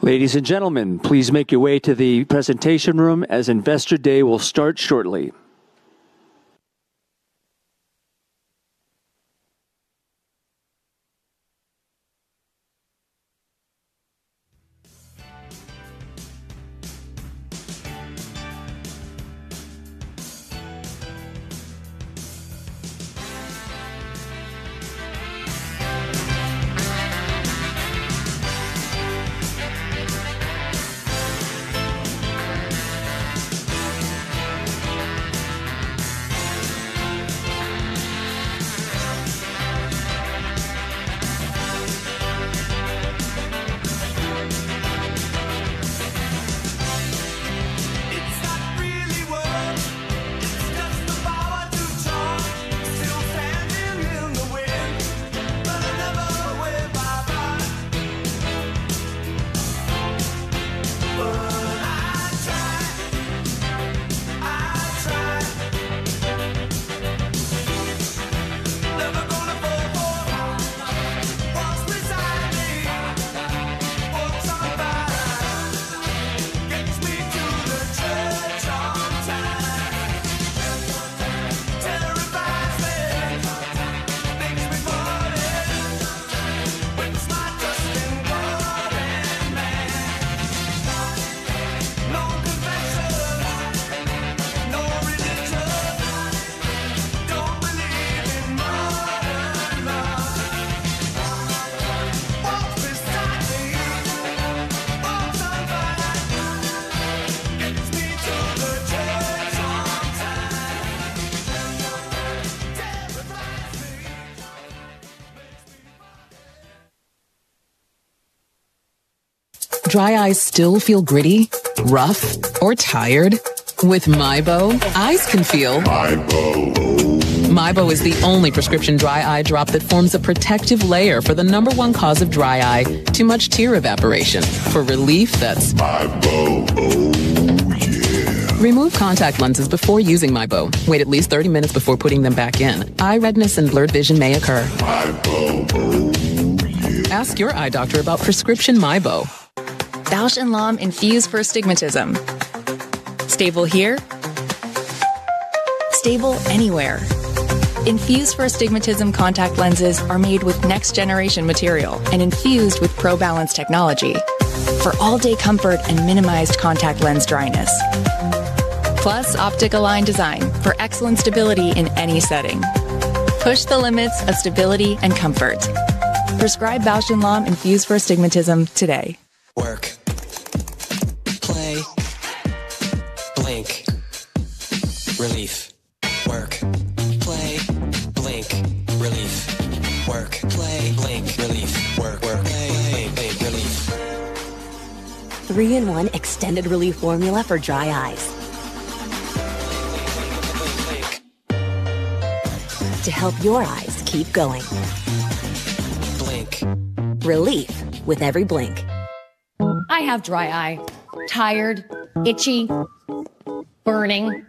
Ladies and gentlemen, please make your way to the presentation room as Investor Day will start shortly. It's not really work, it's just the power to charge. Still standing in the wind, but I never wave my back. I try, I try. Never gonna fall for another. Walks beside me, walks on by, gets me to the church on time. Terrifies me, makes me fall in. Quits my trust in God and man. No confession, no religion. Don't believe in modern love. Walks beside me, walks on by, gets me to the church on time. Terrifies me, makes me fall in. Dry eyes still feel gritty, rough, or tired? With Mibo, eyes can feel... Mibo. Mibo is the only prescription dry eye drop that forms a protective layer for the number one cause of dry eye: too much tear evaporation. For relief, that's... Mibo, oh yeah. Remove contact lenses before using Mibo. Wait at least 30 minutes before putting them back in. Eye redness and blurred vision may occur. Mibo, oh yeah. Ask your eye doctor about prescription Mibo. Bausch + Lomb Infuse for Astigmatism. Stable here, stable anywhere. Infuse for Astigmatism contact lenses are made with next-generation material and infused with ProBalance technology for all-day comfort and minimized contact lens dryness. Plus optical line design for excellent stability in any setting. Push the limits of stability and comfort. Prescribe Bausch + Lomb Infuse for Astigmatism today. Work. Play. Blink. Relief. Work. Play. Blink. Relief. Work. Play. Blink. Relief. Work. Play. Blink. Relief. Three-in-one extended relief formula for dry eyes. Blink. To help your eyes keep going. Blink. Relief with every blink. I have dry eye. Tired, itchy, burning.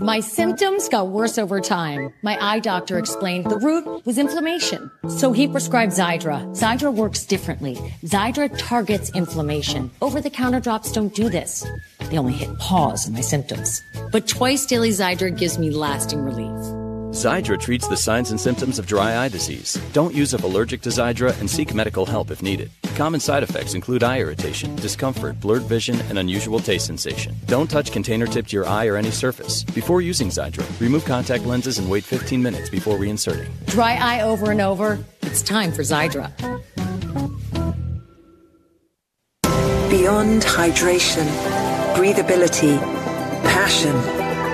My symptoms got worse over time. My eye doctor explained the root was inflammation, so he prescribed Xiidra. Xiidra works differently. Xiidra targets inflammation. Over-the-counter drops do not do this. They only hit pause in my symptoms. Twice daily Xiidra gives me lasting relief. Xiidra treats the signs and symptoms of dry eye disease. Don't use if allergic to Xiidra and seek medical help if needed. Common side effects include eye irritation, discomfort, blurred vision, and unusual taste sensation. Don't touch container tip to your eye or any surface. Before using Xiidra, remove contact lenses and wait 15 minutes before reinserting. Dry eye over and over? It's time for Xiidra. Beyond hydration, breathability, passion,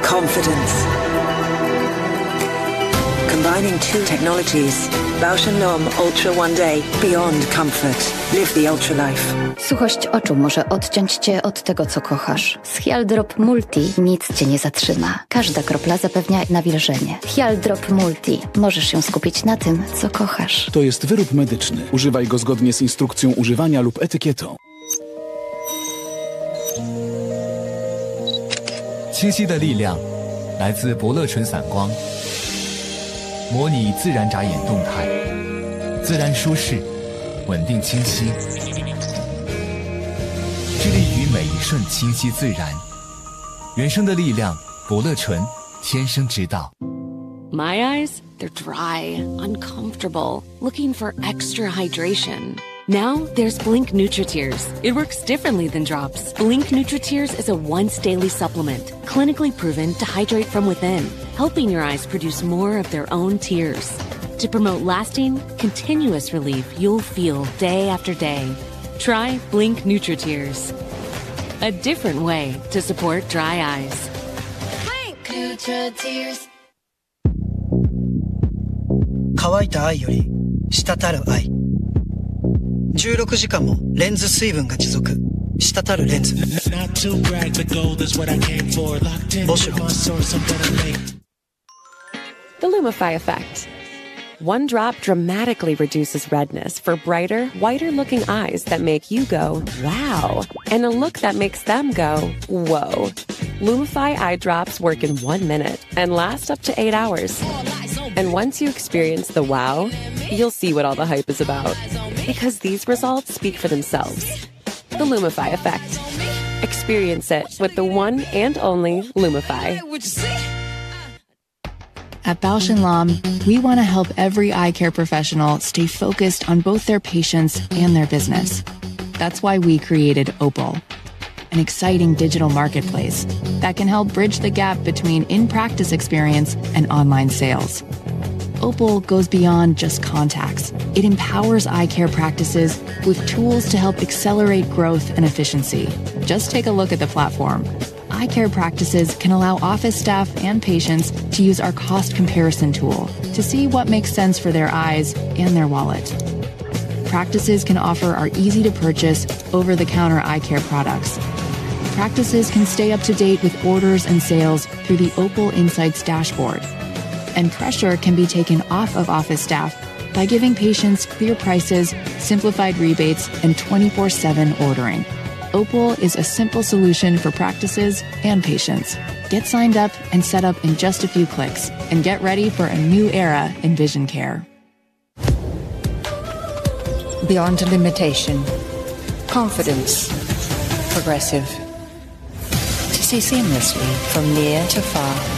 confidence. Combining two technologies, Bausch + Lomb Ultra One Day. Beyond comfort. Live the ultra life. Suchość oczu może odciąć cię od tego, co kochasz. Z Heal Drop Multi nic cię nie zatrzyma. Każda kropla zapewnia nawilżenie. Heal Drop Multi. Możesz ją skupić na tym, co kochasz. To jest wyrób medyczny. Używaj go zgodnie z instrukcją używania lub etykietą. 新希的力量来自伯乐纯散光，模拟自然眨眼动态，自然舒适，稳定清晰，致力于每一瞬清晰自然。人生的力量，伯乐纯，天生之道。My eyes, they're dry, uncomfortable, looking for extra hydration. Now there's Blink NutraTears. It works differently than drops. Blink NutraTears is a once-daily supplement, clinically proven to hydrate from within, helping your eyes produce more of their own tears. To promote lasting, continuous relief, you'll feel day after day. Try Blink NutraTears. A different way to support dry eyes. Blink NutraTears. 乾いた愛より滴る愛。16時間もレンズ水分が持続。滴るレンズ。It's not too bright to go. That's what I came for. Locked in my source, I'm gonna make. The Lumify Effect. One drop dramatically reduces redness for brighter, whiter-looking eyes that make you go, "Wow!" and a look that makes them go, "Whoa!" Lumify Eye Drops work in one minute and last up to eight hours. Once you experience the wow, you'll see what all the hype is about because these results speak for themselves. The Lumify Effect. Experience it with the one and only Lumify. At Bausch + Lomb, we want to help every eye care professional stay focused on both their patients and their business. That's why we created Opal, an exciting digital marketplace that can help bridge the gap between in-practice experience and online sales. Opal goes beyond just contacts. It empowers eye care practices with tools to help accelerate growth and efficiency. Just take a look at the platform. Eye care practices can allow office staff and patients to use our cost comparison tool to see what makes sense for their eyes and their wallet. Practices can offer our easy-to-purchase, over-the-counter eye care products. Practices can stay up to date with orders and sales through the Opal Insights dashboard. Pressure can be taken off of office staff by giving patients clear prices, simplified rebates, and 24/7 ordering. Opal is a simple solution for practices and patients. Get signed up and set up in just a few clicks, and get ready for a new era in vision care. Beyond limitation. Confidence. Progressive. To see seamlessly from near to far.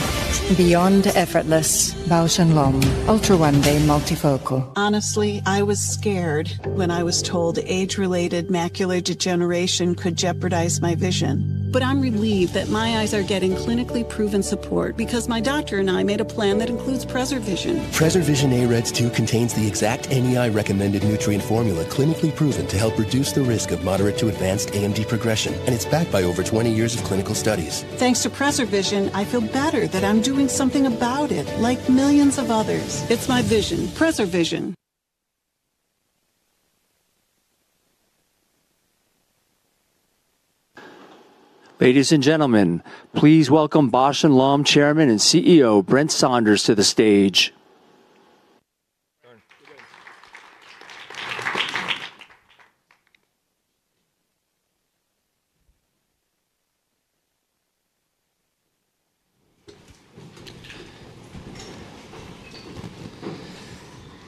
Beyond effortless. Bausch + Lomb Ultra One Day Multifocal. Honestly, I was scared when I was told age-related macular degeneration could jeopardize my vision. I am relieved that my eyes are getting clinically proven support because my doctor and I made a plan that includes PreserVision. PreserVision AREDS2 contains the exact NEI-recommended nutrient formula clinically proven to help reduce the risk of moderate to advanced AMD progression, and it's backed by over 20 years of clinical studies. Thanks to PreserVision, I feel better that I'm doing something about it like millions of others. It's my vision, PreserVision. Ladies and gentlemen, please welcome Bausch + Lomb Chairman and CEO Brent Saunders to the stage.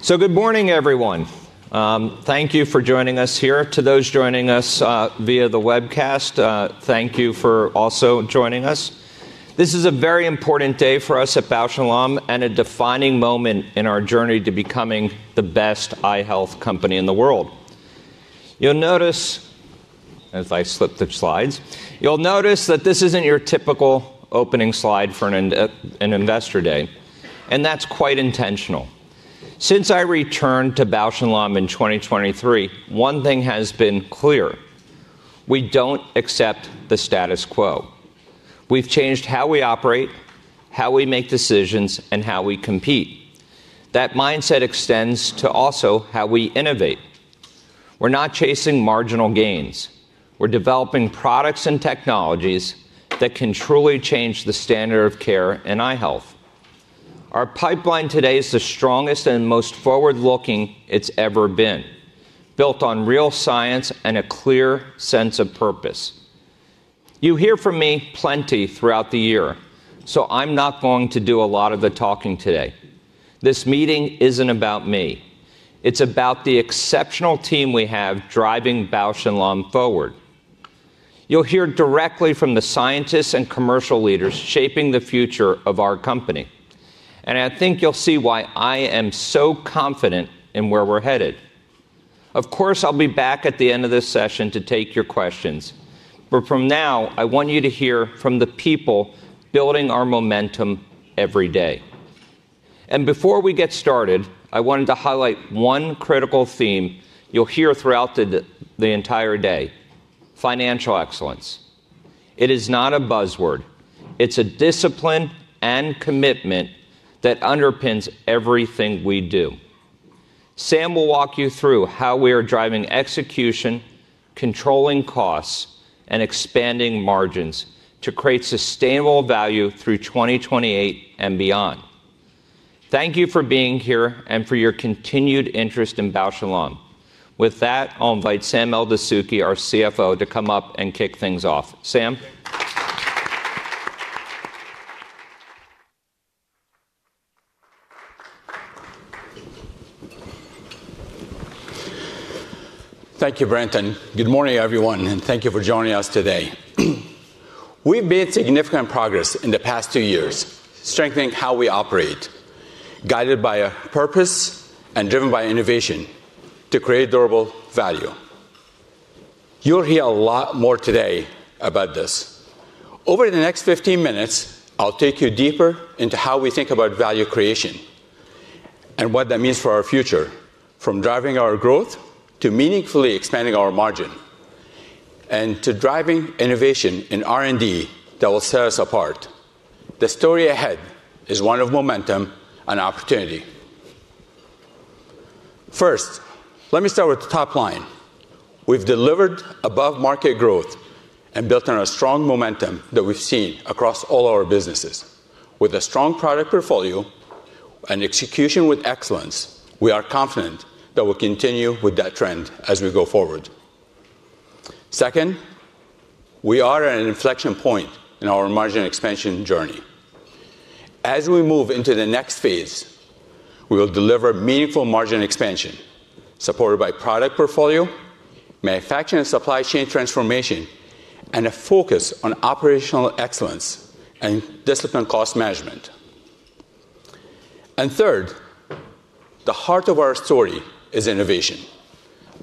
Good morning, everyone. Thank you for joining us here. To those joining us via the webcast, thank you for also joining us. This is a very important day for us at Bausch + Lomb and a defining moment in our journey to becoming the best eye health company in the world. You'll notice, as I slip the slides, you'll notice that this isn't your typical opening slide for an investor day, and that's quite intentional. Since I returned to Bausch + Lomb in 2023, one thing has been clear: we don't accept the status quo. We've changed how we operate, how we make decisions, and how we compete. That mindset extends to also how we innovate. We're not chasing marginal gains. We're developing products and technologies that can truly change the standard of care in eye health. Our pipeline today is the strongest and most forward-looking it's ever been, built on real science and a clear sense of purpose. You hear from me plenty throughout the year, so I'm not going to do a lot of the talking today. This meeting isn't about me. It's about the exceptional team we have driving Bausch + Lomb forward. You'll hear directly from the scientists and commercial leaders shaping the future of our company. I think you'll see why I am so confident in where we're headed. Of course, I'll be back at the end of this session to take your questions. From now, I want you to hear from the people building our momentum every day. Before we get started, I wanted to highlight one critical theme you'll hear throughout the entire day: financial excellence. It is not a buzzword. It's a discipline and commitment that underpins everything we do. Sam will walk you through how we are driving execution, controlling costs, and expanding margins to create sustainable value through 2028 and beyond. Thank you for being here and for your continued interest in Bausch + Lomb. With that, I'll invite Sam Eldessouky, our CFO, to come up and kick things off. Sam. Thank you, Brent. Good morning, everyone, and thank you for joining us today. We've made significant progress in the past two years strengthening how we operate, guided by a purpose and driven by innovation to create durable value. You'll hear a lot more today about this. Over the next 15 minutes, I'll take you deeper into how we think about value creation and what that means for our future, from driving our growth to meaningfully expanding our margin and to driving innovation in R&D that will set us apart. The story ahead is one of momentum and opportunity. First, let me start with the top line. We've delivered above-market growth and built on a strong momentum that we've seen across all our businesses. With a strong product portfolio and execution with excellence, we are confident that we'll continue with that trend as we go forward. Second, we are at an inflection point in our margin expansion journey. As we move into the next phase, we will deliver meaningful margin expansion supported by product portfolio, manufacturing and supply chain transformation, and a focus on operational excellence and disciplined cost management. Third, the heart of our story is innovation.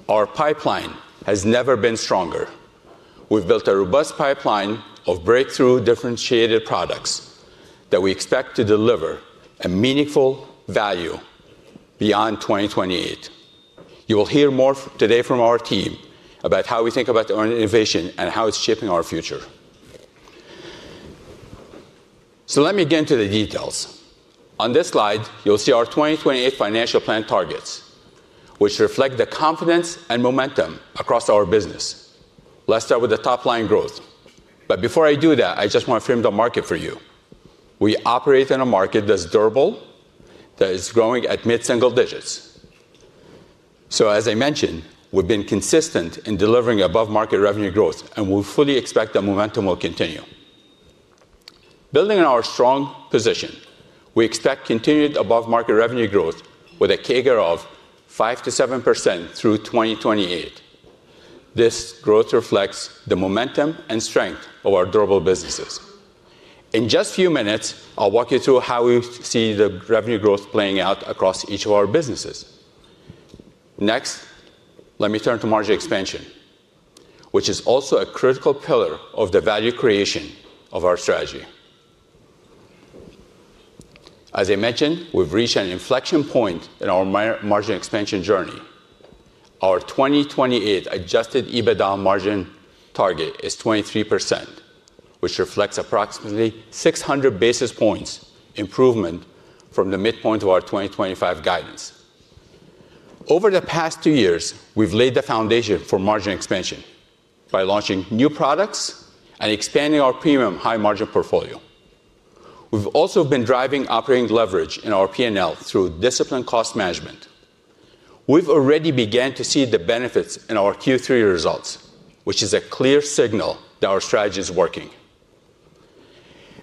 Our pipeline has never been stronger. We've built a robust pipeline of breakthrough differentiated products that we expect to deliver meaningful value beyond 2028. You will hear more today from our team about how we think about our innovation and how it's shaping our future. Let me get into the details. On this slide, you'll see our 2028 financial plan targets, which reflect the confidence and momentum across our business. Let's start with the top line growth. Before I do that, I just want to frame the market for you. We operate in a market that's durable, that is growing at mid-single digits. As I mentioned, we've been consistent in delivering above-market revenue growth, and we fully expect the momentum will continue. Building on our strong position, we expect continued above-market revenue growth with a CAGR of 5%-7% through 2028. This growth reflects the momentum and strength of our durable businesses. In just a few minutes, I'll walk you through how we see the revenue growth playing out across each of our businesses. Next, let me turn to margin expansion, which is also a critical pillar of the value creation of our strategy. As I mentioned, we've reached an inflection point in our margin expansion journey. Our 2028 adjusted EBITDA margin target is 23%, which reflects approximately 600 basis points improvement from the midpoint of our 2025 guidance. Over the past two years, we've laid the foundation for margin expansion by launching new products and expanding our premium high-margin portfolio. We've also been driving operating leverage in our P&L through disciplined cost management. We've already begun to see the benefits in our Q3 results, which is a clear signal that our strategy is working.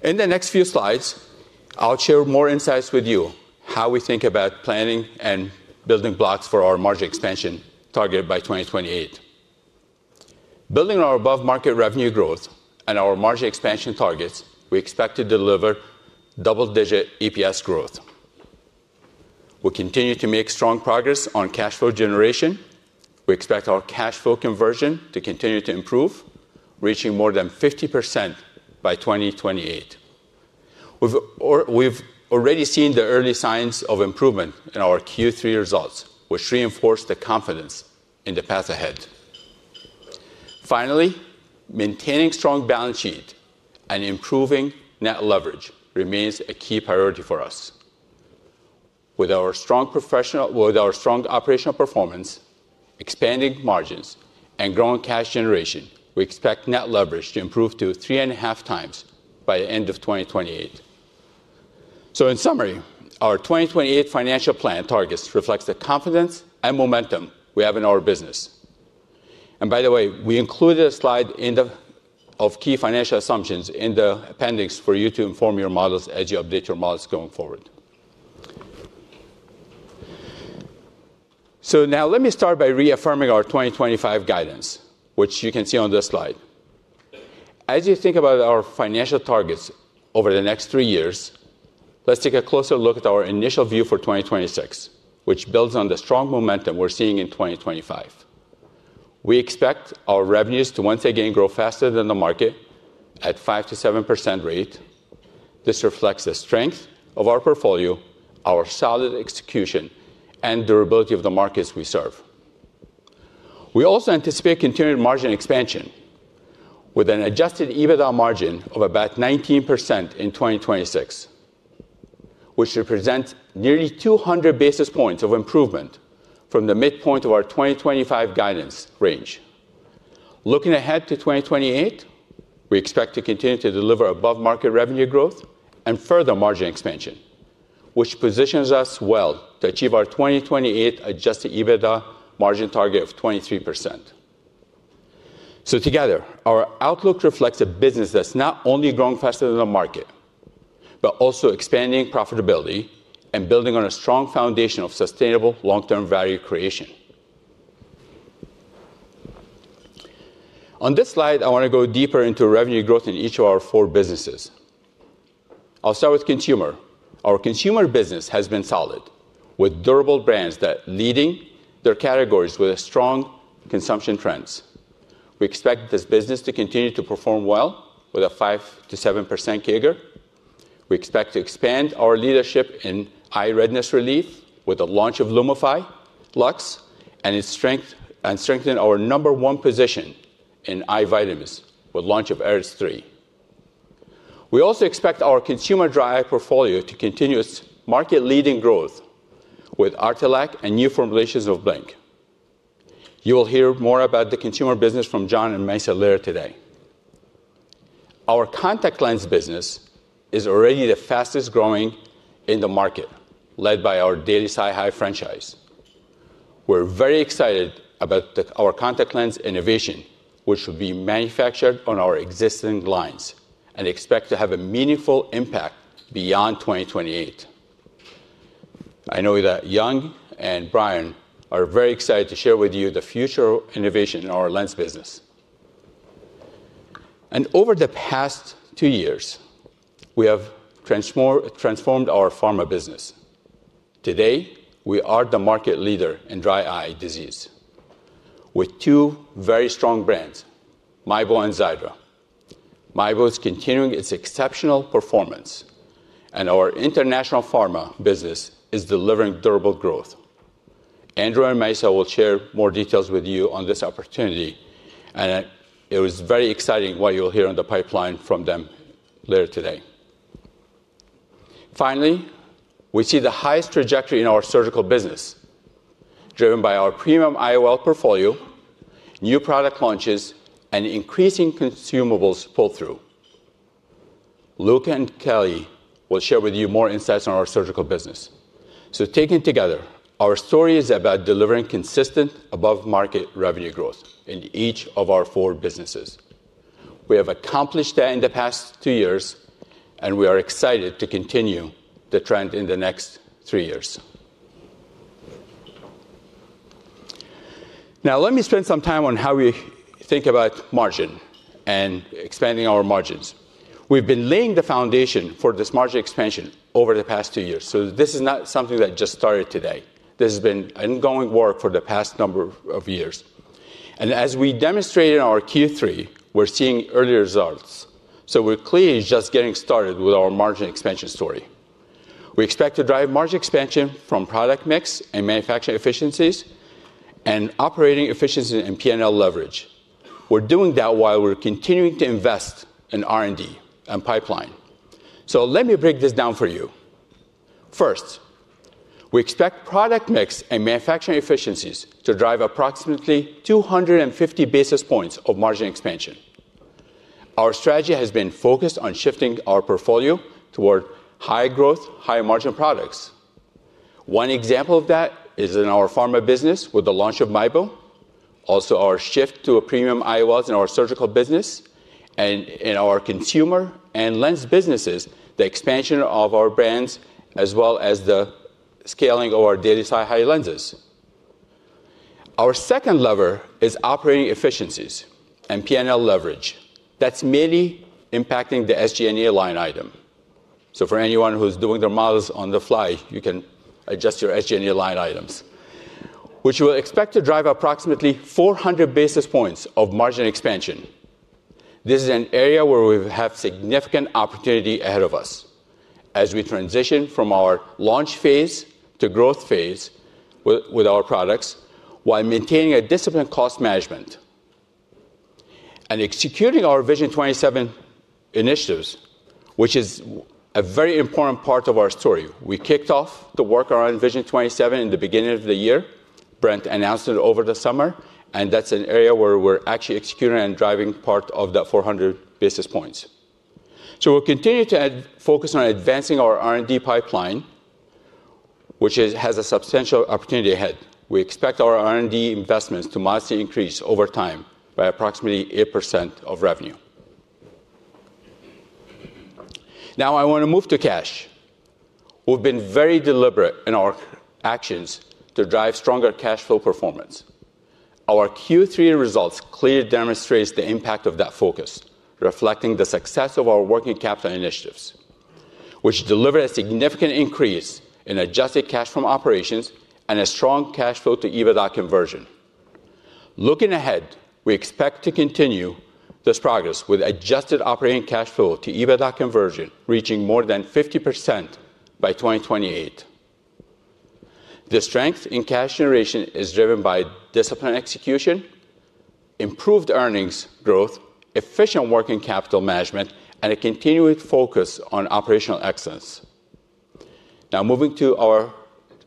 In the next few slides, I'll share more insights with you on how we think about planning and building blocks for our margin expansion target by 2028. Building on our above-market revenue growth and our margin expansion targets, we expect to deliver double-digit EPS growth. We continue to make strong progress on cash flow generation. We expect our cash flow conversion to continue to improve, reaching more than 50% by 2028. We've already seen the early signs of improvement in our Q3 results, which reinforce the confidence in the path ahead. Finally, maintaining strong balance sheet and improving net leverage remains a key priority for us. With our strong operational performance, expanding margins, and growing cash generation, we expect net leverage to improve to three and a half times by the end of 2028. In summary, our 2028 financial plan targets reflect the confidence and momentum we have in our business. By the way, we included a slide of key financial assumptions in the appendix for you to inform your models as you update your models going forward. Now let me start by reaffirming our 2025 guidance, which you can see on this slide. As you think about our financial targets over the next three years, let's take a closer look at our initial view for 2026, which builds on the strong momentum we're seeing in 2025. We expect our revenues to once again grow faster than the market at a 5%-7% rate. This reflects the strength of our portfolio, our solid execution, and durability of the markets we serve. We also anticipate continued margin expansion with an adjusted EBITDA margin of about 19% in 2026, which represents nearly 200 basis points of improvement from the midpoint of our 2025 guidance range. Looking ahead to 2028, we expect to continue to deliver above-market revenue growth and further margin expansion, which positions us well to achieve our 2028 adjusted EBITDA margin target of 23%. Our outlook reflects a business that's not only growing faster than the market, but also expanding profitability and building on a strong foundation of sustainable long-term value creation. On this slide, I want to go deeper into revenue growth in each of our four businesses. I'll start with consumer. Our consumer business has been solid, with durable brands that are leading their categories with strong consumption trends. We expect this business to continue to perform well with a 5%-7% CAGR. We expect to expand our leadership in eye redness relief with the launch of Lumify Luxe and strengthen our number one position in eye vitamins with the launch of AREDS3. We also expect our consumer dry eye portfolio to continue its market-leading growth with Artelac and new formulations of Blink. You will hear more about the consumer business from John and Maisa Attar today. Our contact lens business is already the fastest growing in the market, led by our Daily SiHi franchise. We're very excited about our contact lens innovation, which will be manufactured on our existing lines and expect to have a meaningful impact beyond 2028. I know that Yehia Hashad and Brian are very excited to share with you the future innovation in our lens business. Over the past two years, we have transformed our pharma business. Today, we are the market leader in dry eye disease with two very strong brands, Mibo and Xiidra. Mibo is continuing its exceptional performance, and our international pharma business is delivering durable growth. Andrew and Maisa will share more details with you on this opportunity, and it was very exciting what you'll hear on the pipeline from them later today. Finally, we see the highest trajectory in our surgical business, driven by our premium IOL portfolio, new product launches, and increasing consumables pull-through. Luca and Kelly will share with you more insights on our surgical business. Taken together, our story is about delivering consistent above-market revenue growth in each of our four businesses. We have accomplished that in the past two years, and we are excited to continue the trend in the next three years. Now, let me spend some time on how we think about margin and expanding our margins. We have been laying the foundation for this margin expansion over the past two years. This is not something that just started today. This has been ongoing work for the past number of years. As we demonstrated in our Q3, we are seeing early results. We are clearly just getting started with our margin expansion story. We expect to drive margin expansion from product mix and manufacturing efficiencies and operating efficiencies and P&L leverage. We are doing that while we are continuing to invest in R&D and pipeline. Let me break this down for you. First, we expect product mix and manufacturing efficiencies to drive approximately 250 basis points of margin expansion. Our strategy has been focused on shifting our portfolio toward high-growth, high-margin products. One example of that is in our pharma business with the launch of Mibo, also our shift to premium IOLs in our surgical business and in our consumer and lens businesses, the expansion of our brands as well as the scaling of our Daily SiHi lenses. Our second lever is operating efficiencies and P&L leverage. That's mainly impacting the SG&A line item. For anyone who's doing their models on the fly, you can adjust your SG&A line items, which we expect to drive approximately 400 basis points of margin expansion. This is an area where we have significant opportunity ahead of us as we transition from our launch phase to growth phase with our products while maintaining disciplined cost management and executing our Vision 27 initiatives, which is a very important part of our story. We kicked off the work around Vision 27 in the beginning of the year. Brent announced it over the summer, and that's an area where we're actually executing and driving part of the 400 basis points. We will continue to focus on advancing our R&D pipeline, which has a substantial opportunity ahead. We expect our R&D investments to massively increase over time by approximately 8% of revenue. Now, I want to move to cash. We've been very deliberate in our actions to drive stronger cash flow performance. Our Q3 results clearly demonstrate the impact of that focus, reflecting the success of our working capital initiatives, which delivered a significant increase in adjusted cash from operations and a strong cash flow to EBITDA conversion. Looking ahead, we expect to continue this progress with adjusted operating cash flow to EBITDA conversion reaching more than 50% by 2028. The strength in cash generation is driven by disciplined execution, improved earnings growth, efficient working capital management, and a continued focus on operational excellence. Now, moving to our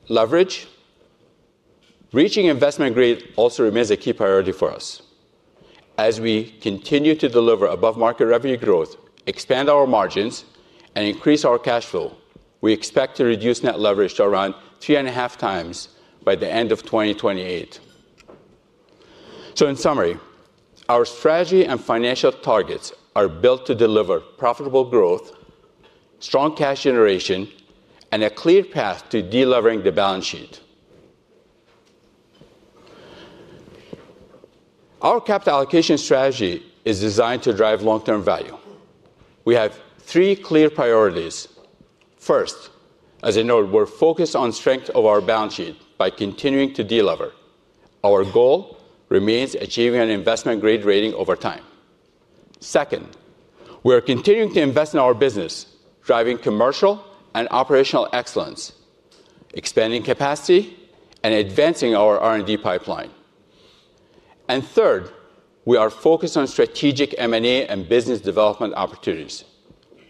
leverage, reaching investment grade also remains a key priority for us. As we continue to deliver above-market revenue growth, expand our margins, and increase our cash flow, we expect to reduce net leverage to around 3.5 times by the end of 2028. In summary, our strategy and financial targets are built to deliver profitable growth, strong cash generation, and a clear path to delivering the balance sheet. Our capital allocation strategy is designed to drive long-term value. We have three clear priorities. First, as I noted, we're focused on the strength of our balance sheet by continuing to deliver. Our goal remains achieving an investment grade rating over time. Second, we are continuing to invest in our business, driving commercial and operational excellence, expanding capacity, and advancing our R&D pipeline. Third, we are focused on strategic M&A and business development opportunities.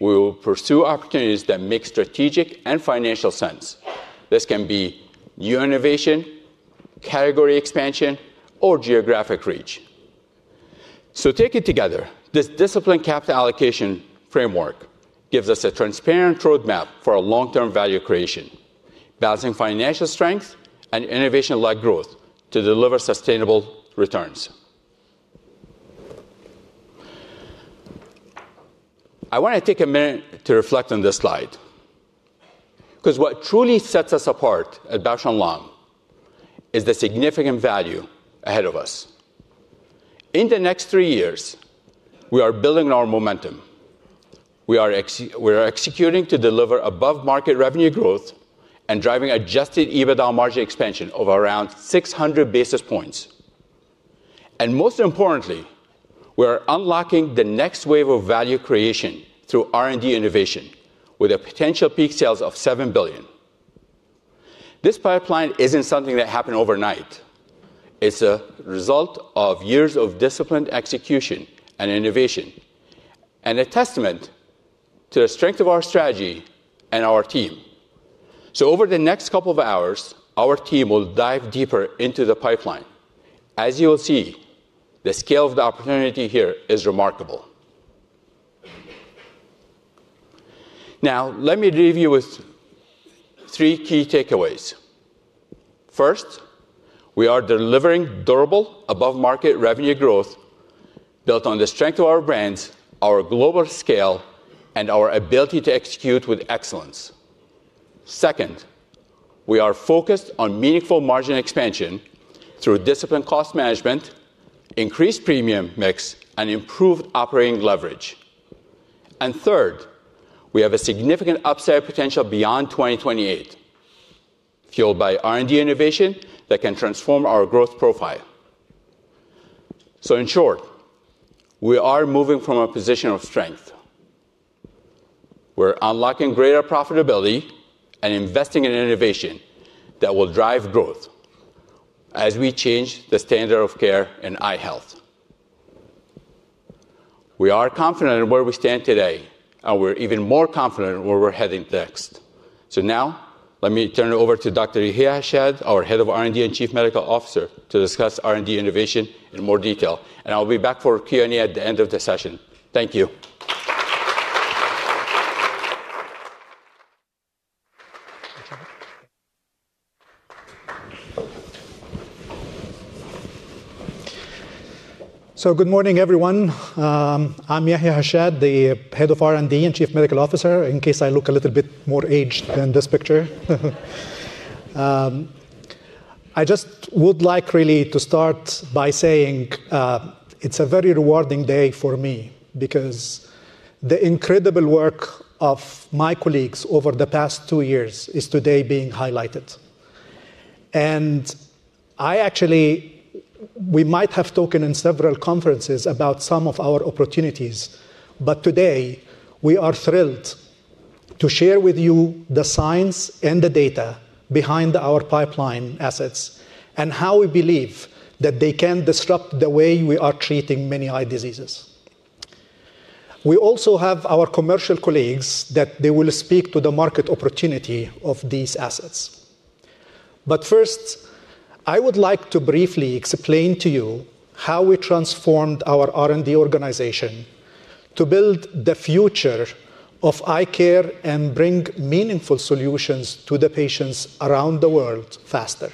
We will pursue opportunities that make strategic and financial sense. This can be new innovation, category expansion, or geographic reach. Taken together, this disciplined capital allocation framework gives us a transparent roadmap for long-term value creation, balancing financial strength and innovation-like growth to deliver sustainable returns. I want to take a minute to reflect on this slide because what truly sets us apart at Bausch + Lomb is the significant value ahead of us. In the next three years, we are building our momentum. We are executing to deliver above-market revenue growth and driving adjusted EBITDA margin expansion of around 600 basis points. Most importantly, we are unlocking the next wave of value creation through R&D innovation with a potential peak sales of $7 billion. This pipeline is not something that happened overnight. It is a result of years of disciplined execution and innovation and a testament to the strength of our strategy and our team. Over the next couple of hours, our team will dive deeper into the pipeline. As you will see, the scale of the opportunity here is remarkable. Let me leave you with three key takeaways. First, we are delivering durable above-market revenue growth built on the strength of our brands, our global scale, and our ability to execute with excellence. Second, we are focused on meaningful margin expansion through disciplined cost management, increased premium mix, and improved operating leverage. We have a significant upside potential beyond 2028, fueled by R&D innovation that can transform our growth profile. In short, we are moving from a position of strength. We're unlocking greater profitability and investing in innovation that will drive growth as we change the standard of care in eye health. We are confident in where we stand today, and we're even more confident in where we're heading next. Now, let me turn it over to Dr. Yehia Hashad, our Head of R&D and Chief Medical Officer, to discuss R&D innovation in more detail. I'll be back for Q&A at the end of the session. Thank you. Good morning, everyone. I'm Yehia Hashad, the Head of R&D and Chief Medical Officer, in case I look a little bit more aged than this picture. I just would like really to start by saying it's a very rewarding day for me because the incredible work of my colleagues over the past two years is today being highlighted. I actually, we might have spoken in several conferences about some of our opportunities, but today, we are thrilled to share with you the science and the data behind our pipeline assets and how we believe that they can disrupt the way we are treating many eye diseases. We also have our commercial colleagues that they will speak to the market opportunity of these assets. First, I would like to briefly explain to you how we transformed our R&D organization to build the future of eye care and bring meaningful solutions to the patients around the world faster.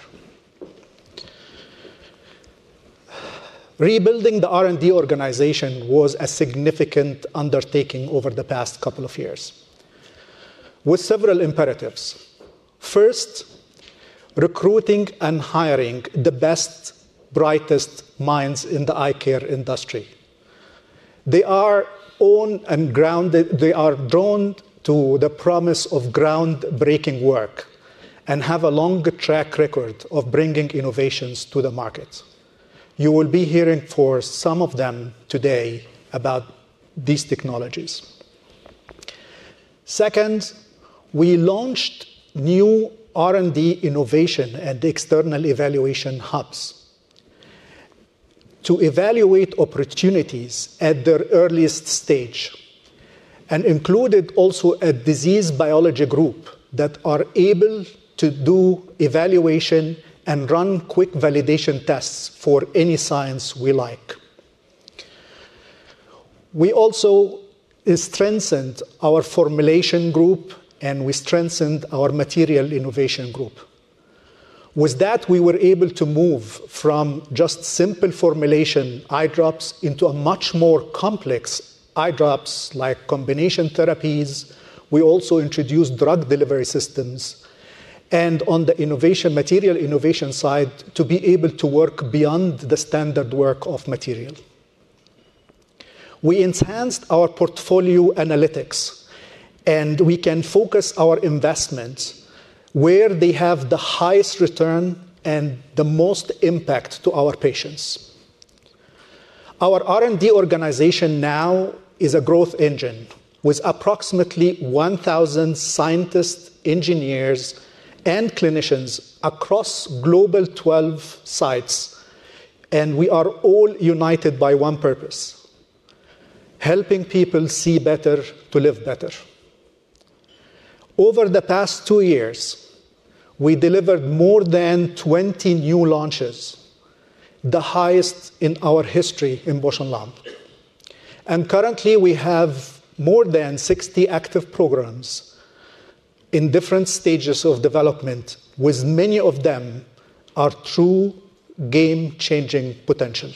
Rebuilding the R&D organization was a significant undertaking over the past couple of years with several imperatives. First, recruiting and hiring the best, brightest minds in the eye care industry. They are owned and grounded; they are drawn to the promise of groundbreaking work and have a long track record of bringing innovations to the market. You will be hearing from some of them today about these technologies. Second, we launched new R&D innovation and external evaluation hubs to evaluate opportunities at their earliest stage and included also a disease biology group that is able to do evaluation and run quick validation tests for any science we like. We also strengthened our formulation group, and we strengthened our material innovation group. With that, we were able to move from just simple formulation eye drops into much more complex eye drops like combination therapies. We also introduced drug delivery systems and, on the innovation material innovation side, to be able to work beyond the standard work of material. We enhanced our portfolio analytics, and we can focus our investments where they have the highest return and the most impact on our patients. Our R&D organization now is a growth engine with approximately 1,000 scientists, engineers, and clinicians across global 12 sites. We are all united by one purpose: helping people see better to live better. Over the past two years, we delivered more than 20 new launches, the highest in our history in Bausch + Lomb. Currently, we have more than 60 active programs in different stages of development, with many of them truly game-changing potential.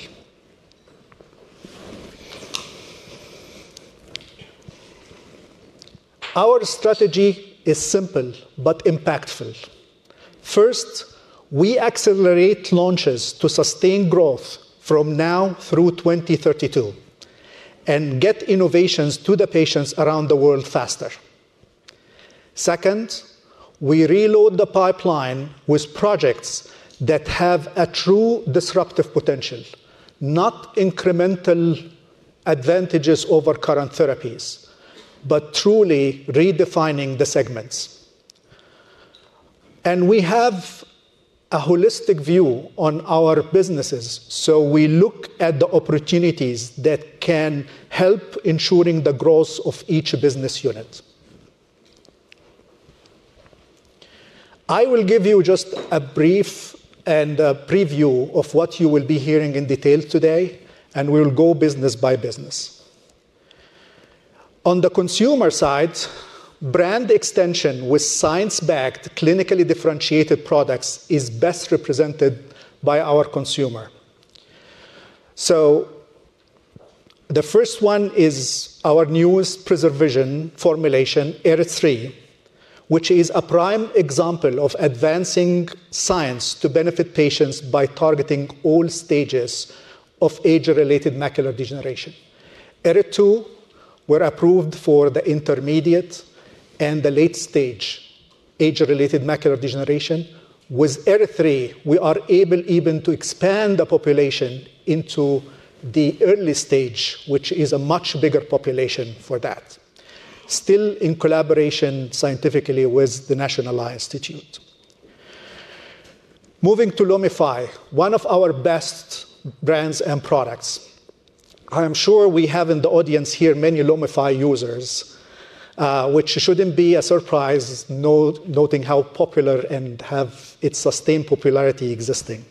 Our strategy is simple but impactful. First, we accelerate launches to sustain growth from now through 2032 and get innovations to the patients around the world faster. Second, we reload the pipeline with projects that have a true disruptive potential, not incremental advantages over current therapies, but truly redefining the segments. We have a holistic view on our businesses, so we look at the opportunities that can help ensure the growth of each business unit. I will give you just a brief preview of what you will be hearing in detail today, and we will go business by business. On the consumer side, brand extension with science-backed, clinically differentiated products is best represented by our consumer. The first one is our newest PreserVision AREDS3 formulation, which is a prime example of advancing science to benefit patients by targeting all stages of age-related macular degeneration. PreserVision AREDS2, we are approved for the intermediate and the late stage age-related macular degeneration. With ERIT-3, we are able even to expand the population into the early stage, which is a much bigger population for that, still in collaboration scientifically with the National Eye Institute. Moving to Lumify, one of our best brands and products. I'm sure we have in the audience here many Lumify users, which shouldn't be a surprise noting how popular and have its sustained popularity existing.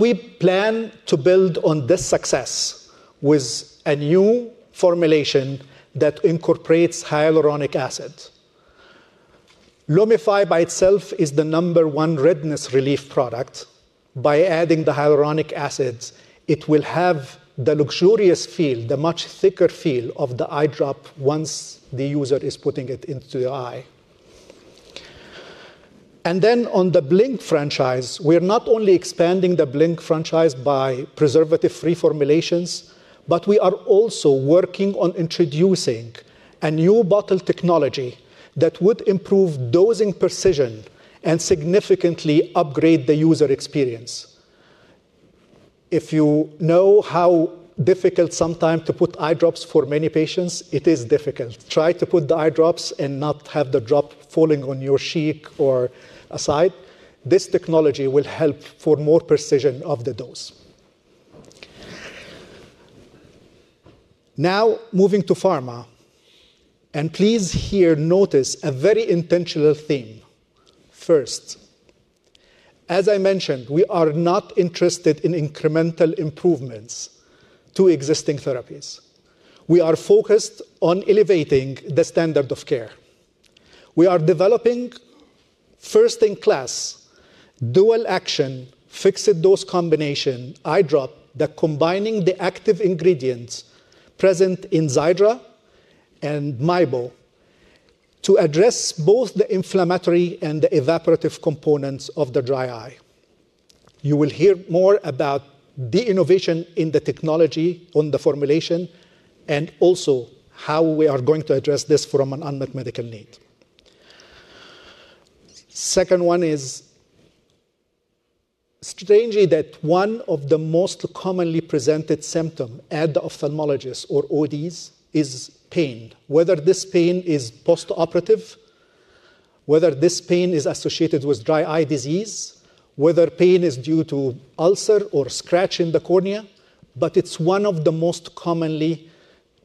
We plan to build on this success with a new formulation that incorporates hyaluronic acid. Lumify by itself is the number one redness relief product. By adding the hyaluronic acid, it will have the luxurious feel, the much thicker feel of the eye drop once the user is putting it into the eye. On the Blink franchise, we're not only expanding the Blink franchise by preservative-free formulations, but we are also working on introducing a new bottle technology that would improve dosing precision and significantly upgrade the user experience. If you know how difficult sometimes it is to put eye drops for many patients, it is difficult. Try to put the eye drops and not have the drop falling on your cheek or aside. This technology will help for more precision of the dose. Now, moving to pharma. Please here notice a very intentional theme. First, as I mentioned, we are not interested in incremental improvements to existing therapies. We are focused on elevating the standard of care. We are developing first-in-class dual-action fixed-dose combination eye drop that combines the active ingredients present in Xiidra and Mibo to address both the inflammatory and the evaporative components of the dry eye. You will hear more about the innovation in the technology on the formulation and also how we are going to address this from an unmet medical need. The second one is, strangely, that one of the most commonly presented symptoms at the ophthalmologist or ODs is pain. Whether this pain is post-operative, whether this pain is associated with dry eye disease, whether pain is due to an ulcer or a scratch in the cornea, it is one of the most commonly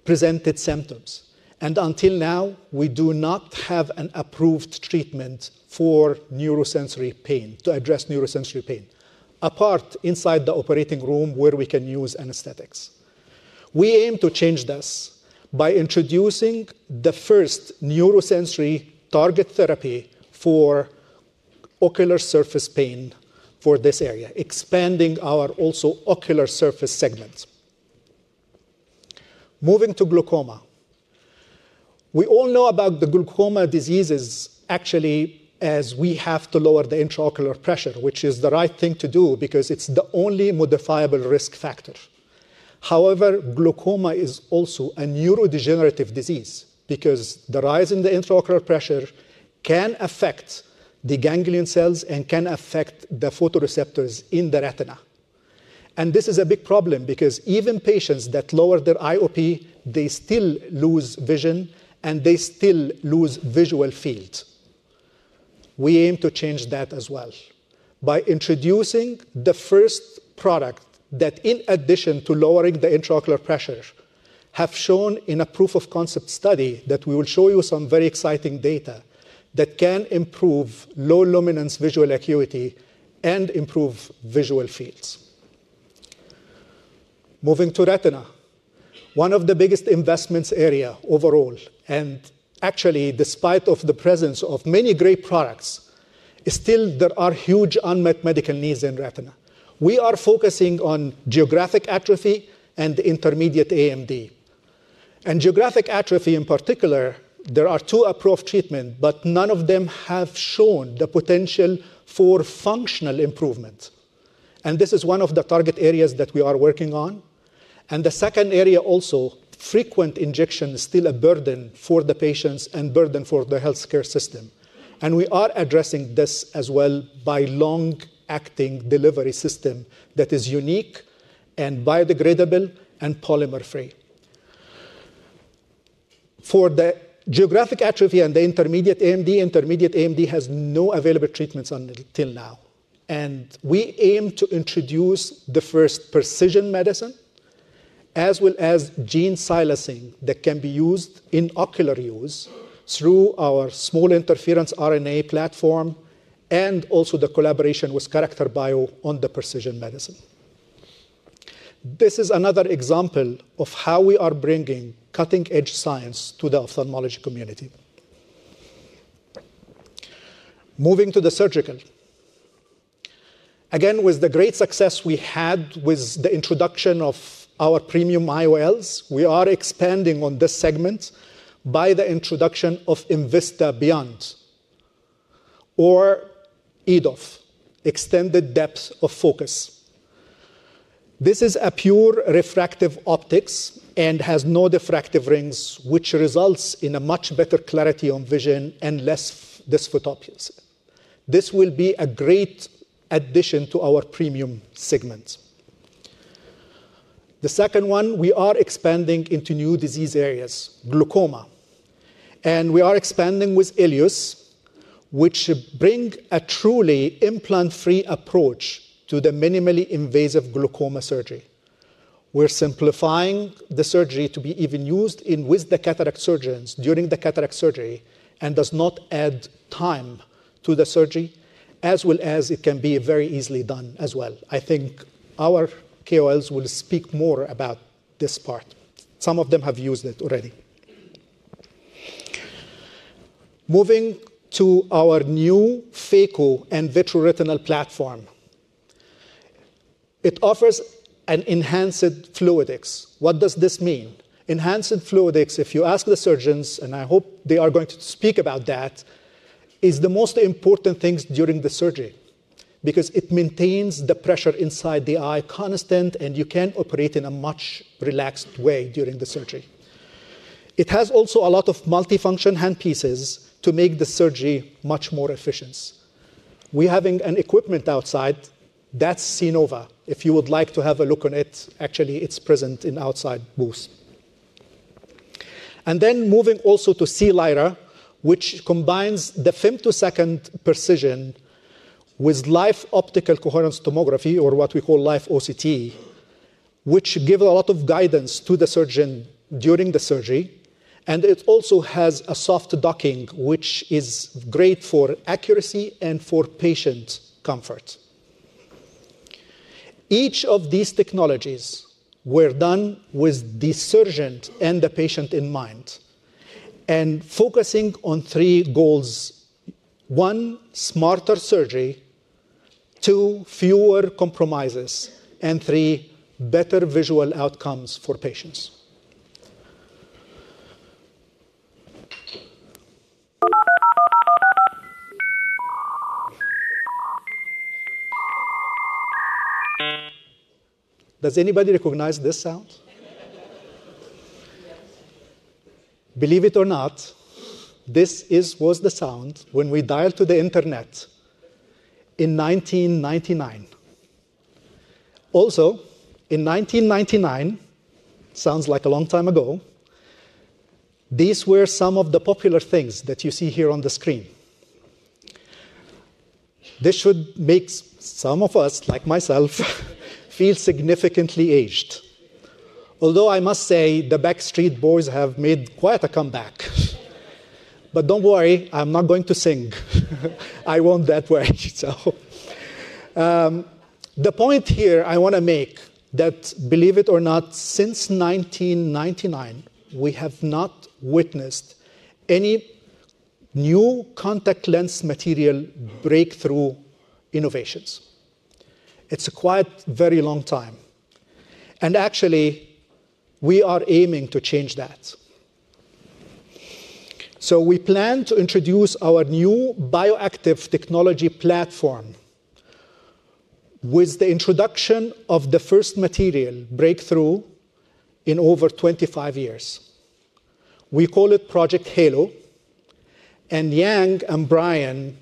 presented symptoms. Until now, we do not have an approved treatment for neurosensory pain to address neurosensory pain, apart from inside the operating room where we can use anesthetics. We aim to change this by introducing the first neurosensory target therapy for ocular surface pain for this area, expanding our also ocular surface segment. Moving to glaucoma. We all know about the glaucoma diseases, actually, as we have to lower the intraocular pressure, which is the right thing to do because it's the only modifiable risk factor. However, glaucoma is also a neurodegenerative disease because the rise in the intraocular pressure can affect the ganglion cells and can affect the photoreceptors in the retina. This is a big problem because even patients that lower their IOP, they still lose vision and they still lose visual field. We aim to change that as well by introducing the first product that, in addition to lowering the intraocular pressure, has shown in a proof of concept study that we will show you some very exciting data that can improve low luminance visual acuity and improve visual fields. Moving to retina. One of the biggest investment areas overall, and actually, despite the presence of many great products, is still there are huge unmet medical needs in retina. We are focusing on geographic atrophy and intermediate AMD. Geographic atrophy, in particular, there are two approved treatments, but none of them have shown the potential for functional improvement. This is one of the target areas that we are working on. The second area also, frequent injection is still a burden for the patients and a burden for the healthcare system. We are addressing this as well by a long-acting delivery system that is unique and biodegradable and polymer-free. For the geographic atrophy and the intermediate AMD, intermediate AMD has no available treatments until now. We aim to introduce the first precision medicine, as well as gene silencing that can be used in ocular use through our small interference RNA platform and also the collaboration with Character Bio on the precision medicine. This is another example of how we are bringing cutting-edge science to the ophthalmology community. Moving to the surgical. Again, with the great success we had with the introduction of our premium IOLs, we are expanding on this segment by the introduction of Envista Beyond or EDOF, extended depth of focus. This is a pure refractive optics and has no diffractive rings, which results in a much better clarity of vision and less dysphotopia. This will be a great addition to our premium segment. The second one, we are expanding into new disease areas, glaucoma. We are expanding with Elios, which brings a truly implant-free approach to the minimally invasive glaucoma surgery. We're simplifying the surgery to be even used with the cataract surgeons during the cataract surgery and does not add time to the surgery, as well as it can be very easily done as well. I think our KOLs will speak more about this part. Some of them have used it already. Moving to our new phaco and vitreoretinal platform. It offers an enhanced fluidics. What does this mean? Enhanced fluidics, if you ask the surgeons, and I hope they are going to speak about that, is the most important thing during the surgery because it maintains the pressure inside the eye constant, and you can operate in a much relaxed way during the surgery. It has also a lot of multifunction handpieces to make the surgery much more efficient. We're having equipment outside that's C-Nova. If you would like to have a look on it, actually, it's present in outside booths. Moving also to C-Lira, which combines the femtosecond precision with live optical coherence tomography, or what we call live OCT, which gives a lot of guidance to the surgeon during the surgery. It also has a soft docking, which is great for accuracy and for patient comfort. Each of these technologies were done with the surgeon and the patient in mind and focusing on three goals. One, smarter surgery. Two, fewer compromises. Three, better visual outcomes for patients. Does anybody recognize this sound? Believe it or not, this was the sound when we dialed to the internet in 1999. Also, in 1999, sounds like a long time ago, these were some of the popular things that you see here on the screen. This should make some of us, like myself, feel significantly aged. Although I must say, the Backstreet Boys have made quite a comeback. Although do not worry, I'm not going to sing. I want that word. The point here I want to make is that, believe it or not, since 1999, we have not witnessed any new contact lens material breakthrough innovations. It's quite a very long time. Actually, we are aiming to change that. We plan to introduce our new bioactive technology platform with the introduction of the first material breakthrough in over 25 years. We call it Project Halo. Yang and Brian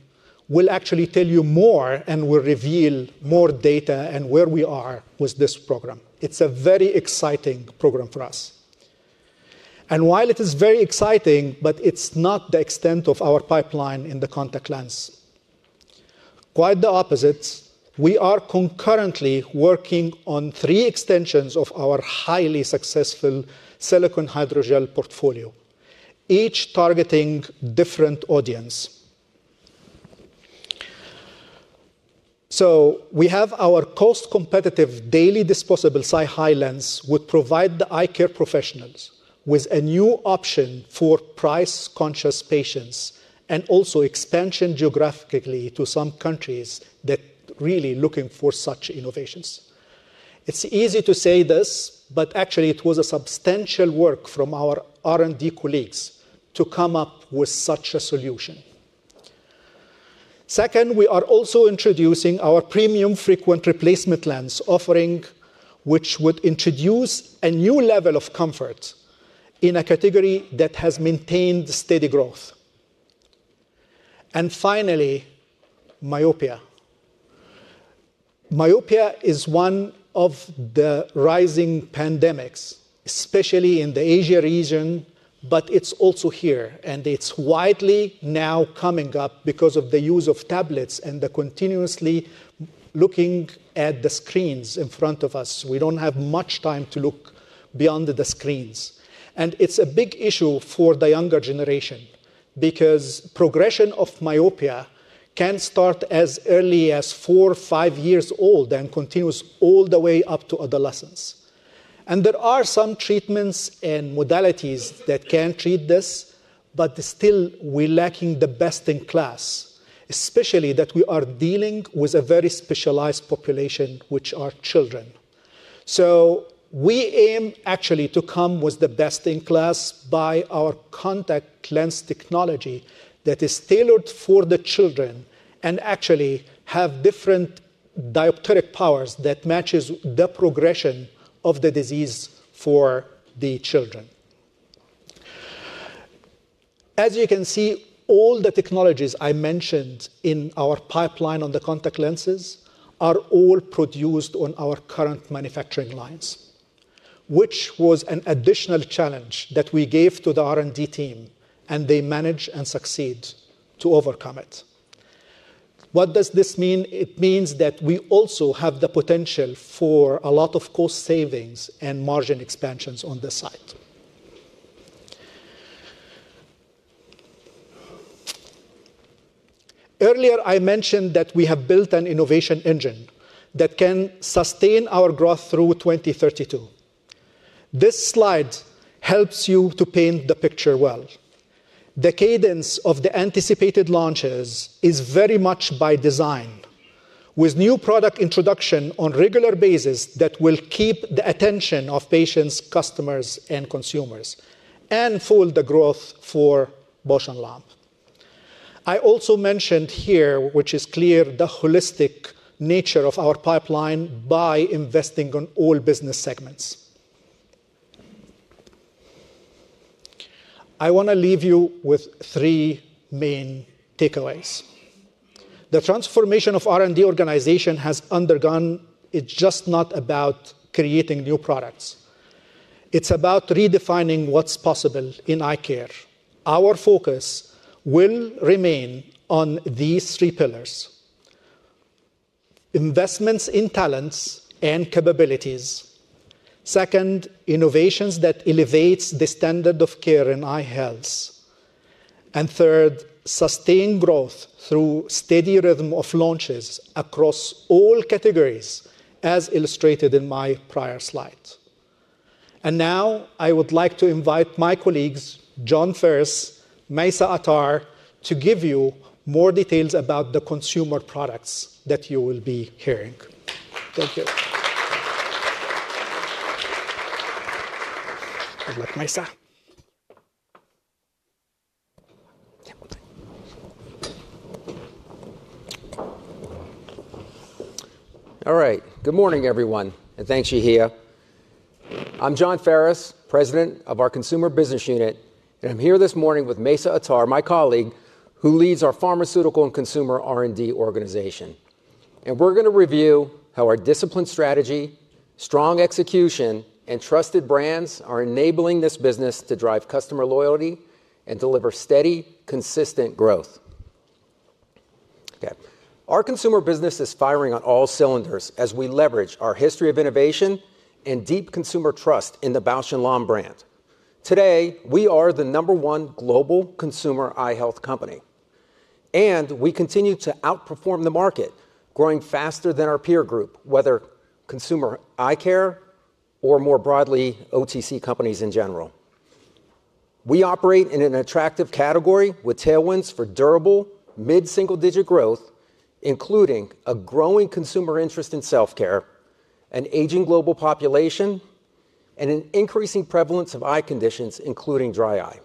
will actually tell you more and will reveal more data and where we are with this program. It's a very exciting program for us. While it is very exciting, it's not the extent of our pipeline in the contact lens. Quite the opposite. We are concurrently working on three extensions of our highly successful silicone hydrogel portfolio, each targeting a different audience. We have our cost-competitive daily disposable SiHi lens that would provide the eye care professionals with a new option for price-conscious patients and also expansion geographically to some countries that are really looking for such innovations. It is easy to say this, but actually, it was substantial work from our R&D colleagues to come up with such a solution. Second, we are also introducing our premium frequent replacement lens offering, which would introduce a new level of comfort in a category that has maintained steady growth. Finally, myopia. Myopia is one of the rising pandemics, especially in the Asia region, but it is also here. It is widely now coming up because of the use of tablets and the continuously looking at the screens in front of us. We don't have much time to look beyond the screens. It's a big issue for the younger generation because progression of myopia can start as early as four or five years old and continues all the way up to adolescence. There are some treatments and modalities that can treat this, but still, we're lacking the best in class, especially that we are dealing with a very specialized population, which are children. We aim actually to come with the best in class by our contact lens technology that is tailored for the children and actually has different diopteric powers that match the progression of the disease for the children. As you can see, all the technologies I mentioned in our pipeline on the contact lenses are all produced on our current manufacturing lines, which was an additional challenge that we gave to the R&D team, and they managed and succeeded to overcome it. What does this mean? It means that we also have the potential for a lot of cost savings and margin expansions on the site. Earlier, I mentioned that we have built an innovation engine that can sustain our growth through 2032. This slide helps you to paint the picture well. The cadence of the anticipated launches is very much by design, with new product introductions on a regular basis that will keep the attention of patients, customers, and consumers and fuel the growth for Bausch + Lomb. I also mentioned here, which is clear, the holistic nature of our pipeline by investing in all business segments. I want to leave you with three main takeaways. The transformation of R&D organization has undergone, it's just not about creating new products. It's about redefining what's possible in eye care. Our focus will remain on these three pillars: investments in talents and capabilities; second, innovations that elevate the standard of care in eye health; and third, sustained growth through a steady rhythm of launches across all categories, as illustrated in my prior slide. I would like to invite my colleagues, John Ferris, Mayssa Attar, to give you more details about the consumer products that you will be hearing. Thank you. Good luck, Mayssa. All right. Good morning, everyone, and thank you Yehia. I'm John Ferris, President of our Consumer Business Unit, and I'm here this morning with Mayssa Attar, my colleague, who leads our Pharmaceutical and Consumer R&D organization. We are going to review how our disciplined strategy, strong execution, and trusted brands are enabling this business to drive customer loyalty and deliver steady, consistent growth. Our consumer business is firing on all cylinders as we leverage our history of innovation and deep consumer trust in the Bausch + Lomb brand. Today, we are the number one global consumer eye health company. We continue to outperform the market, growing faster than our peer group, whether consumer eye care or more broadly, OTC companies in general. We operate in an attractive category with tailwinds for durable mid-single-digit growth, including a growing consumer interest in self-care, an aging global population, and an increasing prevalence of eye conditions, including dry eye.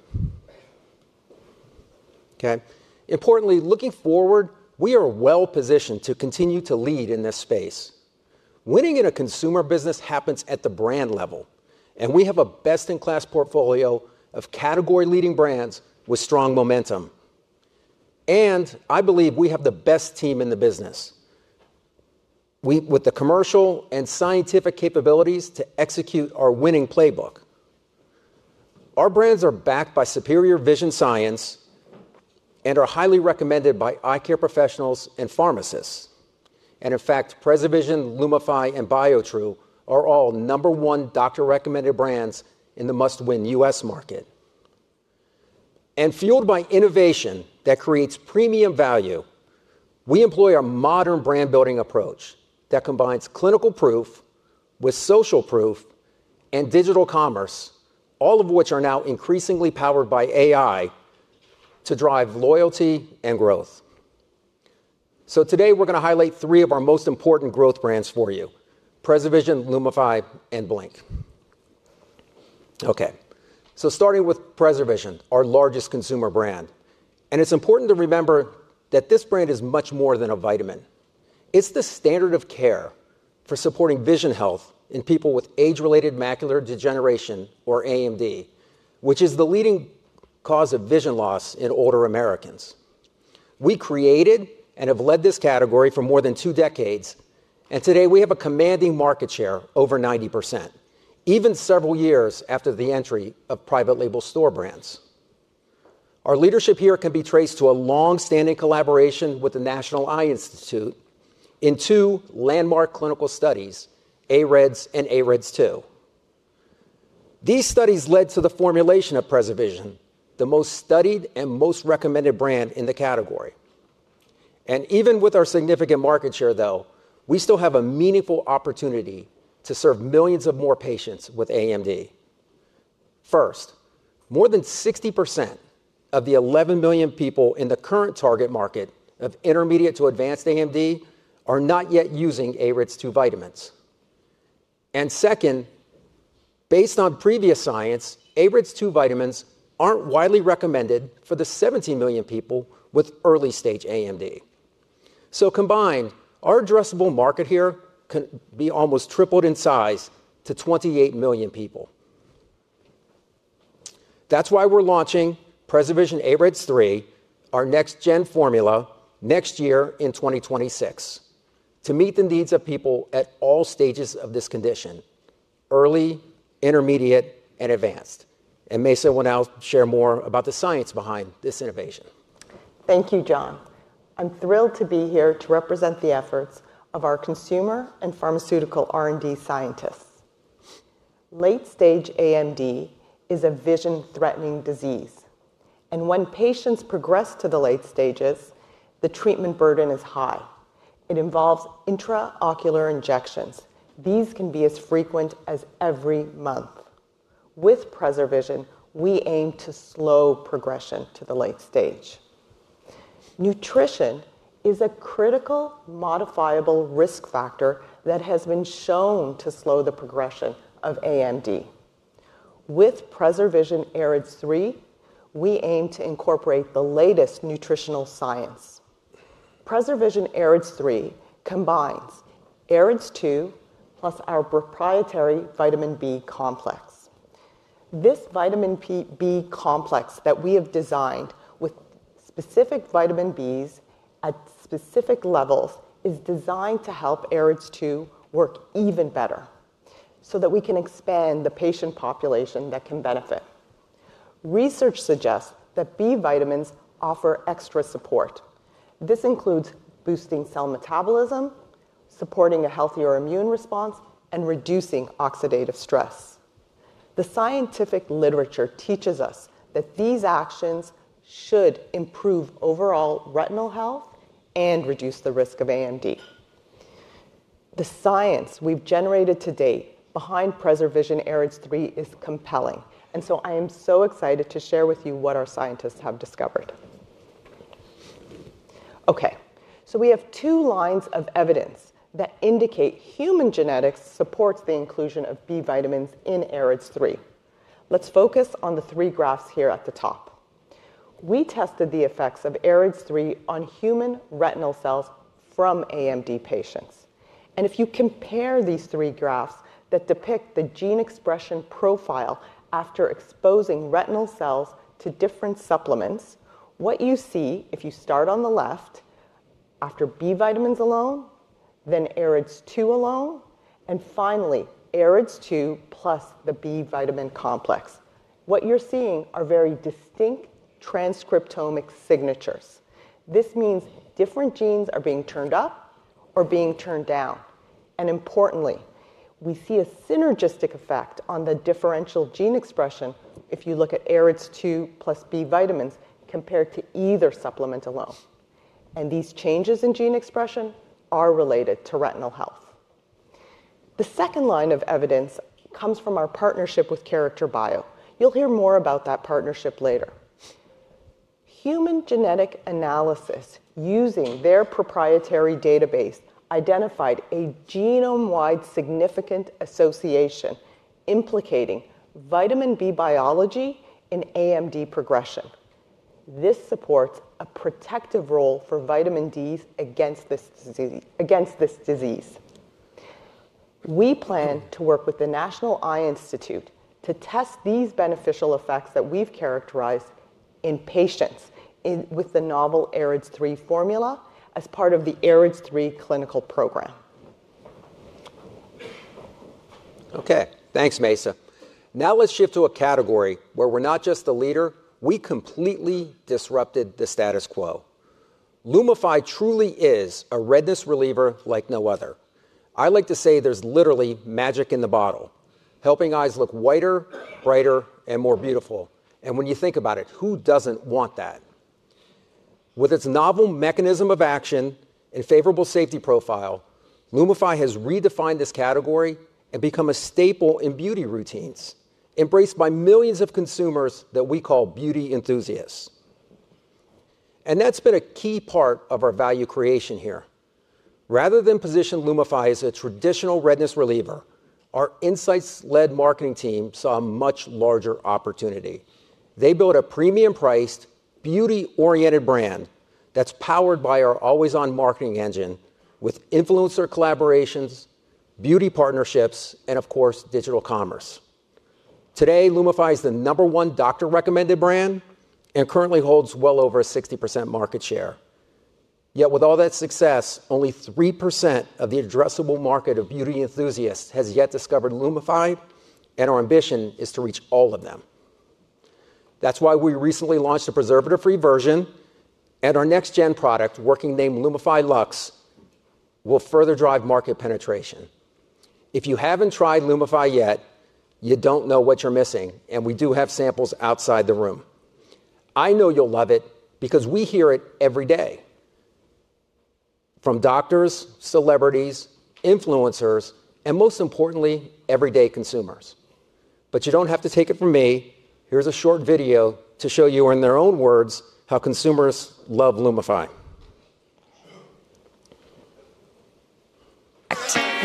Importantly, looking forward, we are well-positioned to continue to lead in this space. Winning in a consumer business happens at the brand level, and we have a best-in-class portfolio of category-leading brands with strong momentum. I believe we have the best team in the business, with the commercial and scientific capabilities to execute our winning playbook. Our brands are backed by superior vision science and are highly recommended by eye care professionals and pharmacists. In fact, PreserVision, Lumify, and Biotrue are all number one doctor-recommended brands in the must-win US market. Fueled by innovation that creates premium value, we employ a modern brand-building approach that combines clinical proof with social proof and digital commerce, all of which are now increasingly powered by AI to drive loyalty and growth. Today, we're going to highlight three of our most important growth brands for you: PreserVision, Lumify, and Blink. Okay. Starting with PreserVision, our largest consumer brand. It is important to remember that this brand is much more than a vitamin. It is the standard of care for supporting vision health in people with age-related macular degeneration, or AMD, which is the leading cause of vision loss in older Americans. We created and have led this category for more than two decades, and today, we have a commanding market share of over 90%, even several years after the entry of private label store brands. Our leadership here can be traced to a long-standing collaboration with the National Eye Institute in two landmark clinical studies, AREDS and AREDS2. These studies led to the formulation of PreserVision, the most studied and most recommended brand in the category. Even with our significant market share, though, we still have a meaningful opportunity to serve millions of more patients with AMD. First, more than 60% of the 11 million people in the current target market of intermediate to advanced AMD are not yet using AREDS2 vitamins. Second, based on previous science, AREDS2 vitamins aren't widely recommended for the 17 million people with early-stage AMD. Combined, our addressable market here can be almost tripled in size to 28 million people. That is why we're launching PreserVision AREDS3, our next-gen formula, next year in 2026, to meet the needs of people at all stages of this condition: early, intermediate, and advanced. Mayssa will now share more about the science behind this innovation. Thank you, John. I'm thrilled to be here to represent the efforts of our consumer and pharmaceutical R&D scientists. Late-stage AMD is a vision-threatening disease. When patients progress to the late stages, the treatment burden is high. It involves intraocular injections. These can be as frequent as every month. With PreserVision, we aim to slow progression to the late stage. Nutrition is a critical modifiable risk factor that has been shown to slow the progression of AMD. With PreserVision AREDS3, we aim to incorporate the latest nutritional science. PreserVision AREDS3 combines AREDS2 plus our proprietary vitamin B complex. This vitamin B complex that we have designed with specific vitamin Bs at specific levels is designed to help AREDS2 work even better so that we can expand the patient population that can benefit. Research suggests that B vitamins offer extra support. This includes boosting cell metabolism, supporting a healthier immune response, and reducing oxidative stress. The scientific literature teaches us that these actions should improve overall retinal health and reduce the risk of AMD. The science we've generated to date behind PreserVision AREDS3 is compelling. I am so excited to share with you what our scientists have discovered. Okay. We have two lines of evidence that indicate human genetics supports the inclusion of B vitamins in AREDS3. Let's focus on the three graphs here at the top. We tested the effects of AREDS3 on human retinal cells from AMD patients. If you compare these three graphs that depict the gene expression profile after exposing retinal cells to different supplements, what you see, if you start on the left, after B vitamins alone, then AREDS2 alone, and finally, AREDS2 plus the B vitamin complex, what you're seeing are very distinct transcriptomic signatures. This means different genes are being turned up or being turned down. Importantly, we see a synergistic effect on the differential gene expression if you look at AREDS2 plus B vitamins compared to either supplement alone. These changes in gene expression are related to retinal health. The second line of evidence comes from our partnership with Character Bio. You'll hear more about that partnership later. Human genetic analysis using their proprietary database identified a genome-wide significant association implicating vitamin B biology in AMD progression. This supports a protective role for vitamin D against this disease. We plan to work with the National Eye Institute to test these beneficial effects that we've characterized in patients with the novel AREDS3 formula as part of the AREDS3 clinical program. Okay. Thanks, Maisa. Now let's shift to a category where we're not just the leader. We completely disrupted the status quo. Lumify truly is a redness reliever like no other. I like to say there's literally magic in the bottle, helping eyes look whiter, brighter, and more beautiful. When you think about it, who doesn't want that? With its novel mechanism of action and favorable safety profile, Lumify has redefined this category and become a staple in beauty routines, embraced by millions of consumers that we call beauty enthusiasts. That has been a key part of our value creation here. Rather than position Lumify as a traditional redness reliever, our insights-led marketing team saw a much larger opportunity. They built a premium-priced, beauty-oriented brand that is powered by our always-on marketing engine with influencer collaborations, beauty partnerships, and, of course, digital commerce. Today, Lumify is the number one doctor-recommended brand and currently holds well over a 60% market share. Yet with all that success, only 3% of the addressable market of beauty enthusiasts has yet discovered Lumify, and our ambition is to reach all of them. That is why we recently launched a preservative-free version, and our next-gen product, working named Lumify Lux, will further drive market penetration. If you haven't tried Lumify yet, you don't know what you're missing, and we do have samples outside the room. I know you'll love it because we hear it every day from doctors, celebrities, influencers, and most importantly, everyday consumers. You don't have to take it from me. Here's a short video to show you in their own words how consumers love Lumify.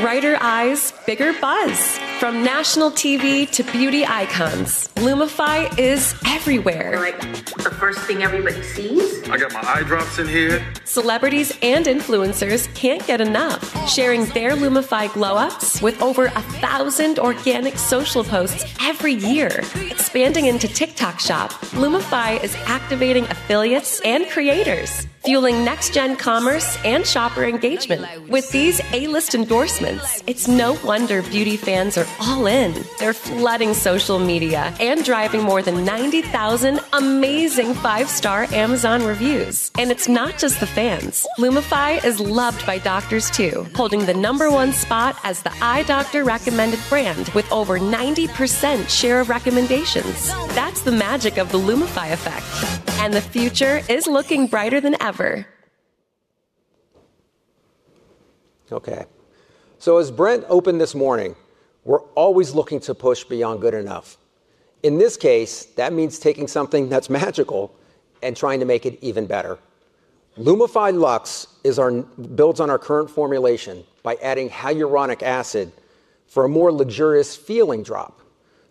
Brighter eyes, bigger buzz. From national TV to beauty icons, Lumify is everywhere. The first thing everybody sees. I got my eye drops in here. Celebrities and influencers can't get enough, sharing their Lumify glow-ups with over 1,000 organic social posts every year. Expanding into TikTok shop, Lumify is activating affiliates and creators, fueling next-gen commerce and shopper engagement. With these A-list endorsements, it's no wonder beauty fans are all in. They're flooding social media and driving more than 90,000 amazing five-star Amazon reviews. It is not just the fans. Lumify is loved by doctors too, holding the number one spot as the eye doctor-recommended brand with over 90% share of recommendations. That is the magic of the Lumify effect. The future is looking brighter than ever. Okay. As Brent opened this morning, we are always looking to push beyond good enough. In this case, that means taking something that is magical and trying to make it even better. Lumify Lux builds on our current formulation by adding hyaluronic acid for a more luxurious feeling drop.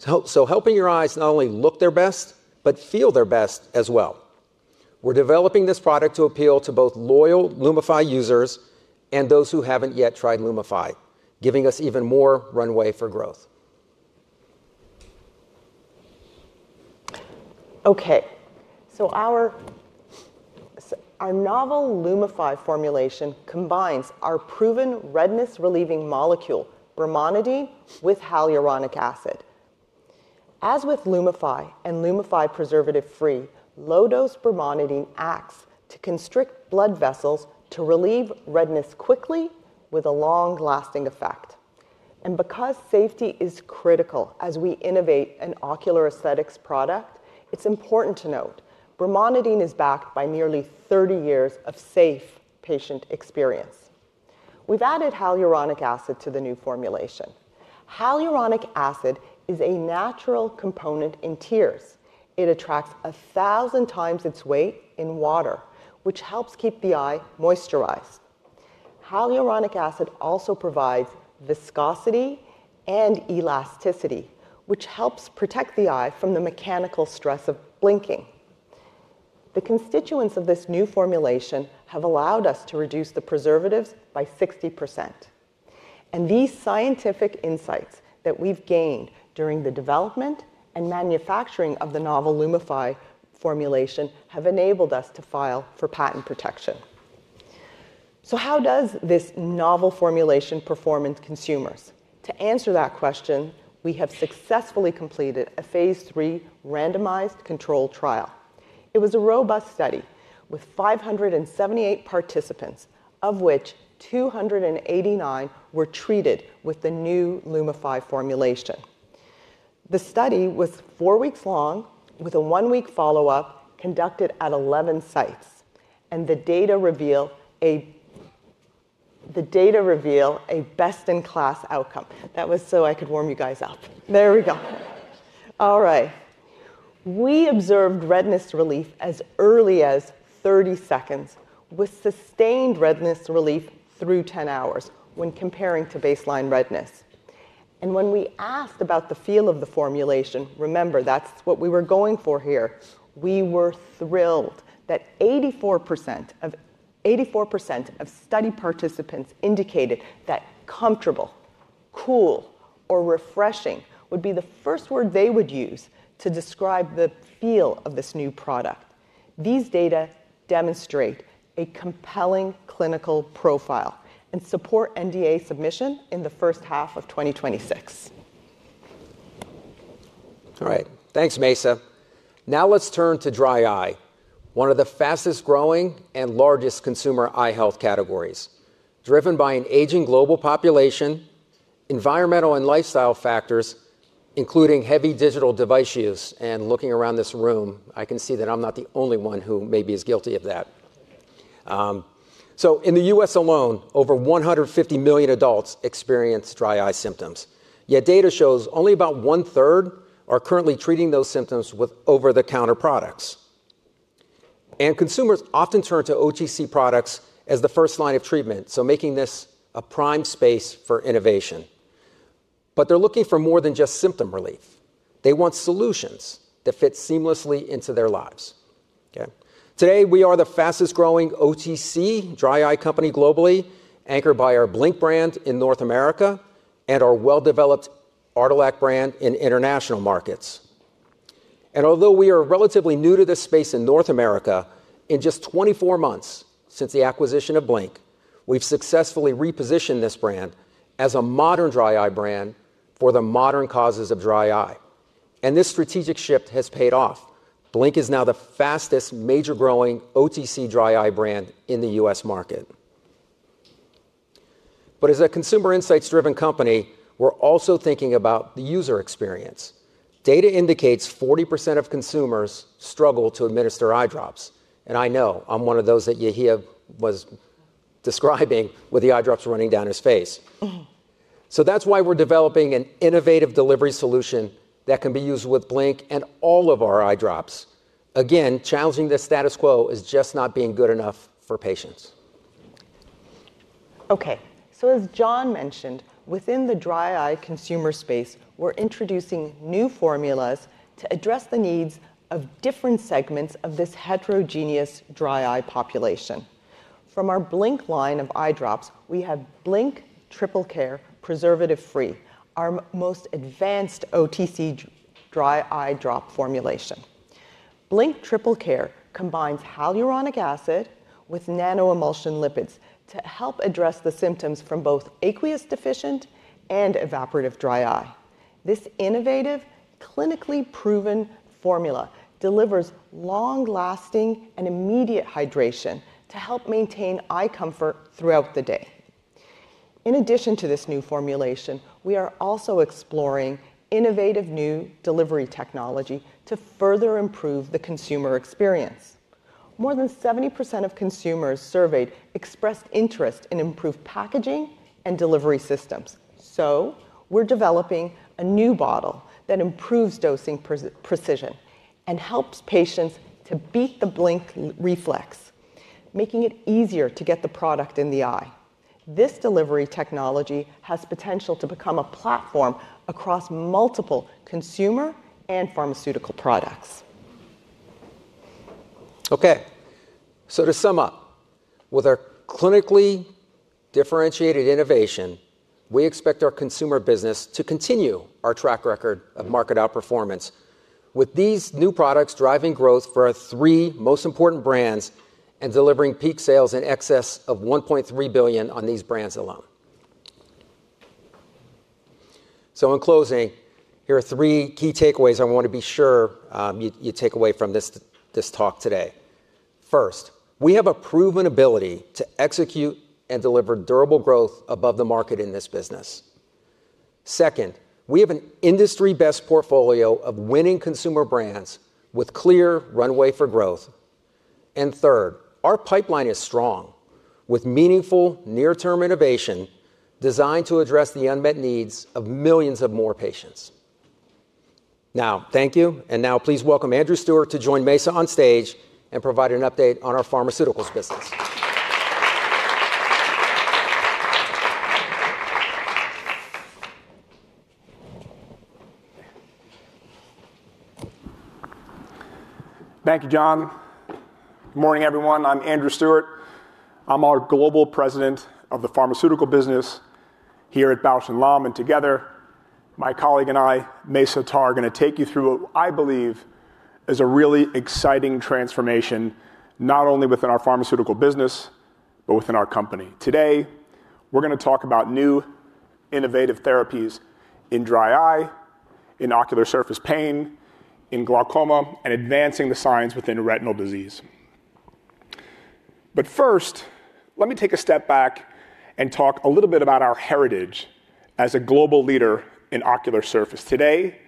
Helping your eyes not only look their best, but feel their best as well. We are developing this product to appeal to both loyal Lumify users and those who have not yet tried Lumify, giving us even more runway for growth. Okay. Our novel Lumify formulation combines our proven redness-relieving molecule, brimonidine, with hyaluronic acid. As with Lumify and Lumify preservative-free, low-dose brimonidine acts to constrict blood vessels to relieve redness quickly with a long-lasting effect. Because safety is critical as we innovate an ocular aesthetics product, it's important to note brimonidine is backed by nearly 30 years of safe patient experience. We've added hyaluronic acid to the new formulation. Hyaluronic acid is a natural component in tears. It attracts 1,000 times its weight in water, which helps keep the eye moisturized. Hyaluronic acid also provides viscosity and elasticity, which helps protect the eye from the mechanical stress of blinking. The constituents of this new formulation have allowed us to reduce the preservatives by 60%. These scientific insights that we've gained during the development and manufacturing of the novel Lumify formulation have enabled us to file for patent protection. How does this novel formulation perform in consumers? To answer that question, we have successfully completed a phase three randomized control trial. It was a robust study with 578 participants, of which 289 were treated with the new Lumify formulation. The study was four weeks long, with a one-week follow-up conducted at 11 sites. The data reveal a best-in-class outcome. That was so I could warm you guys up. There we go. All right. We observed redness relief as early as 30 seconds with sustained redness relief through 10 hours when comparing to baseline redness. When we asked about the feel of the formulation, remember, that's what we were going for here. We were thrilled that 84% of study participants indicated that comfortable, cool, or refreshing would be the first word they would use to describe the feel of this new product. These data demonstrate a compelling clinical profile and support NDA submission in the first half of 2026. All right. Thanks, Maisa. Now let's turn to dry eye, one of the fastest-growing and largest consumer eye health categories. Driven by an aging global population, environmental and lifestyle factors, including heavy digital device use. Looking around this room, I can see that I'm not the only one who maybe is guilty of that. In the U.S. alone, over 150 million adults experience dry eye symptoms. Yet data shows only about one-third are currently treating those symptoms with over-the-counter products. Consumers often turn to OTC products as the first line of treatment, making this a prime space for innovation. They are looking for more than just symptom relief. They want solutions that fit seamlessly into their lives. Okay. Today, we are the fastest-growing OTC dry eye company globally, anchored by our Blink brand in North America and our well-developed Artelac brand in international markets. Although we are relatively new to this space in North America, in just 24 months since the acquisition of Blink, we've successfully repositioned this brand as a modern dry eye brand for the modern causes of dry eye. This strategic shift has paid off. Blink is now the fastest major-growing OTC dry eye brand in the U.S. market. As a consumer insights-driven company, we're also thinking about the user experience. Data indicates 40% of consumers struggle to administer eye drops. I know I'm one of those that Yehia was describing with the eye drops running down his face. That is why we're developing an innovative delivery solution that can be used with Blink and all of our eye drops. Again, challenging the status quo is just not being good enough for patients. Okay. As John mentioned, within the dry eye consumer space, we're introducing new formulas to address the needs of different segments of this heterogeneous dry eye population. From our Blink line of eye drops, we have Blink Triple Care Preservative-Free, our most advanced OTC dry eye drop formulation. Blink Triple Care combines hyaluronic acid with nano-emulsion lipids to help address the symptoms from both aqueous deficient and evaporative dry eye. This innovative, clinically proven formula delivers long-lasting and immediate hydration to help maintain eye comfort throughout the day. In addition to this new formulation, we are also exploring innovative new delivery technology to further improve the consumer experience. More than 70% of consumers surveyed expressed interest in improved packaging and delivery systems. We're developing a new bottle that improves dosing precision and helps patients to beat the blink reflex, making it easier to get the product in the eye. This delivery technology has potential to become a platform across multiple consumer and pharmaceutical products. Okay. To sum up, with our clinically differentiated innovation, we expect our consumer business to continue our track record of market outperformance with these new products driving growth for our three most important brands and delivering peak sales in excess of $1.3 billion on these brands alone. In closing, here are three key takeaways I want to be sure you take away from this talk today. First, we have a proven ability to execute and deliver durable growth above the market in this business. Second, we have an industry-best portfolio of winning consumer brands with clear runway for growth. Third, our pipeline is strong with meaningful near-term innovation designed to address the unmet needs of millions of more patients. Thank you. Now please welcome Andrew Stewart to join Mayssa on stage and provide an update on our pharmaceuticals business. Thank you, John. Good morning, everyone. I'm Andrew Stewart. I'm our Global President of the Pharmaceutical Business here at Bausch + Lomb. Together, my colleague and I, Mayssa Attar, are going to take you through what I believe is a really exciting transformation, not only within our pharmaceutical business, but within our company. Today, we're going to talk about new innovative therapies in dry eye, in ocular surface pain, in glaucoma, and advancing the science within retinal disease. First, let me take a step back and talk a little bit about our heritage as a global leader in ocular surface. Today,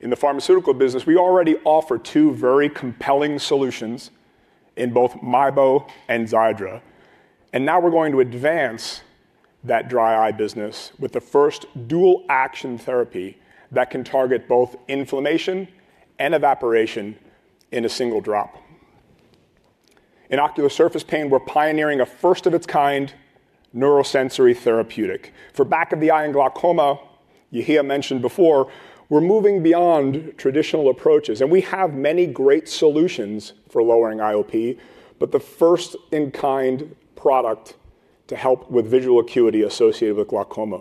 in the pharmaceutical business, we already offer two very compelling solutions in both Mibo and Xiidra. We are going to advance that dry eye business with the first dual-action therapy that can target both inflammation and evaporation in a single drop. In ocular surface pain, we are pioneering a first-of-its-kind neurosensory therapeutic. For back-of-the-eye and glaucoma, Yehia mentioned before, we are moving beyond traditional approaches. We have many great solutions for lowering IOP, but the first-in-kind product to help with visual acuity associated with glaucoma.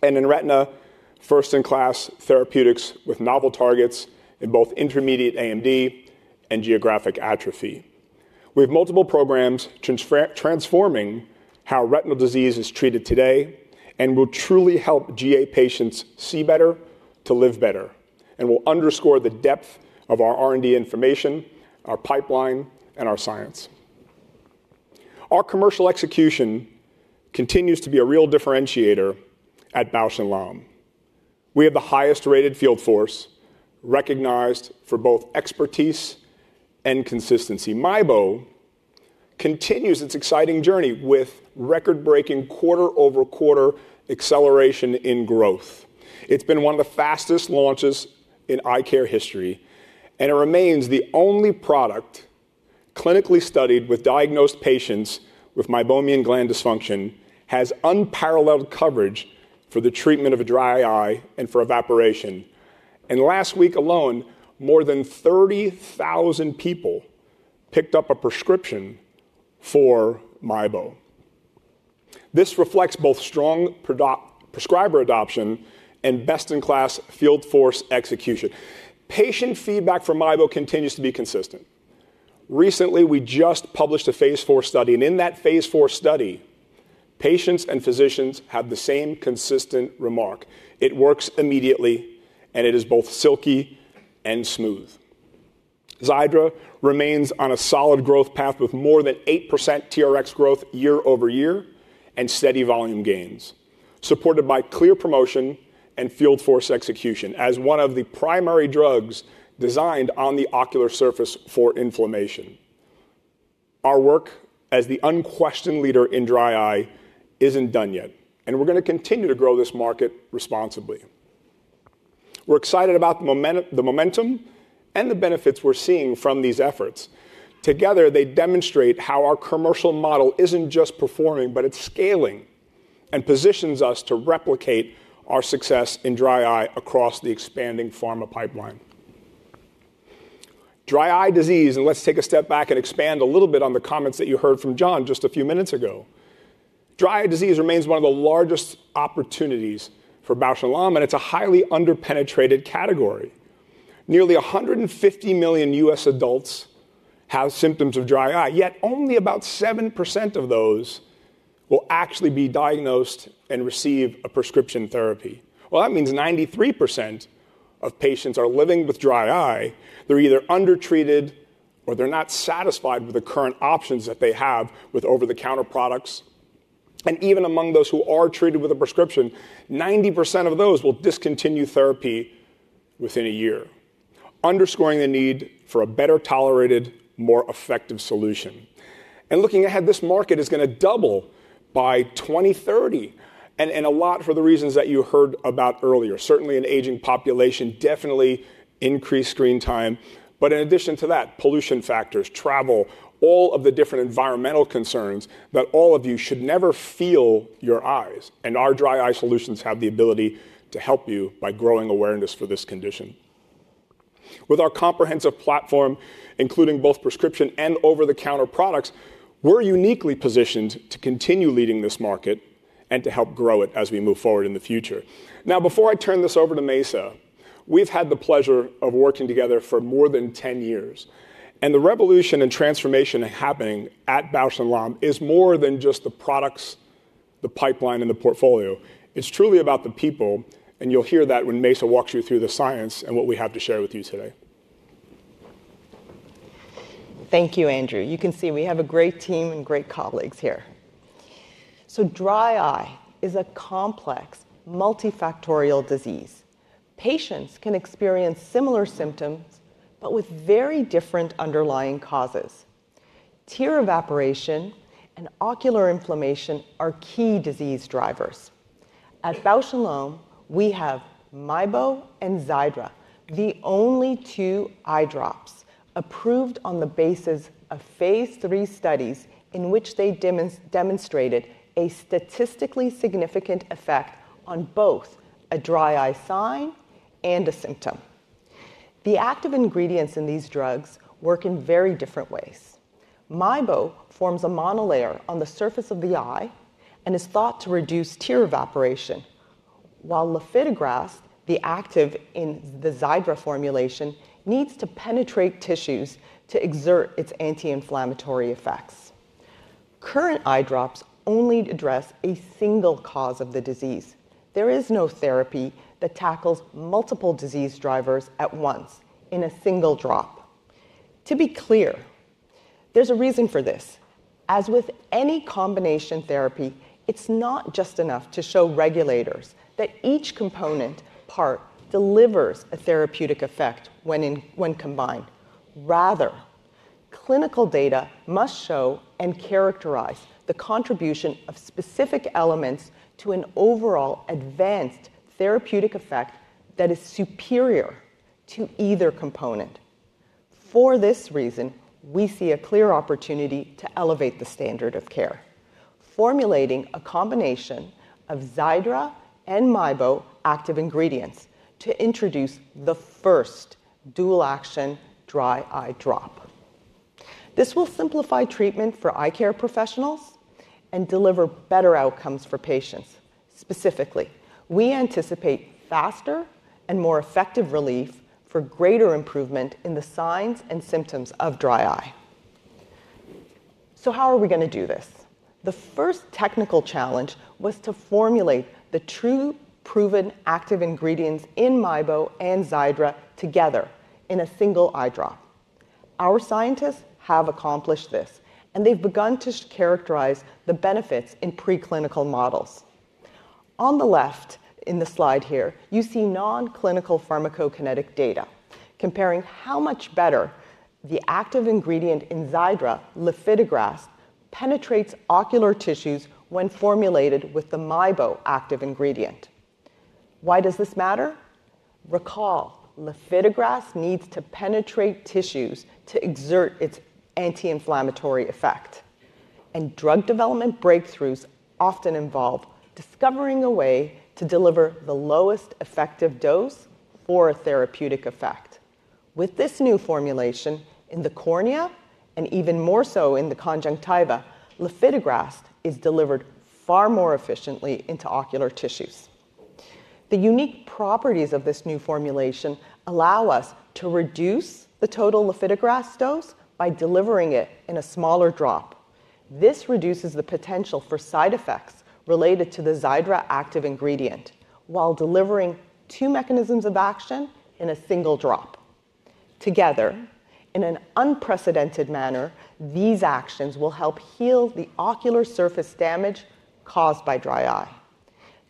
In retina, first-in-class therapeutics with novel targets in both intermediate AMD and geographic atrophy. We have multiple programs transforming how retinal disease is treated today and will truly help GA patients see better to live better. We will underscore the depth of our R&D information, our pipeline, and our science. Our commercial execution continues to be a real differentiator at Bausch + Lomb. We have the highest-rated field force recognized for both expertise and consistency. Mibo continues its exciting journey with record-breaking quarter-over-quarter acceleration in growth. It has been one of the fastest launches in eye care history. It remains the only product clinically studied with diagnosed patients with meibomian gland dysfunction that has unparalleled coverage for the treatment of dry eye and for evaporation. Last week alone, more than 30,000 people picked up a prescription for Mibo. This reflects both strong prescriber adoption and best-in-class field force execution. Patient feedback for Mibo continues to be consistent. Recently, we just published a phase four study. In that phase four study, patients and physicians have the same consistent remark. It works immediately, and it is both silky and smooth. Xiidra remains on a solid growth path with more than 8% TRX growth year over year and steady volume gains, supported by clear promotion and field force execution as one of the primary drugs designed on the ocular surface for inflammation. Our work as the unquestioned leader in dry eye is not done yet. We are going to continue to grow this market responsibly. We are excited about the momentum and the benefits we are seeing from these efforts. Together, they demonstrate how our commercial model is not just performing, but it is scaling and positions us to replicate our success in dry eye across the expanding pharma pipeline. Dry eye disease, and let us take a step back and expand a little bit on the comments that you heard from John just a few minutes ago. Dry eye disease remains one of the largest opportunities for Bausch + Lomb, and it is a highly underpenetrated category. Nearly 150 million US adults have symptoms of dry eye. Yet only about 7% of those will actually be diagnosed and receive a prescription therapy. That means 93% of patients are living with dry eye. They're either undertreated or they're not satisfied with the current options that they have with over-the-counter products. Even among those who are treated with a prescription, 90% of those will discontinue therapy within a year, underscoring the need for a better tolerated, more effective solution. Looking ahead, this market is going to double by 2030 and a lot for the reasons that you heard about earlier. Certainly, an aging population, definitely increased screen time. In addition to that, pollution factors, travel, all of the different environmental concerns that all of you should never feel your eyes. Our dry eye solutions have the ability to help you by growing awareness for this condition. With our comprehensive platform, including both prescription and over-the-counter products, we're uniquely positioned to continue leading this market and to help grow it as we move forward in the future. Now, before I turn this over to Mayssa, we've had the pleasure of working together for more than 10 years. The revolution and transformation happening at Bausch + Lomb is more than just the products, the pipeline, and the portfolio. It's truly about the people. You'll hear that when Mayssa walks you through the science and what we have to share with you today. Thank you, Andrew. You can see we have a great team and great colleagues here. Dry eye is a complex multifactorial disease. Patients can experience similar symptoms, but with very different underlying causes. Tear evaporation and ocular inflammation are key disease drivers. At Bausch + Lomb, we have Mibo and Xiidra, the only two eye drops approved on the basis of phase three studies in which they demonstrated a statistically significant effect on both a dry eye sign and a symptom. The active ingredients in these drugs work in very different ways. Mibo forms a monolayer on the surface of the eye and is thought to reduce tear evaporation, while lifitegrast, the active in the Xiidra formulation, needs to penetrate tissues to exert its anti-inflammatory effects. Current eye drops only address a single cause of the disease. There is no therapy that tackles multiple disease drivers at once in a single drop. To be clear, there's a reason for this. As with any combination therapy, it's not just enough to show regulators that each component part delivers a therapeutic effect when combined. Rather, clinical data must show and characterize the contribution of specific elements to an overall advanced therapeutic effect that is superior to either component. For this reason, we see a clear opportunity to elevate the standard of care, formulating a combination of Xiidra and Mibo active ingredients to introduce the first dual-action dry eye drop. This will simplify treatment for eye care professionals and deliver better outcomes for patients. Specifically, we anticipate faster and more effective relief for greater improvement in the signs and symptoms of dry eye. How are we going to do this? The first technical challenge was to formulate the true proven active ingredients in Mibo and Xiidra together in a single eye drop. Our scientists have accomplished this, and they've begun to characterize the benefits in preclinical models. On the left in the slide here, you see non-clinical pharmacokinetic data comparing how much better the active ingredient in Xiidra, lifitegrast, penetrates ocular tissues when formulated with the Mibo active ingredient. Why does this matter? Recall, lifitegrast needs to penetrate tissues to exert its anti-inflammatory effect. Drug development breakthroughs often involve discovering a way to deliver the lowest effective dose for a therapeutic effect. With this new formulation in the cornea and even more so in the conjunctiva, lifitegrast is delivered far more efficiently into ocular tissues. The unique properties of this new formulation allow us to reduce the total lifitegrast dose by delivering it in a smaller drop. This reduces the potential for side effects related to the Xiidra active ingredient while delivering two mechanisms of action in a single drop. Together, in an unprecedented manner, these actions will help heal the ocular surface damage caused by dry eye.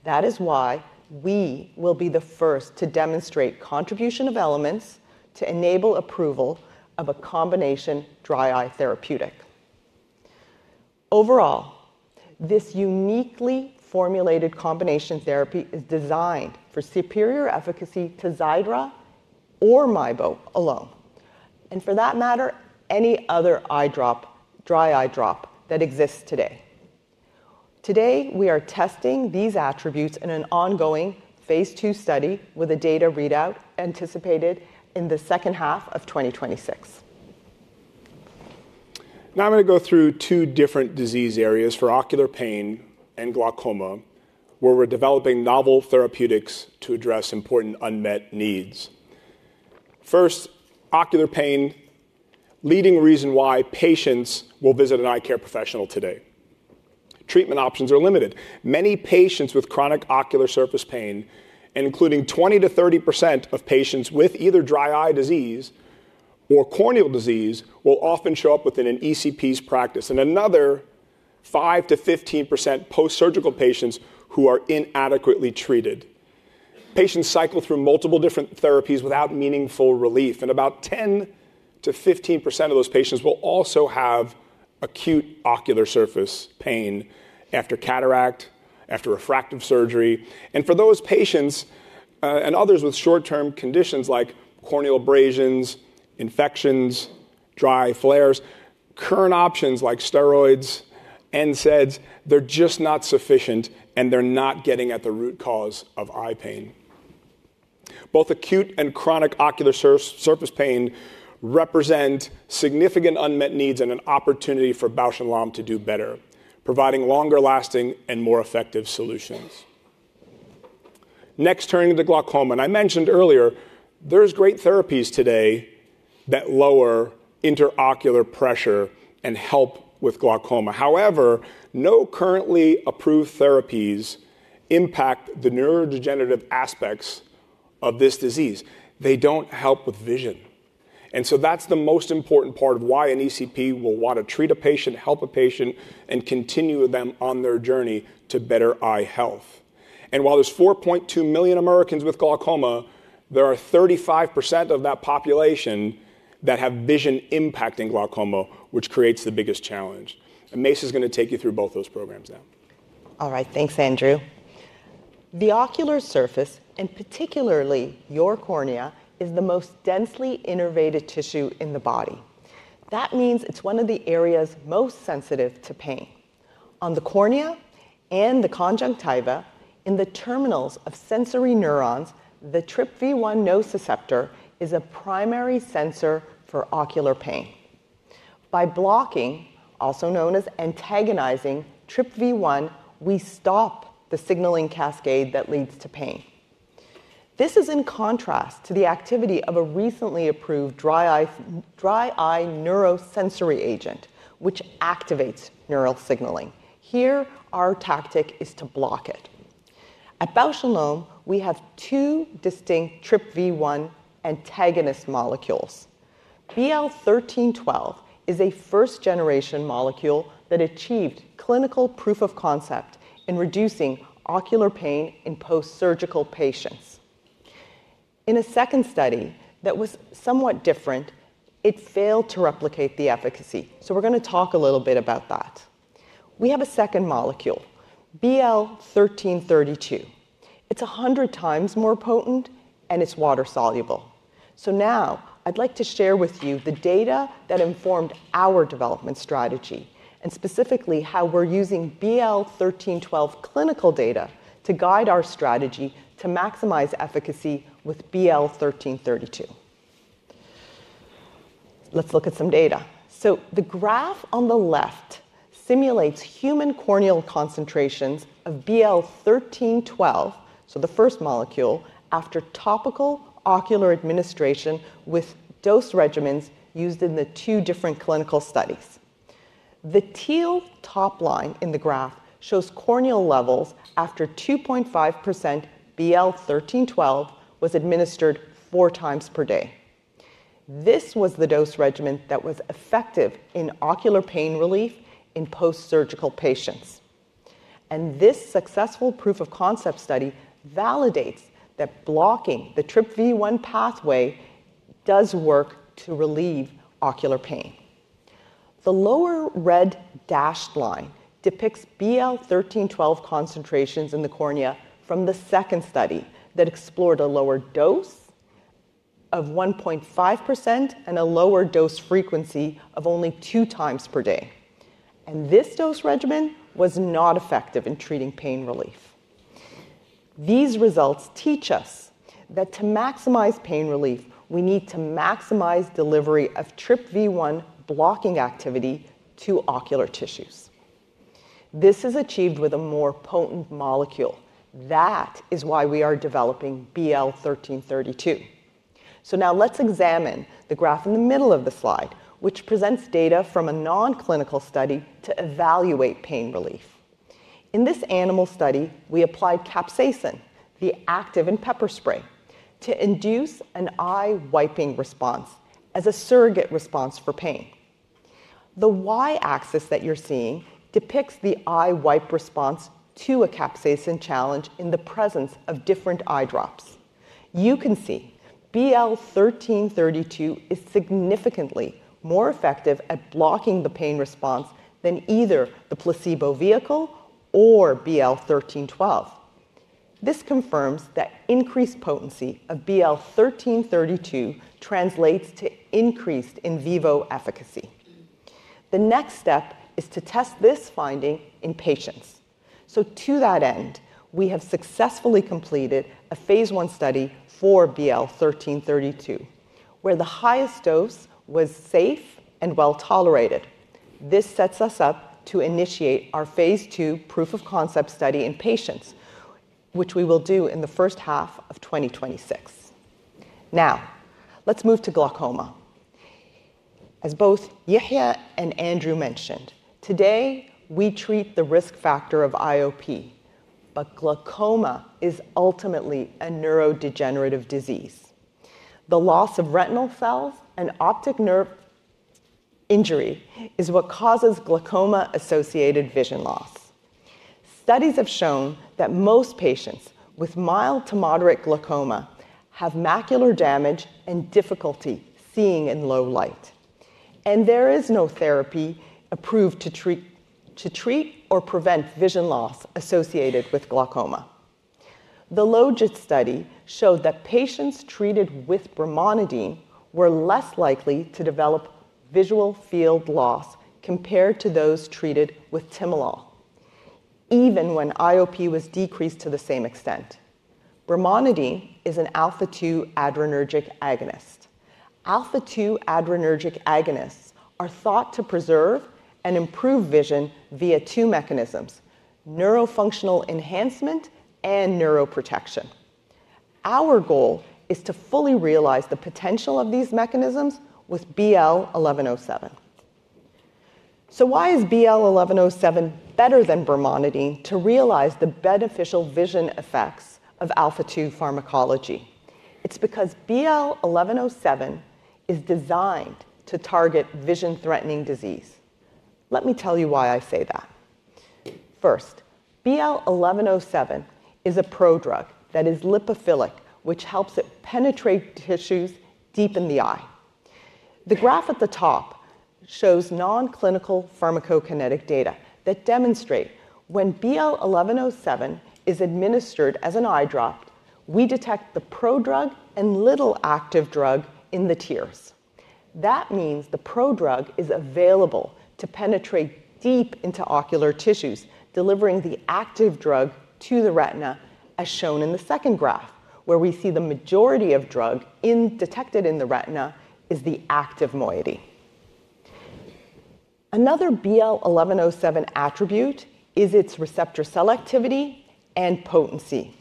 That is why we will be the first to demonstrate contribution of elements to enable approval of a combination dry eye therapeutic. Overall, this uniquely formulated combination therapy is designed for superior efficacy to Xiidra or Mibo alone, and for that matter, any other dry eye drop that exists today. Today, we are testing these attributes in an ongoing phase two study with a data readout anticipated in the second half of 2026. Now I'm going to go through two different disease areas for ocular pain and glaucoma where we're developing novel therapeutics to address important unmet needs. First, ocular pain, leading reason why patients will visit an eye care professional today. Treatment options are limited. Many patients with chronic ocular surface pain, including 20%-30% of patients with either dry eye disease or corneal disease, will often show up within an ECP's practice. Another 5%-15% post-surgical patients who are inadequately treated. Patients cycle through multiple different therapies without meaningful relief. About 10%-15% of those patients will also have acute ocular surface pain after cataract, after refractive surgery. For those patients and others with short-term conditions like corneal abrasions, infections, dry flares, current options like steroids, NSAIDs, they're just not sufficient, and they're not getting at the root cause of eye pain. Both acute and chronic ocular surface pain represent significant unmet needs and an opportunity for Bausch + Lomb to do better, providing longer-lasting and more effective solutions. Next, turning to glaucoma. I mentioned earlier, there are great therapies today that lower intraocular pressure and help with glaucoma. However, no currently approved therapies impact the neurodegenerative aspects of this disease. They do not help with vision. That is the most important part of why an ECP will want to treat a patient, help a patient, and continue them on their journey to better eye health. While there are 4.2 million Americans with glaucoma, 35% of that population have vision impacting glaucoma, which creates the biggest challenge. Maisa is going to take you through both those programs now. All right, thanks, Andrew. The ocular surface, and particularly your cornea, is the most densely innervated tissue in the body. That means it is one of the areas most sensitive to pain. On the cornea and the conjunctiva, in the terminals of sensory neurons, the TRPV1 nociceptor is a primary sensor for ocular pain. By blocking, also known as antagonizing, TRPV1, we stop the signaling cascade that leads to pain. This is in contrast to the activity of a recently approved dry eye neurosensory agent, which activates neural signaling. Here, our tactic is to block it. At Bausch + Lomb, we have two distinct TRPV1 antagonist molecules. BL1312 is a first-generation molecule that achieved clinical proof of concept in reducing ocular pain in post-surgical patients. In a second study that was somewhat different, it failed to replicate the efficacy. We are going to talk a little bit about that. We have a second molecule, BL1332. It is 100 times more potent, and it is water-soluble. Now I'd like to share with you the data that informed our development strategy and specifically how we're using BL1312 clinical data to guide our strategy to maximize efficacy with BL1332. Let's look at some data. The graph on the left simulates human corneal concentrations of BL1312, so the first molecule, after topical ocular administration with dose regimens used in the two different clinical studies. The teal top line in the graph shows corneal levels after 2.5% BL1312 was administered four times per day. This was the dose regimen that was effective in ocular pain relief in post-surgical patients. This successful proof of concept study validates that blocking the TRPV1 pathway does work to relieve ocular pain. The lower red dashed line depicts BL1312 concentrations in the cornea from the second study that explored a lower dose of 1.5% and a lower dose frequency of only two times per day. This dose regimen was not effective in treating pain relief. These results teach us that to maximize pain relief, we need to maximize delivery of TRPV1 blocking activity to ocular tissues. This is achieved with a more potent molecule. That is why we are developing BL1332. Now let's examine the graph in the middle of the slide, which presents data from a non-clinical study to evaluate pain relief. In this animal study, we applied capsaicin, the active in pepper spray, to induce an eye wiping response as a surrogate response for pain. The Y-axis that you're seeing depicts the eye wipe response to a capsaicin challenge in the presence of different eye drops. You can see BL1332 is significantly more effective at blocking the pain response than either the placebo vehicle or BL1312. This confirms that increased potency of BL1332 translates to increased in vivo efficacy. The next step is to test this finding in patients. To that end, we have successfully completed a phase one study for BL1332, where the highest dose was safe and well tolerated. This sets us up to initiate our phase two proof of concept study in patients, which we will do in the first half of 2026. Now let's move to glaucoma. As both Yehia and Andrew mentioned, today we treat the risk factor of IOP, but glaucoma is ultimately a neurodegenerative disease. The loss of retinal cells and optic nerve injury is what causes glaucoma-associated vision loss. Studies have shown that most patients with mild to moderate glaucoma have macular damage and difficulty seeing in low light. There is no therapy approved to treat or prevent vision loss associated with glaucoma. The LOGIT study showed that patients treated with brimonidine were less likely to develop visual field loss compared to those treated with timolol, even when IOP was decreased to the same extent. Brimonidine is an alpha-2 adrenergic agonist. Alpha-2 adrenergic agonists are thought to preserve and improve vision via two mechanisms: neurofunctional enhancement and neuroprotection. Our goal is to fully realize the potential of these mechanisms with BL1107. Why is BL1107 better than brimonidine to realize the beneficial vision effects of alpha-2 pharmacology? It's because BL1107 is designed to target vision-threatening disease. Let me tell you why I say that. First, BL1107 is a prodrug that is lipophilic, which helps it penetrate tissues deep in the eye. The graph at the top shows non-clinical pharmacokinetic data that demonstrate when BL1107 is administered as an eye drop, we detect the prodrug and little active drug in the tears. That means the prodrug is available to penetrate deep into ocular tissues, delivering the active drug to the retina, as shown in the second graph, where we see the majority of drug detected in the retina is the active moiety. Another BL1107 attribute is its receptor selectivity and potency.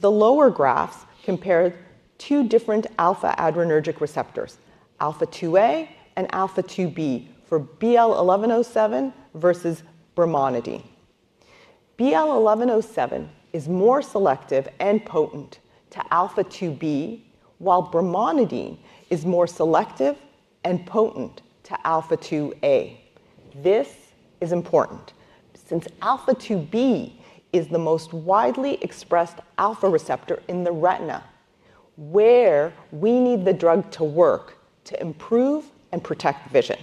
The lower graphs compare two different alpha-adrenergic receptors, alpha-2A and alpha-2B, for BL1107 versus brimonidine. BL1107 is more selective and potent to alpha-2B, while brimonidine is more selective and potent to alpha-2A. This is important since alpha-2B is the most widely expressed alpha receptor in the retina, where we need the drug to work to improve and protect vision.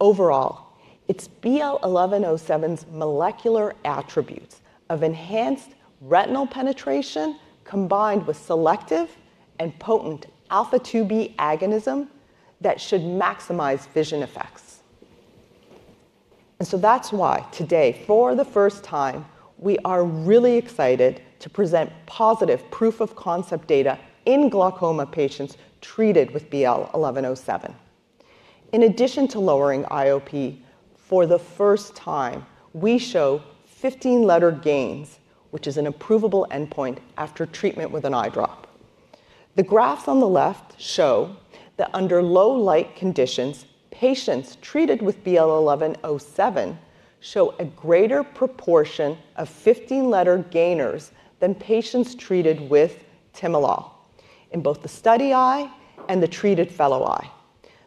Overall, it's BL1107's molecular attributes of enhanced retinal penetration combined with selective and potent alpha-2B agonism that should maximize vision effects. That is why today, for the first time, we are really excited to present positive proof of concept data in glaucoma patients treated with BL1107. In addition to lowering IOP, for the first time, we show 15-letter gains, which is an approvable endpoint after treatment with an eye drop. The graphs on the left show that under low light conditions, patients treated with BL1107 show a greater proportion of 15-letter gainers than patients treated with timolol in both the study eye and the treated fellow eye.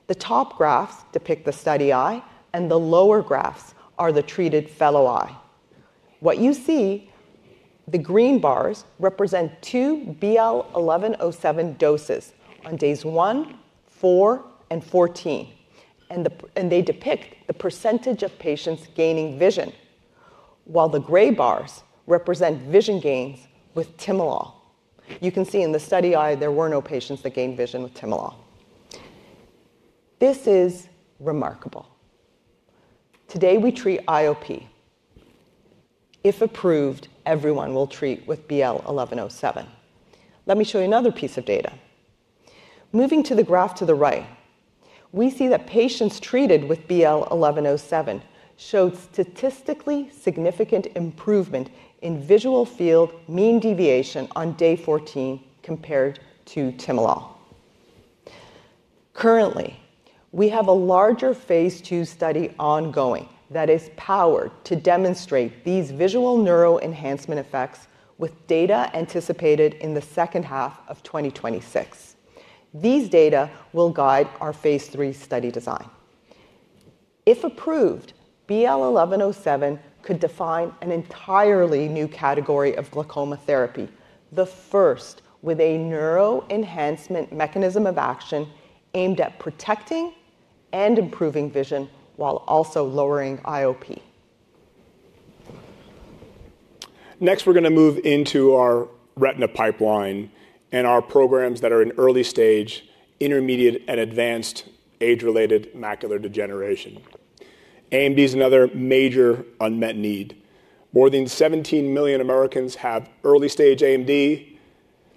The top graphs depict the study eye, and the lower graphs are the treated fellow eye. What you see, the green bars represent two BL1107 doses on days one, four, and fourteen, and they depict the percentage of patients gaining vision, while the gray bars represent vision gains with timolol. You can see in the study eye there were no patients that gained vision with timolol. This is remarkable. Today we treat IOP. If approved, everyone will treat with BL1107. Let me show you another piece of data. Moving to the graph to the right, we see that patients treated with BL1107 showed statistically significant improvement in visual field mean deviation on day fourteen compared to timolol. Currently, we have a larger phase two study ongoing that is powered to demonstrate these visual neuro enhancement effects with data anticipated in the second half of 2026. These data will guide our phase three study design. If approved, BL1107 could define an entirely new category of glaucoma therapy, the first with a neuro enhancement mechanism of action aimed at protecting and improving vision while also lowering IOP. Next, we're going to move into our retina pipeline and our programs that are in early stage, intermediate, and advanced age-related macular degeneration. AMD is another major unmet need. More than 17 million Americans have early stage AMD.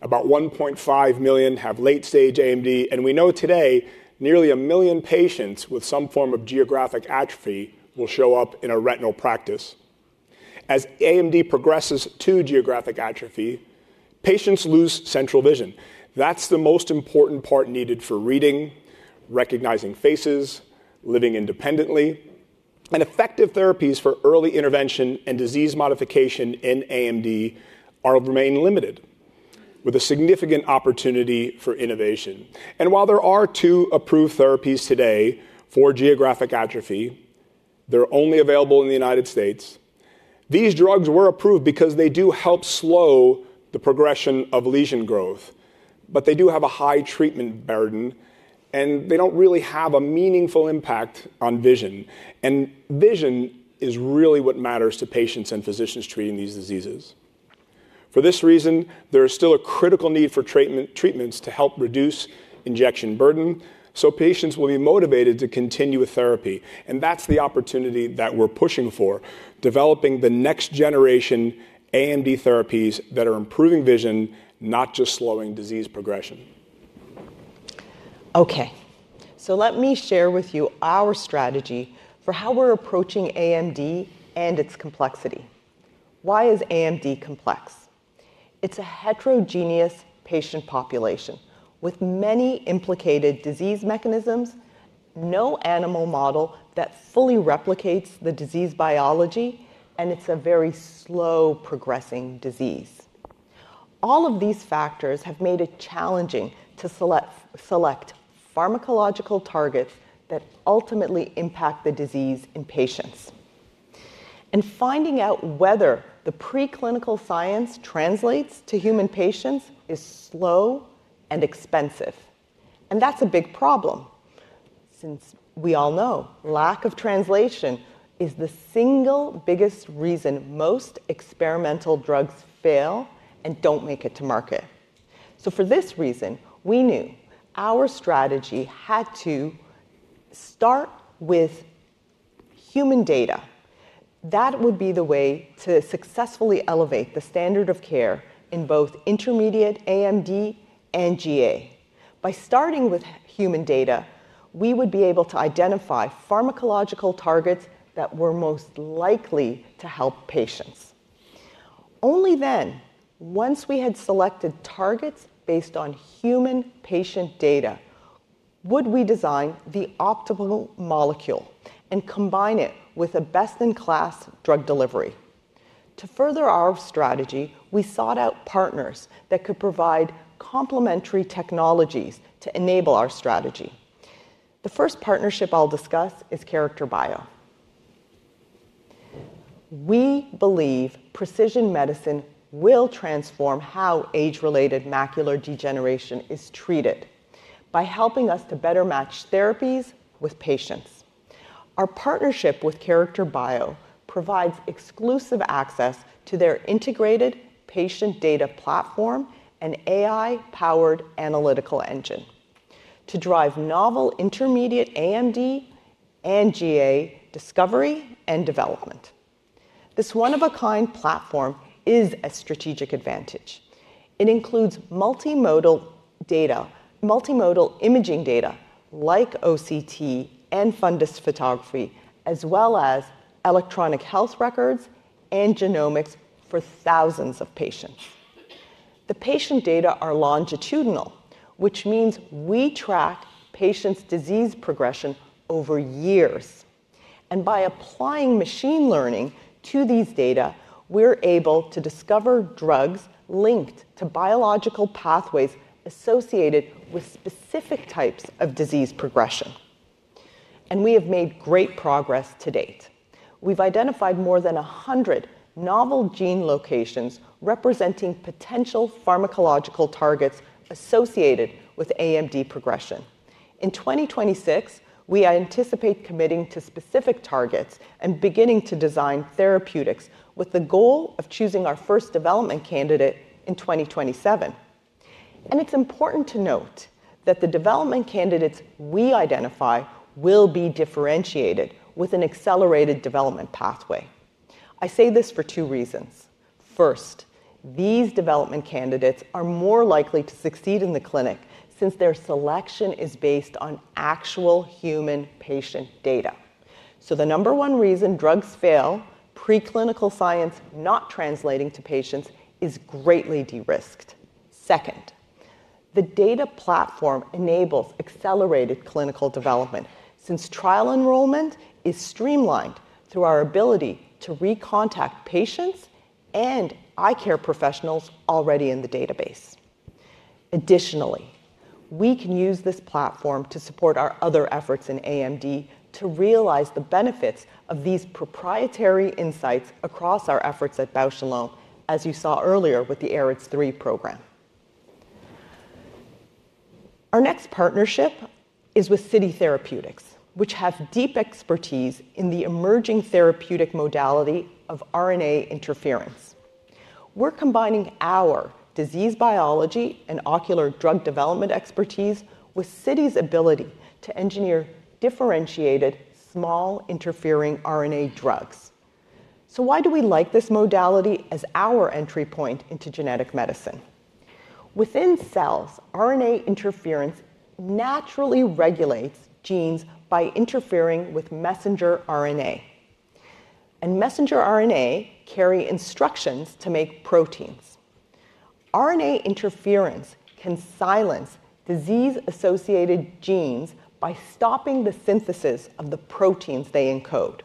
About 1.5 million have late stage AMD. We know today nearly a million patients with some form of geographic atrophy will show up in a retinal practice. As AMD progresses to geographic atrophy, patients lose central vision. That's the most important part needed for reading, recognizing faces, living independently. Effective therapies for early intervention and disease modification in AMD are remaining limited, with a significant opportunity for innovation. While there are two approved therapies today for geographic atrophy, they're only available in the United States. These drugs were approved because they do help slow the progression of lesion growth, but they do have a high treatment burden, and they don't really have a meaningful impact on vision. Vision is really what matters to patients and physicians treating these diseases. For this reason, there is still a critical need for treatments to help reduce injection burden, so patients will be motivated to continue with therapy. That's the opportunity that we're pushing for, developing the next generation AMD therapies that are improving vision, not just slowing disease progression. Okay. Let me share with you our strategy for how we're approaching AMD and its complexity. Why is AMD complex? It's a heterogeneous patient population with many implicated disease mechanisms, no animal model that fully replicates the disease biology, and it's a very slow progressing disease. All of these factors have made it challenging to select pharmacological targets that ultimately impact the disease in patients. Finding out whether the preclinical science translates to human patients is slow and expensive. That's a big problem since we all know lack of translation is the single biggest reason most experimental drugs fail and don't make it to market. For this reason, we knew our strategy had to start with human data. That would be the way to successfully elevate the standard of care in both intermediate AMD and GA. By starting with human data, we would be able to identify pharmacological targets that were most likely to help patients. Only then, once we had selected targets based on human patient data, would we design the optimal molecule and combine it with a best-in-class drug delivery. To further our strategy, we sought out partners that could provide complementary technologies to enable our strategy. The first partnership I'll discuss is Character Bio. We believe precision medicine will transform how age-related macular degeneration is treated by helping us to better match therapies with patients. Our partnership with Character Bio provides exclusive access to their integrated patient data platform and AI-powered analytical engine to drive novel intermediate AMD and GA discovery and development. This one-of-a-kind platform is a strategic advantage. It includes multimodal imaging data like OCT and fundus photography, as well as electronic health records and genomics for thousands of patients. The patient data are longitudinal, which means we track patients' disease progression over years. By applying machine learning to these data, we're able to discover drugs linked to biological pathways associated with specific types of disease progression. We have made great progress to date. We've identified more than 100 novel gene locations representing potential pharmacological targets associated with AMD progression. In 2026, we anticipate committing to specific targets and beginning to design therapeutics with the goal of choosing our first development candidate in 2027. It's important to note that the development candidates we identify will be differentiated with an accelerated development pathway. I say this for two reasons. First, these development candidates are more likely to succeed in the clinic since their selection is based on actual human patient data. The number one reason drugs fail, preclinical science not translating to patients, is greatly de-risked. Second, the data platform enables accelerated clinical development since trial enrollment is streamlined through our ability to recontact patients and eye care professionals already in the database. Additionally, we can use this platform to support our other efforts in AMD to realize the benefits of these proprietary insights across our efforts at Bausch + Lomb, as you saw earlier with the AREDS3 program. Our next partnership is with Citi Therapeutics, which has deep expertise in the emerging therapeutic modality of RNA interference. We're combining our disease biology and ocular drug development expertise with Citi's ability to engineer differentiated small interfering RNA drugs. Why do we like this modality as our entry point into genetic medicine? Within cells, RNA interference naturally regulates genes by interfering with messenger RNA. Messenger RNA carries instructions to make proteins. RNA interference can silence disease-associated genes by stopping the synthesis of the proteins they encode.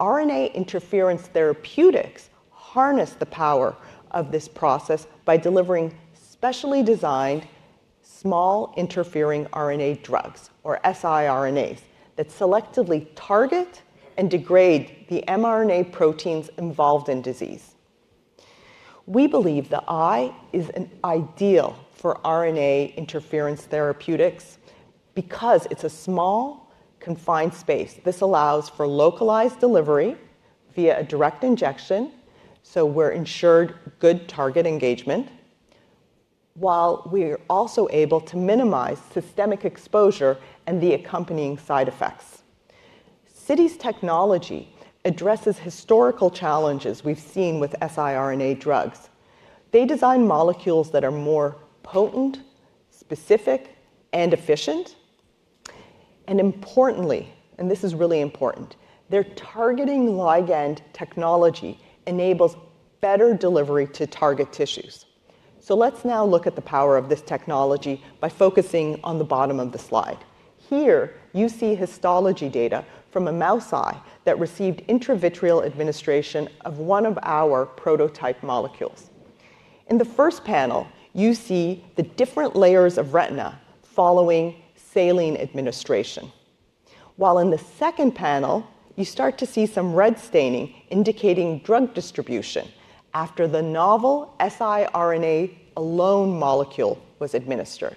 RNA interference therapeutics harness the power of this process by delivering specially designed small interfering RNA drugs, or siRNAs, that selectively target and degrade the mRNA proteins involved in disease. We believe the eye is ideal for RNA interference therapeutics because it's a small, confined space. This allows for localized delivery via a direct injection, so we're ensured good target engagement, while we're also able to minimize systemic exposure and the accompanying side effects. Citi's technology addresses historical challenges we've seen with siRNA drugs. They design molecules that are more potent, specific, and efficient. And importantly, and this is really important, their targeting ligand technology enables better delivery to target tissues. Let's now look at the power of this technology by focusing on the bottom of the slide. Here you see histology data from a mouse eye that received intravitreal administration of one of our prototype molecules. In the first panel, you see the different layers of retina following saline administration. In the second panel, you start to see some red staining indicating drug distribution after the novel siRNA alone molecule was administered.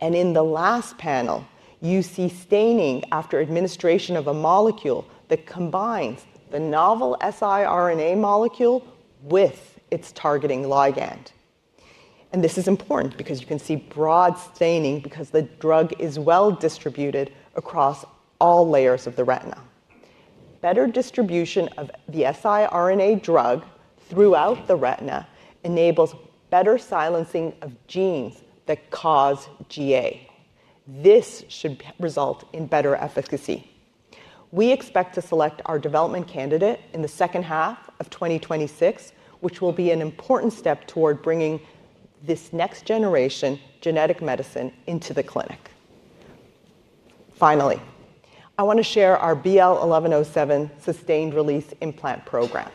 In the last panel, you see staining after administration of a molecule that combines the novel siRNA molecule with its targeting ligand. This is important because you can see broad staining because the drug is well distributed across all layers of the retina. Better distribution of the siRNA drug throughout the retina enables better silencing of genes that cause GA. This should result in better efficacy. We expect to select our development candidate in the second half of 2026, which will be an important step toward bringing this next generation genetic medicine into the clinic. Finally, I want to share our BL1107 sustained release implant program.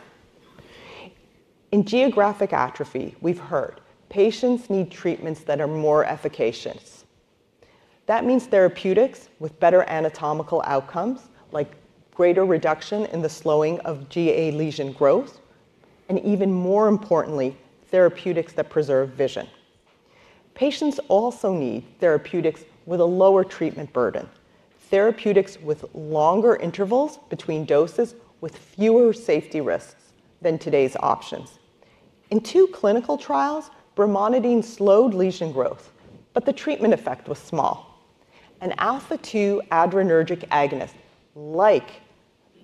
In geographic atrophy, we've heard patients need treatments that are more efficacious. That means therapeutics with better anatomical outcomes, like greater reduction in the slowing of GA lesion growth, and even more importantly, therapeutics that preserve vision. Patients also need therapeutics with a lower treatment burden, therapeutics with longer intervals between doses, with fewer safety risks than today's options. In two clinical trials, brimonidine slowed lesion growth, but the treatment effect was small. An alpha-2 adrenergic agonist like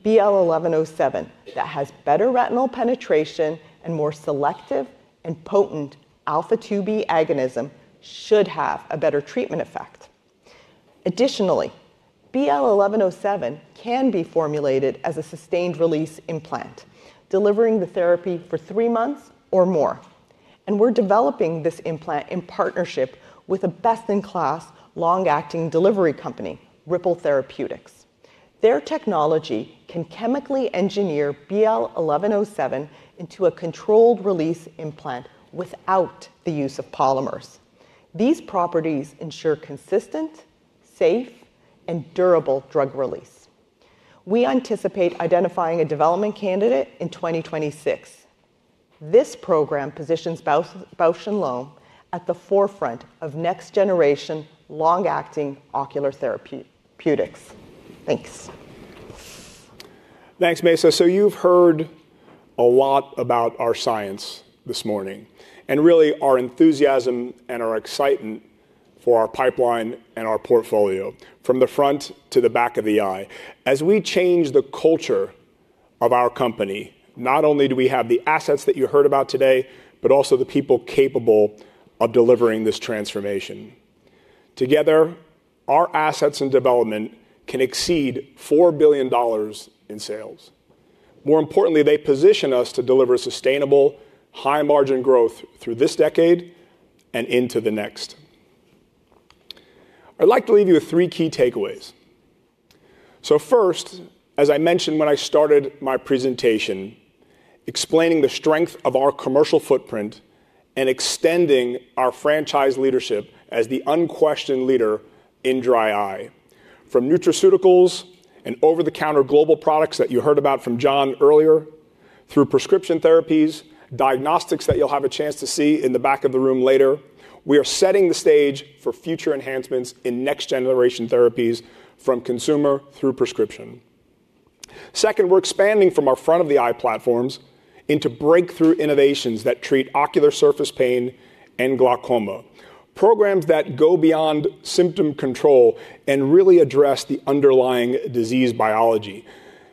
BL1107 that has better retinal penetration and more selective and potent alpha-2B agonism should have a better treatment effect. Additionally, BL1107 can be formulated as a sustained release implant, delivering the therapy for three months or more. We are developing this implant in partnership with a best-in-class long-acting delivery company, Ripple Therapeutics. Their technology can chemically engineer BL1107 into a controlled release implant without the use of polymers. These properties ensure consistent, safe, and durable drug release. We anticipate identifying a development candidate in 2026. This program positions Bausch + Lomb at the forefront of next-generation long-acting ocular therapeutics. Thanks. Thanks, Mayssa. You have heard a lot about our science this morning and really our enthusiasm and our excitement for our pipeline and our portfolio from the front to the back of the eye. As we change the culture of our company, not only do we have the assets that you heard about today, but also the people capable of delivering this transformation. Together, our assets and development can exceed $4 billion in sales. More importantly, they position us to deliver sustainable, high-margin growth through this decade and into the next. I'd like to leave you with three key takeaways. First, as I mentioned when I started my presentation, explaining the strength of our commercial footprint and extending our franchise leadership as the unquestioned leader in dry eye. From nutraceuticals and over-the-counter global products that you heard about from John earlier, through prescription therapies, diagnostics that you'll have a chance to see in the back of the room later, we are setting the stage for future enhancements in next-generation therapies from consumer through prescription. Second, we're expanding from our front-of-the-eye platforms into breakthrough innovations that treat ocular surface pain and glaucoma, programs that go beyond symptom control and really address the underlying disease biology.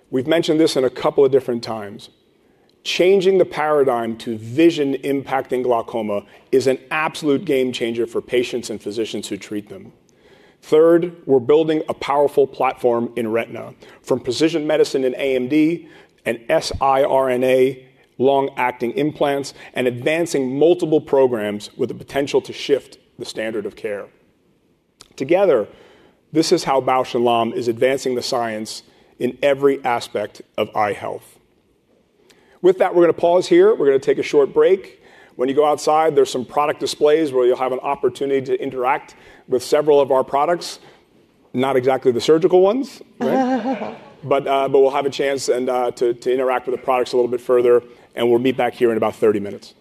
We've mentioned this a couple of different times. Changing the paradigm to vision-impacting glaucoma is an absolute game changer for patients and physicians who treat them. Third, we're building a powerful platform in retina from precision medicine in AMD and siRNA long-acting implants and advancing multiple programs with the potential to shift the standard of care. Together, this is how Bausch + Lomb is advancing the science in every aspect of eye health. With that, we're going to pause here. We're going to take a short break. When you go outside, there's some product displays where you'll have an opportunity to interact with several of our products, not exactly the surgical ones, but we'll have a chance to interact with the products a little bit further. We'll meet back here in about 30 minutes.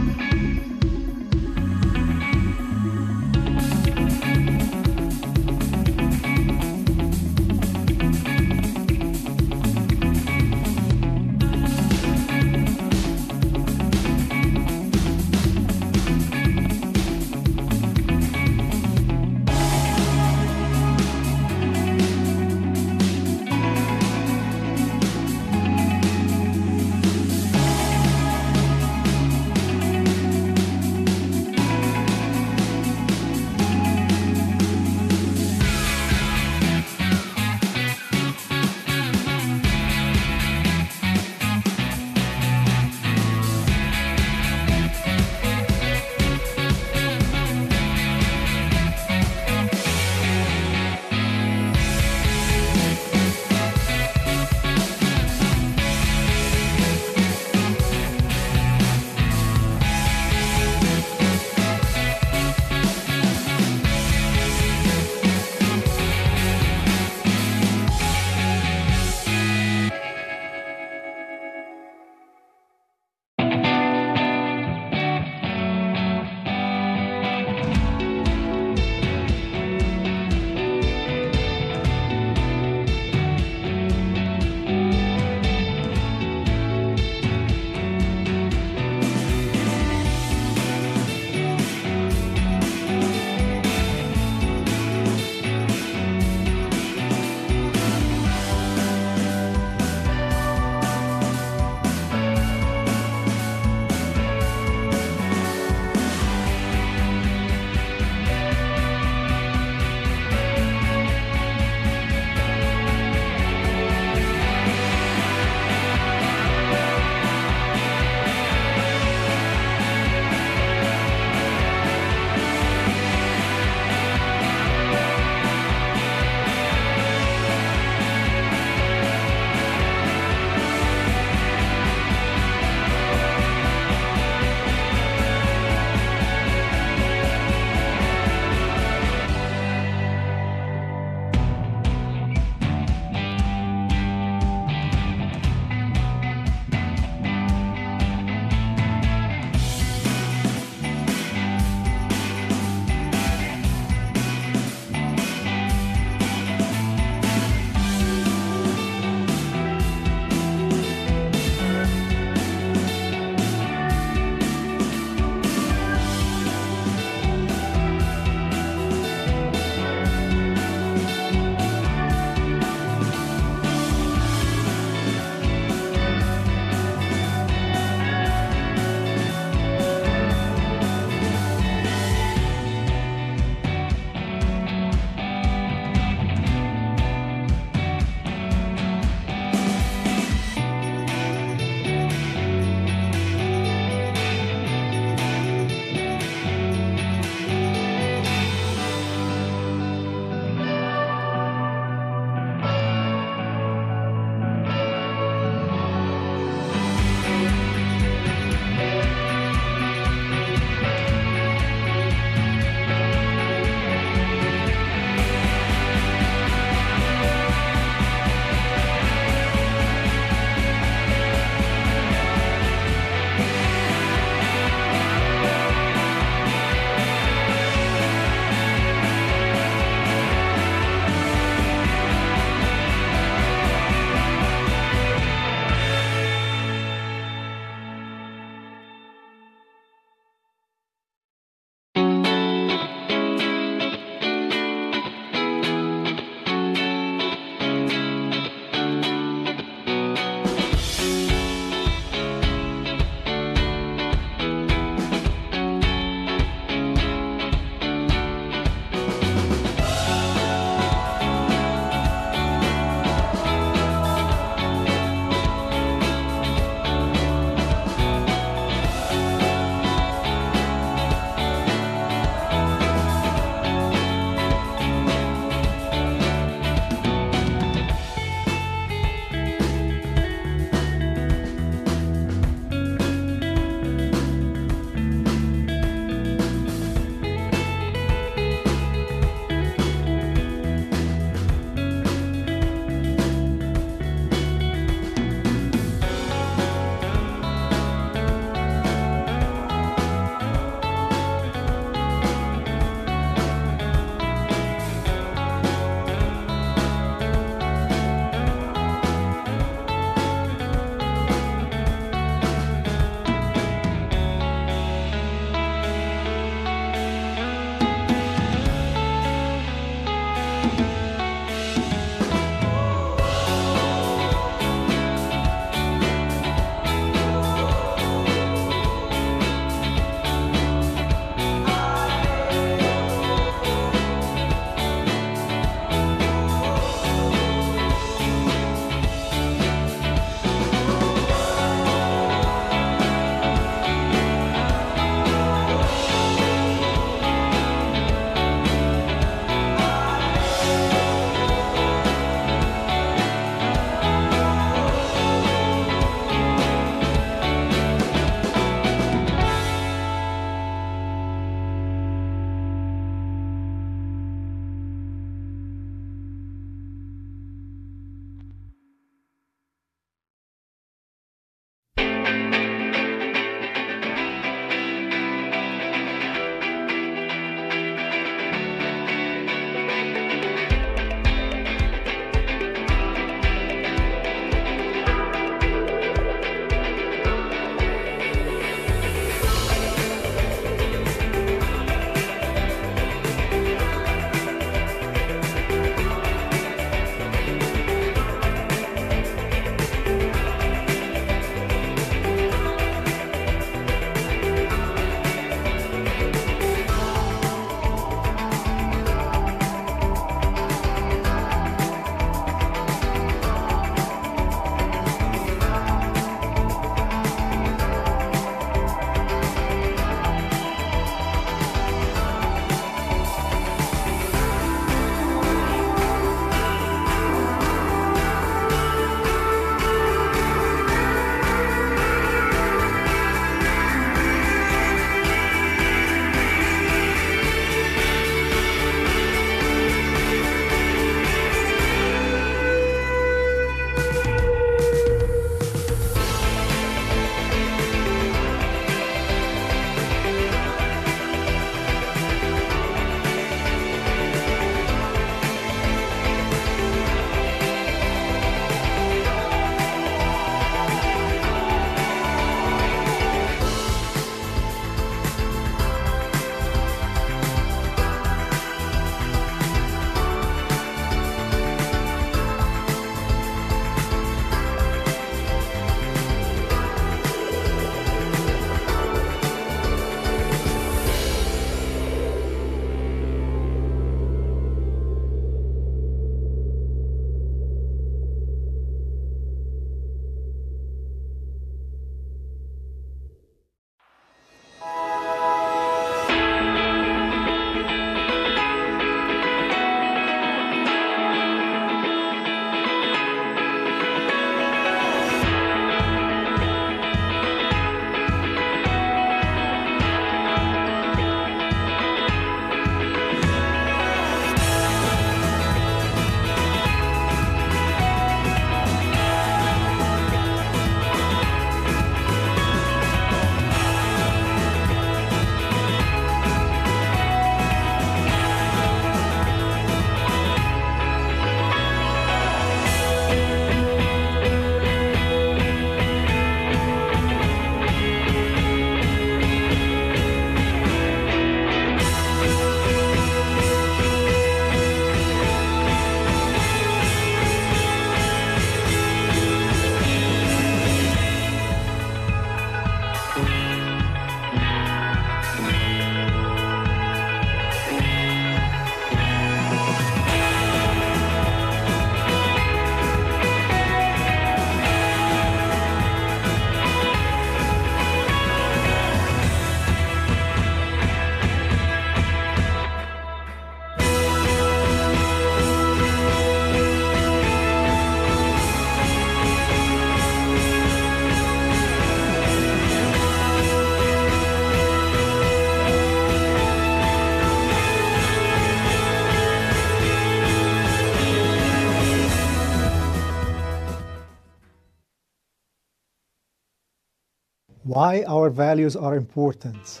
Yep. Thanks. Why are our values important?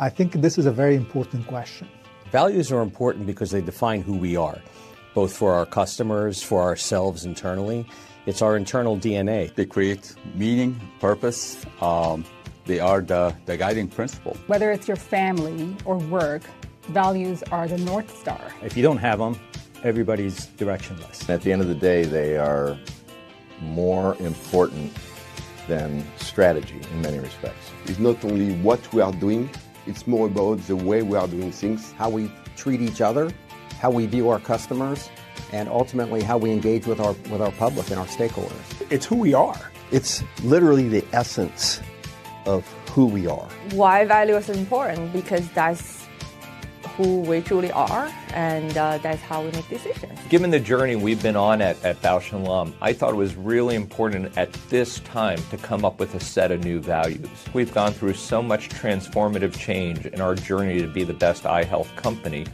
I think this is a very important question. Values are important because they define who we are, both for our customers, for ourselves internally. It's our internal DNA. They create meaning, purpose. They are the guiding principle. Whether it's your family or work, values are the North Star. If you don't have them, everybody's directionless. At the end of the day, they are more important than strategy in many respects. It's not only what we are doing; it's more about the way we are doing things, how we treat each other, how we view our customers, and ultimately how we engage with our public and our stakeholders. It's who we are. It's literally the essence of who we are. Why are values important? Because that's who we truly are, and that's how we make decisions. Given the journey we've been on at Bausch + Lomb, I thought it was really important at this time to come up with a set of new values. We've gone through so much transformative change in our journey to be the best eye health company.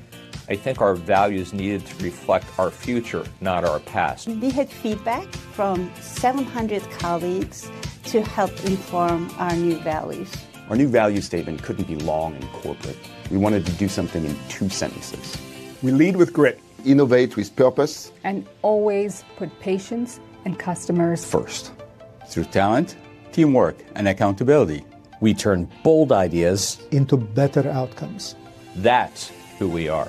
I think our values needed to reflect our future, not our past. We had feedback from 700 colleagues to help inform our new values. Our new value statement couldn't be long and corporate. We wanted to do something in two sentences. We lead with grit, innovate with purpose, and always put patients and customers first. Through talent, teamwork, and accountability, we turn bold ideas into better outcomes. That's wao we are.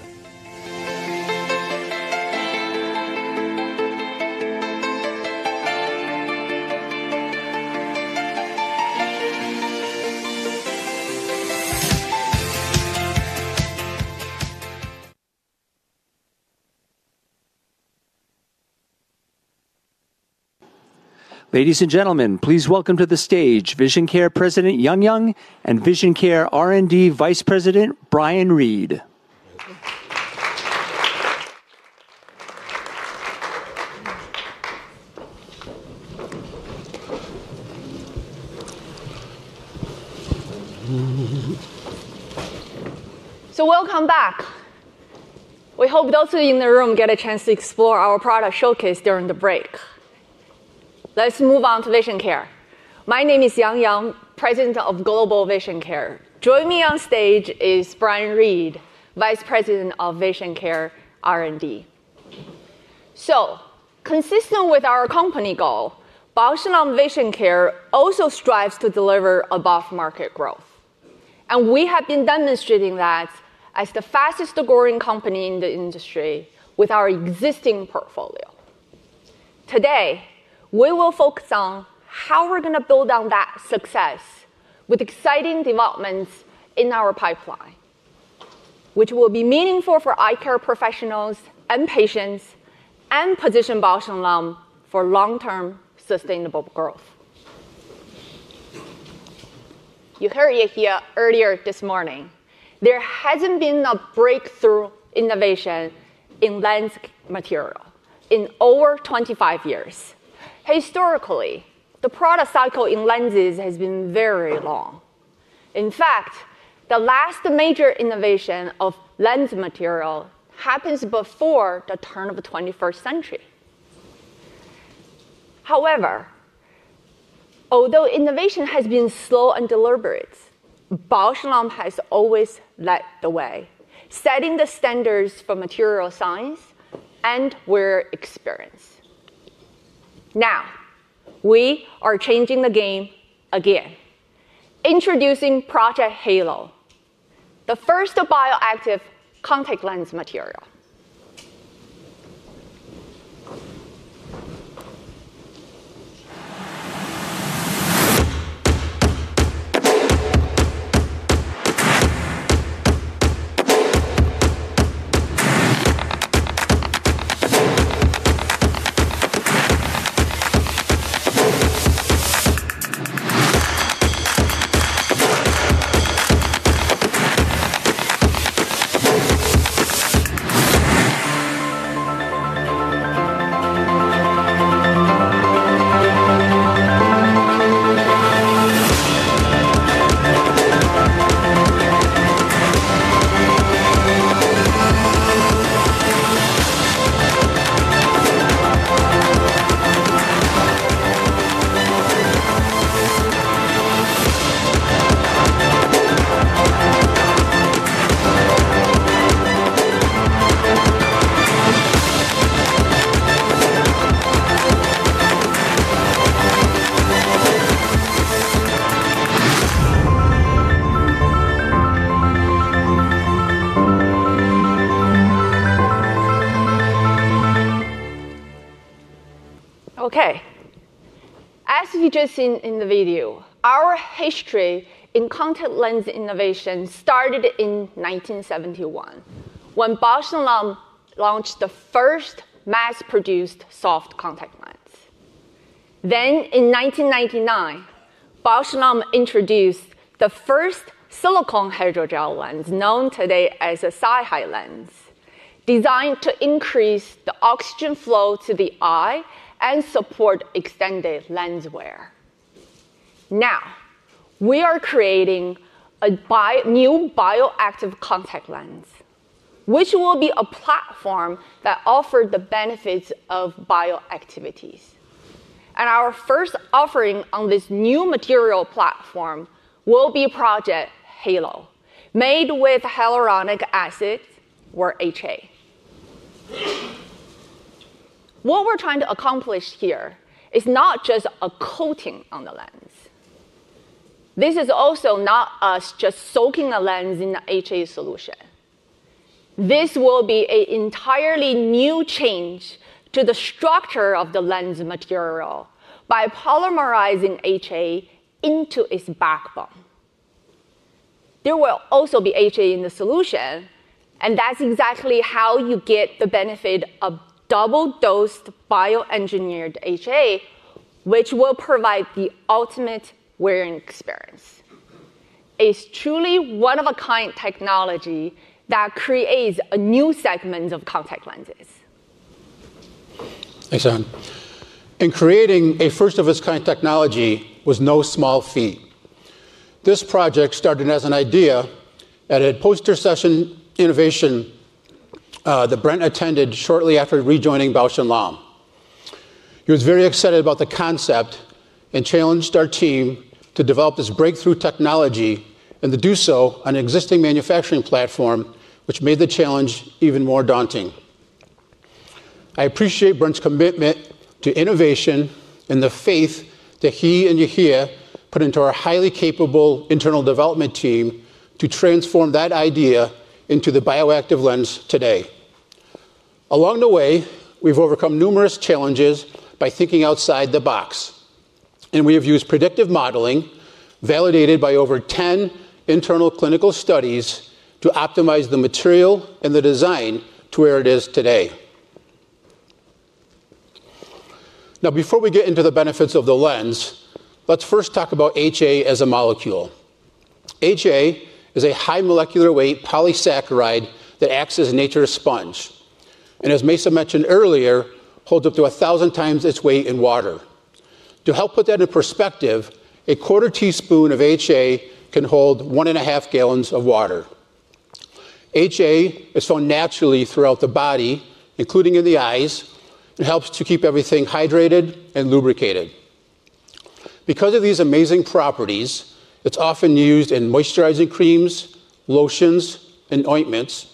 Ladies and gentlemen, please welcome to the stage Vision Care President Yang Yang and Vision Care R&D Vice President Bryan Reed. So welcome back. We hope those in the room get a chance to explore our product showcase during the break. Let's move on to VisionCare. My name is Yang Yang, President of Global VisionCare. Joining me on stage is Bryan Reed, Vice President of VisionCare R&D. Consistent with our company goal, Bausch + Lomb VisionCare also strives to deliver above-market growth. We have been demonstrating that as the fastest-growing company in the industry with our existing portfolio. Today, we will focus on how we're going to build on that success with exciting developments in our pipeline, which will be meaningful for eye care professionals and patients and position Bausch + Lomb for long-term sustainable growth. You heard it here earlier this morning. There hasn't been a breakthrough innovation in lens material in over 25 years. Historically, the product cycle in lenses has been very long. In fact, the last major innovation of lens material happens before the turn of the 21st century. However, although innovation has been slow and deliberate, Bausch + Lomb has always led the way, setting the standards for material science and wear experience. Now, we are changing the game again, introducing Project Halo, the first bioactive contact lens material. Okay. As we just seen in the video, our history in contact lens innovation started in 1971 when Bausch + Lomb launched the first mass-produced soft contact lens. Then, in 1999, Bausch + Lomb introduced the first silicone hydrogel lens, known today as a SiHi lens, designed to increase the oxygen flow to the eye and support extended lens wear. Now, we are creating a new bioactive contact lens, which will be a platform that offers the benefits of bioactivities. Our first offering on this new material platform will be Project Halo, made with hyaluronic acid, or HA. What we're trying to accomplish here is not just a coating on the lens. This is also not us just soaking a lens in the HA solution. This will be an entirely new change to the structure of the lens material by polymerizing HA into its backbone. There will also be HA in the solution, and that's exactly how you get the benefit of double-dosed bioengineered HA, which will provide the ultimate wearing experience. It's truly one-of-a-kind technology that creates a new segment of contact lenses. Thanks, Yang. Creating a first-of-its-kind technology was no small feat. This project started as an idea at a poster session innovation that Brent attended shortly after rejoining Bausch + Lomb. He was very excited about the concept and challenged our team to develop this breakthrough technology and to do so on an existing manufacturing platform, which made the challenge even more daunting. I appreciate Brent's commitment to innovation and the faith that he and Yehia put into our highly capable internal development team to transform that idea into the bioactive lens today. Along the way, we've overcome numerous challenges by thinking outside the box, and we have used predictive modeling validated by over 10 internal clinical studies to optimize the material and the design to where it is today. Now, before we get into the benefits of the lens, let's first talk about HA as a molecule. HA is a high molecular weight polysaccharide that acts as a nature sponge and, as Mayssa mentioned earlier, holds up to 1,000 times its weight in water. To help put that in perspective, a quarter teaspoon of HA can hold one and a half gallons of water. HA is found naturally throughout the body, including in the eyes, and helps to keep everything hydrated and lubricated. Because of these amazing properties, it's often used in moisturizing creams, lotions, and ointments.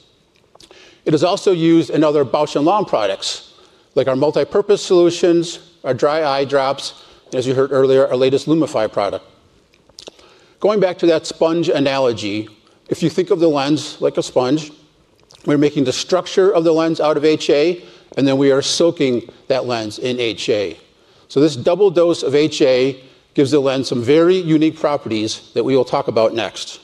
It is also used in other Bausch + Lomb products, like our multipurpose solutions, our dry eye drops, and, as you heard earlier, our latest Lumify product. Going back to that sponge analogy, if you think of the lens like a sponge, we're making the structure of the lens out of HA, and then we are soaking that lens in HA. This double dose of HA gives the lens some very unique properties that we will talk about next.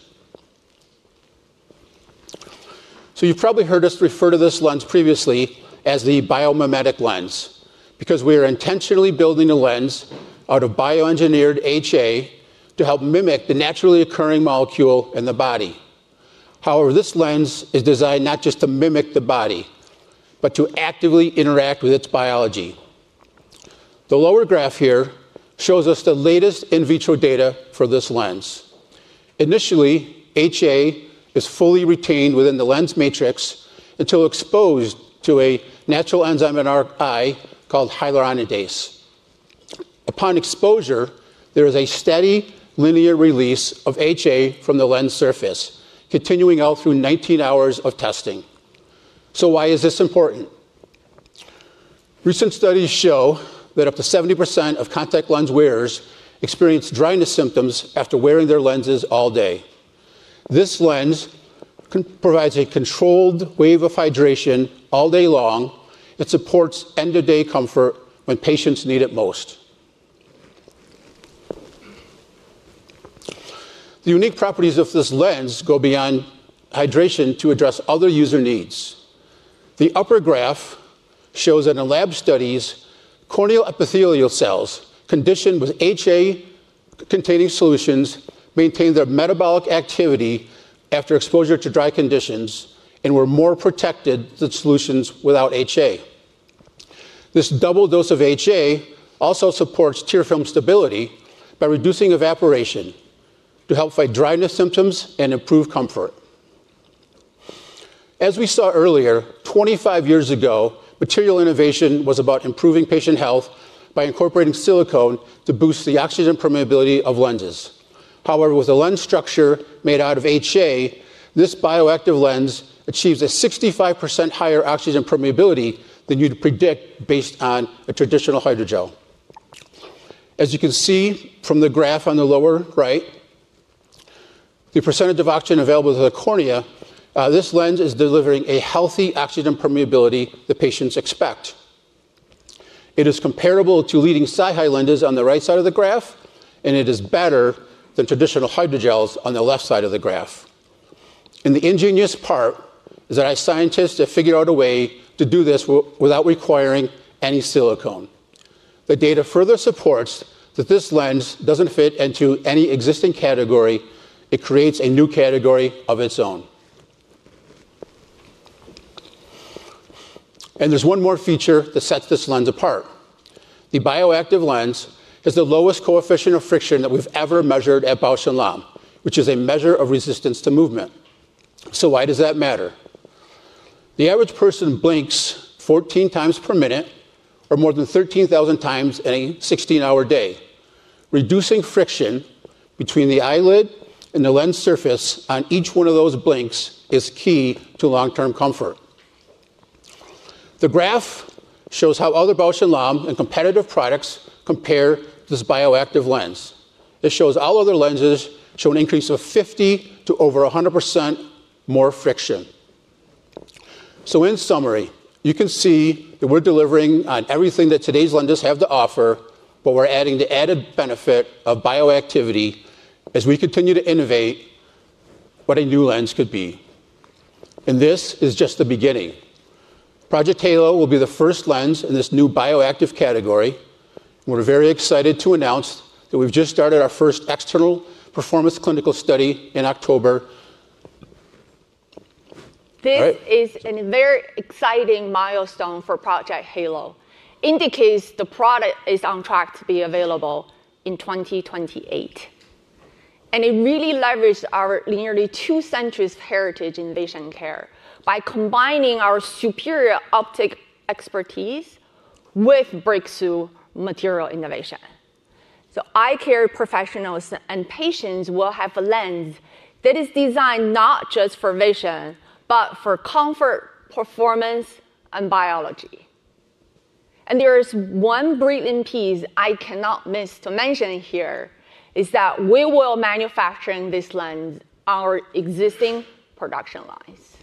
You've probably heard us refer to this lens previously as the biomimetic lens because we are intentionally building a lens out of bioengineered HA to help mimic the naturally occurring molecule in the body. However, this lens is designed not just to mimic the body, but to actively interact with its biology. The lower graph here shows us the latest in vitro data for this lens. Initially, HA is fully retained within the lens matrix until exposed to a natural enzyme in our eye called hyaluronidase. Upon exposure, there is a steady linear release of HA from the lens surface, continuing out through 19 hours of testing. Why is this important? Recent studies show that up to 70% of contact lens wearers experience dryness symptoms after wearing their lenses all day. This lens provides a controlled wave of hydration all day long and supports end-of-day comfort when patients need it most. The unique properties of this lens go beyond hydration to address other user needs. The upper graph shows that in lab studies, corneal epithelial cells conditioned with HA-containing solutions maintain their metabolic activity after exposure to dry conditions and were more protected than solutions without HA. This double dose of HA also supports tear film stability by reducing evaporation to help fight dryness symptoms and improve comfort. As we saw earlier, 25 years ago, material innovation was about improving patient health by incorporating silicone to boost the oxygen permeability of lenses. However, with a lens structure made out of HA, this bioactive lens achieves a 65% higher oxygen permeability than you'd predict based on a traditional hydrogel. As you can see from the graph on the lower right, the percentage of oxygen available to the cornea, this lens is delivering a healthy oxygen permeability that patients expect. It is comparable to leading SiHi lenses on the right side of the graph, and it is better than traditional hydrogels on the left side of the graph. The ingenious part is that our scientists have figured out a way to do this without requiring any silicone. The data further supports that this lens does not fit into any existing category; it creates a new category of its own. There is one more feature that sets this lens apart. The bioactive lens has the lowest coefficient of friction that we have ever measured at Bausch + Lomb, which is a measure of resistance to movement. So why does that matter? The average person blinks 14 times per minute, or more than 13,000 times in a 16-hour day. Reducing friction between the eyelid and the lens surface on each one of those blinks is key to long-term comfort. The graph shows how other Bausch + Lomb and competitive products compare to this bioactive lens. It shows all other lenses show an increase of 50% to over 100% more friction. In summary, you can see that we're delivering on everything that today's lenses have to offer, but we're adding the added benefit of bioactivity as we continue to innovate what a new lens could be. This is just the beginning. Project Halo will be the first lens in this new bioactive category, and we're very excited to announce that we've just started our first external performance clinical study in October. This is a very exciting milestone for Project Halo. It indicates the product is on track to be available in 2028. It really leverages our nearly two centuries of heritage in vision care by combining our superior optic expertise with breakthrough material innovation. Eye care professionals and patients will have a lens that is designed not just for vision, but for comfort, performance, and biology. There is one breathing piece I cannot miss to mention here: we will manufacture this lens on our existing production lines.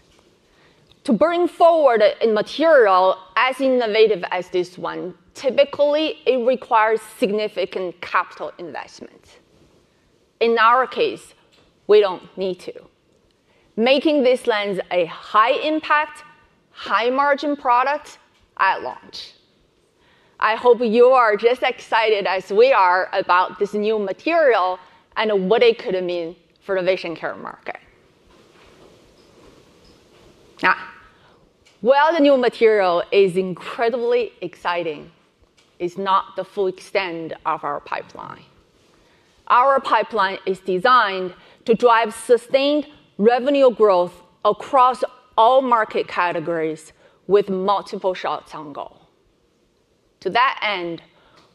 To bring forward a material as innovative as this one, typically, it requires significant capital investment. In our case, we do not need to, making this lens a high-impact, high-margin product at launch. I hope you are just as excited as we are about this new material and what it could mean for the vision care market. Now, while the new material is incredibly exciting, it's not the full extent of our pipeline. Our pipeline is designed to drive sustained revenue growth across all market categories with multiple shots on goal. To that end,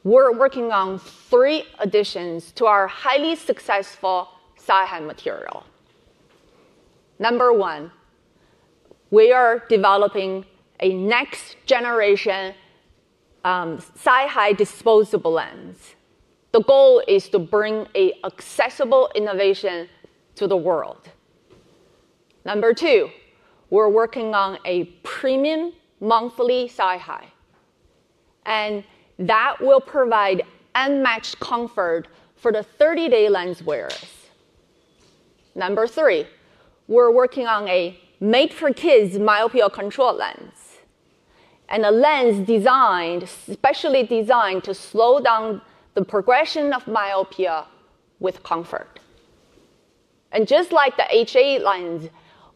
we're working on three additions to our highly successful SiHi material. Number one, we are developing a next-generation SiHi disposable lens. The goal is to bring an accessible innovation to the world. Number two, we're working on a premium monthly SiHi, and that will provide unmatched comfort for the 30-day lens wearers. Number three, we're working on a made-for-kids myopia control lens and a lens designed, specially designed to slow down the progression of myopia with comfort. Just like the HA lens,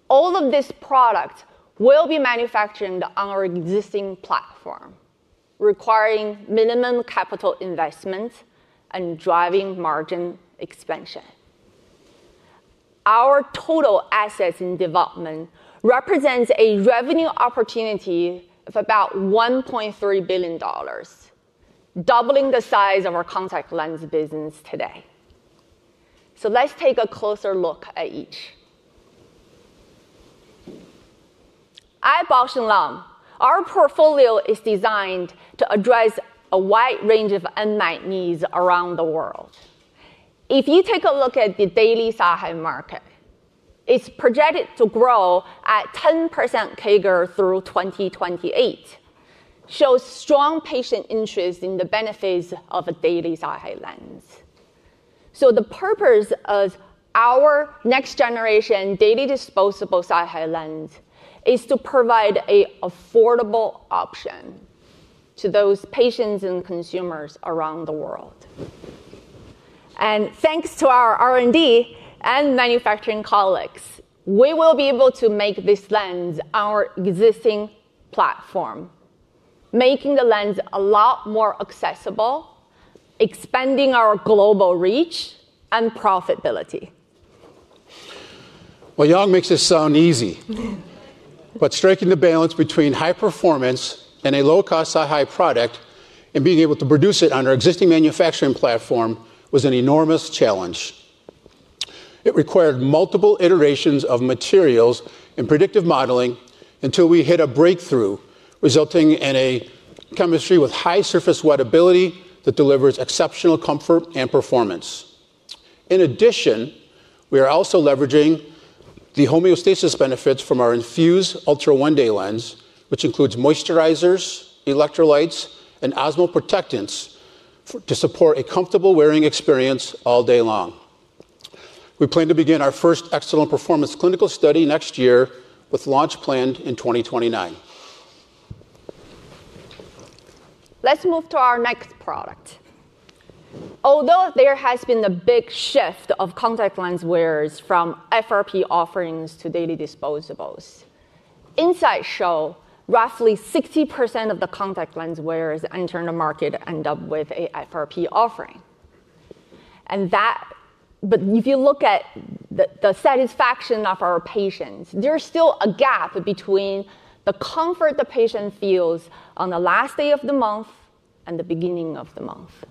all of this product will be manufactured on our existing platform, requiring minimum capital investment and driving margin expansion. Our total assets in development represent a revenue opportunity of about $1.3 billion, doubling the size of our contact lens business today. Let's take a closer look at each. At Bausch + Lomb, our portfolio is designed to address a wide range of unmet needs around the world. If you take a look at the daily SiHi market, it's projected to grow at 10% CAGR through 2028, showing strong patient interest in the benefits of a daily SiHi lens. The purpose of our next-generation daily disposable SiHi lens is to provide an affordable option to those patients and consumers around the world. Thanks to our R&D and manufacturing colleagues, we will be able to make this lens on our existing platform, making the lens a lot more accessible, expanding our global reach and profitability. Yang makes it sound easy, but striking the balance between high performance and a low-cost SiHi product and being able to produce it on our existing manufacturing platform was an enormous challenge. It required multiple iterations of materials and predictive modeling until we hit a breakthrough, resulting in a chemistry with high surface wettability that delivers exceptional comfort and performance. In addition, we are also leveraging the homeostasis benefits from our Infuse Ultra One Day lens, which includes moisturizers, electrolytes, and osmoprotectants to support a comfortable wearing experience all day long. We plan to begin our first excellent performance clinical study next year, with launch planned in 2029. Let's move to our next product. Although there has been a big shift of contact lens wearers from FRP offerings to daily disposables, insights show roughly 60% of the contact lens wearers entering the market end up with an FRP offering. If you look at the satisfaction of our patients, there's still a gap between the comfort the patient feels on the last day of the month and the beginning of the month.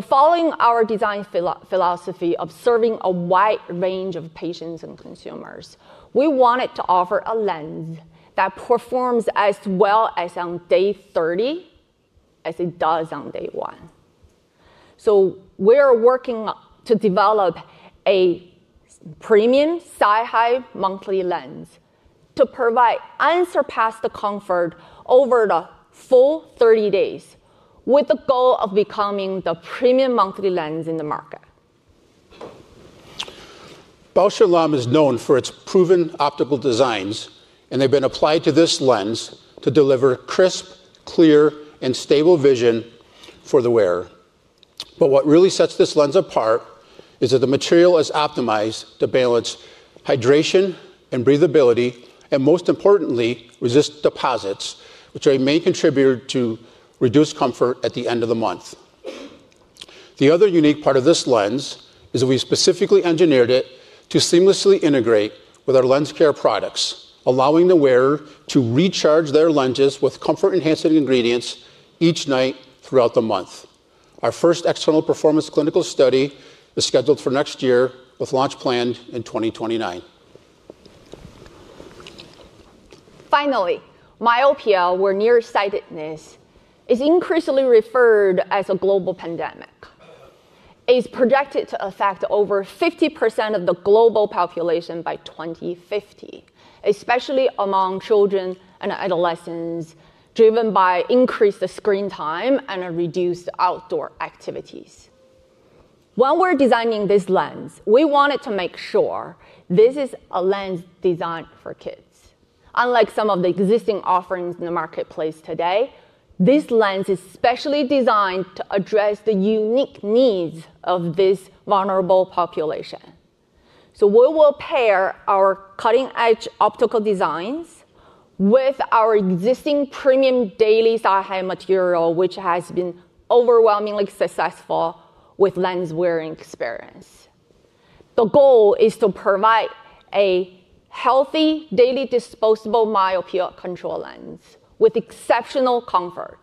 Following our design philosophy of serving a wide range of patients and consumers, we wanted to offer a lens that performs as well on day 30 as it does on day one. We are working to develop a premium SiHi monthly lens to provide unsurpassed comfort over the full 30 days, with the goal of becoming the premium monthly lens in the market. Bausch + Lomb is known for its proven optical designs, and they've been applied to this lens to deliver crisp, clear, and stable vision for the wearer. What really sets this lens apart is that the material is optimized to balance hydration and breathability, and most importantly, resist deposits, which may contribute to reduced comfort at the end of the month. The other unique part of this lens is that we specifically engineered it to seamlessly integrate with our lens care products, allowing the wearer to recharge their lenses with comfort-enhancing ingredients each night throughout the month. Our first external performance clinical study is scheduled for next year, with launch planned in 2029. Finally, myopia, or nearsightedness, is increasingly referred to as a global pandemic. It is projected to affect over 50% of the global population by 2050, especially among children and adolescents, driven by increased screen time and reduced outdoor activities. When we're designing this lens, we wanted to make sure this is a lens designed for kids. Unlike some of the existing offerings in the marketplace today, this lens is specially designed to address the unique needs of this vulnerable population. We will pair our cutting-edge optical designs with our existing premium daily SiHi material, which has been overwhelmingly successful with lens wearing experience. The goal is to provide a healthy daily disposable myopia control lens with exceptional comfort.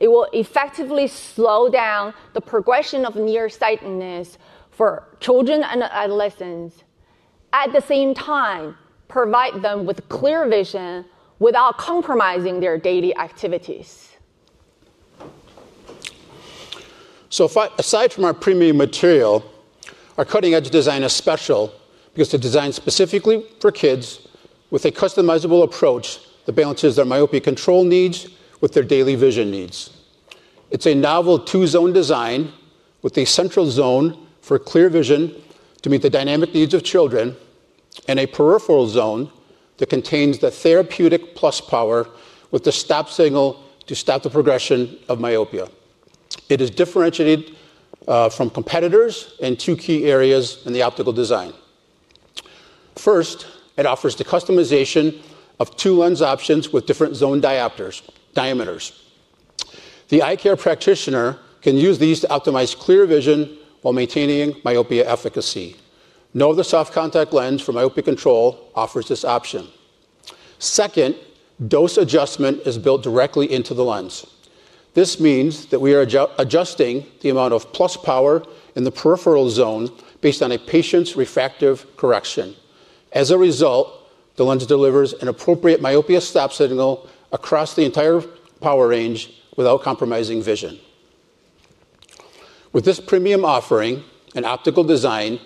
It will effectively slow down the progression of nearsightedness for children and adolescents, at the same time providing them with clear vision without compromising their daily activities. Aside from our premium material, our cutting-edge design is special because it's designed specifically for kids with a customizable approach that balances their myopia control needs with their daily vision needs. It's a novel two-zone design with a central zone for clear vision to meet the dynamic needs of children and a peripheral zone that contains the therapeutic plus power with the stop signal to stop the progression of myopia. It is differentiated from competitors in two key areas in the optical design. First, it offers the customization of two lens options with different zone diameters. The eye care practitioner can use these to optimize clear vision while maintaining myopia efficacy. No other soft contact lens for myopia control offers this option. Second, dose adjustment is built directly into the lens. This means that we are adjusting the amount of plus power in the peripheral zone based on a patient's refractive correction. As a result, the lens delivers an appropriate myopia stop signal across the entire power range without compromising vision. With this premium offering and optical design,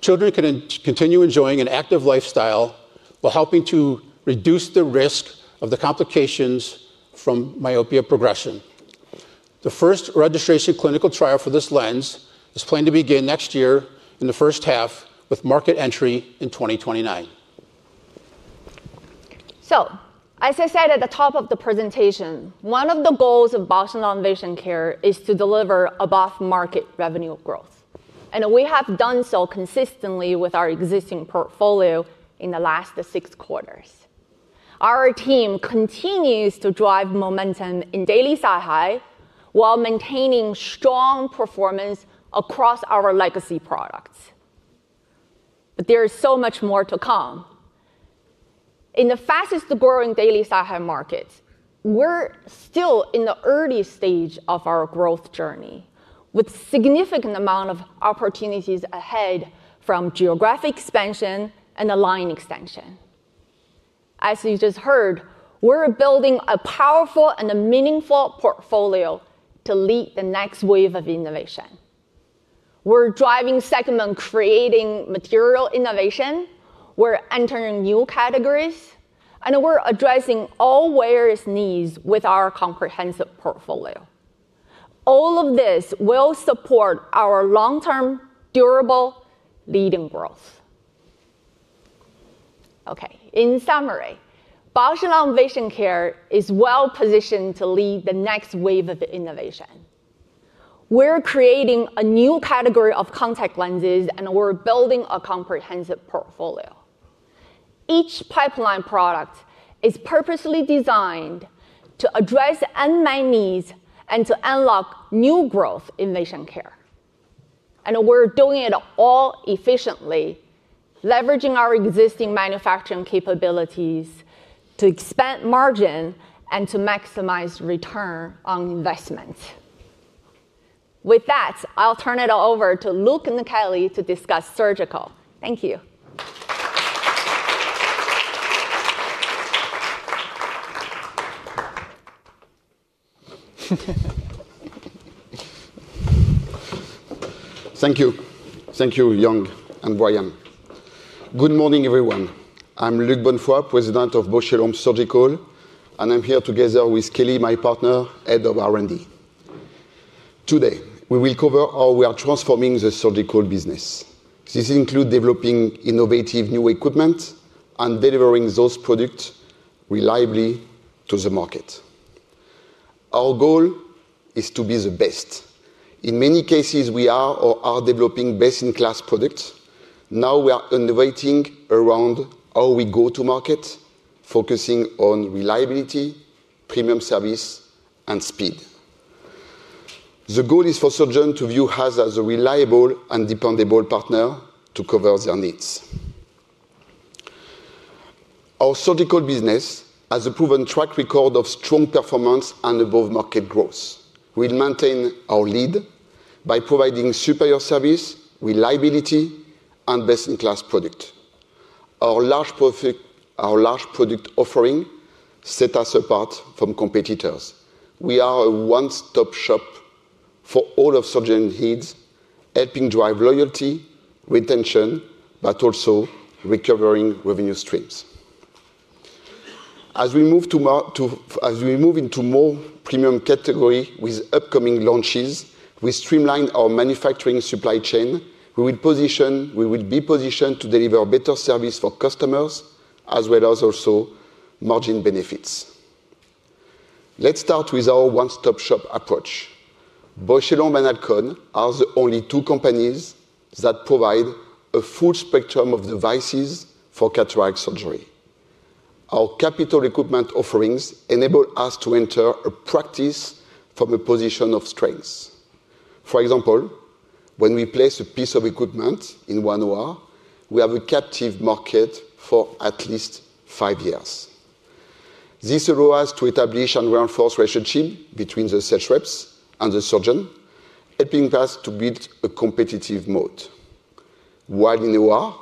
children can continue enjoying an active lifestyle while helping to reduce the risk of the complications from myopia progression. The first registration clinical trial for this lens is planned to begin next year in the first half, with market entry in 2029. As I said at the top of the presentation, one of the goals of Bausch + Lomb Vision Care is to deliver above-market revenue growth. We have done so consistently with our existing portfolio in the last six quarters. Our team continues to drive momentum in daily SiHi while maintaining strong performance across our legacy products. There is so much more to come. In the fastest-growing daily SiHi market, we're still in the early stage of our growth journey, with a significant amount of opportunities ahead from geographic expansion and the line extension. As you just heard, we're building a powerful and meaningful portfolio to lead the next wave of innovation. We're driving segment-creating material innovation. We're entering new categories, and we're addressing all wearers' needs with our comprehensive portfolio. All of this will support our long-term, durable leading growth. Okay, in summary, Bausch + Lomb Vision Care is well-positioned to lead the next wave of innovation. We're creating a new category of contact lenses, and we're building a comprehensive portfolio. Each pipeline product is purposely designed to address unmet needs and to unlock new growth in vision care. We're doing it all efficiently, leveraging our existing manufacturing capabilities to expand margin and to maximize return on investment. With that, I'll turn it over to Luc and Kelly to discuss surgical. Thank you. Thank you. Thank you, Yang and Brian. Good morning, everyone. I'm Luc Bonnefoy, President of Bausch + Lomb Surgical, and I'm here together with Kelly, my partner, Head of R&D. Today, we will cover how we are transforming the surgical business. This includes developing innovative new equipment and delivering those products reliably to the market. Our goal is to be the best. In many cases, we are or are developing best-in-class products. Now we are innovating around how we go to market, focusing on reliability, premium service, and speed. The goal is for surgeons to view us as a reliable and dependable partner to cover their needs. Our surgical business has a proven track record of strong performance and above-market growth. We maintain our lead by providing superior service, reliability, and best-in-class products. Our large product offering sets us apart from competitors. We are a one-stop shop for all of surgeon needs, helping drive loyalty, retention, but also recovering revenue streams. As we move into more premium categories with upcoming launches, we streamline our manufacturing supply chain. We will be positioned to deliver better service for customers as well as also margin benefits. Let's start with our one-stop shop approach. Bausch + Lomb and Alcon are the only two companies that provide a full spectrum of devices for cataract surgery. Our capital equipment offerings enable us to enter a practice from a position of strength. For example, when we place a piece of equipment in one OR, we have a captive market for at least five years. This allows us to establish and reinforce relationships between the sales reps and the surgeon, helping us to build a competitive moat. While in OR,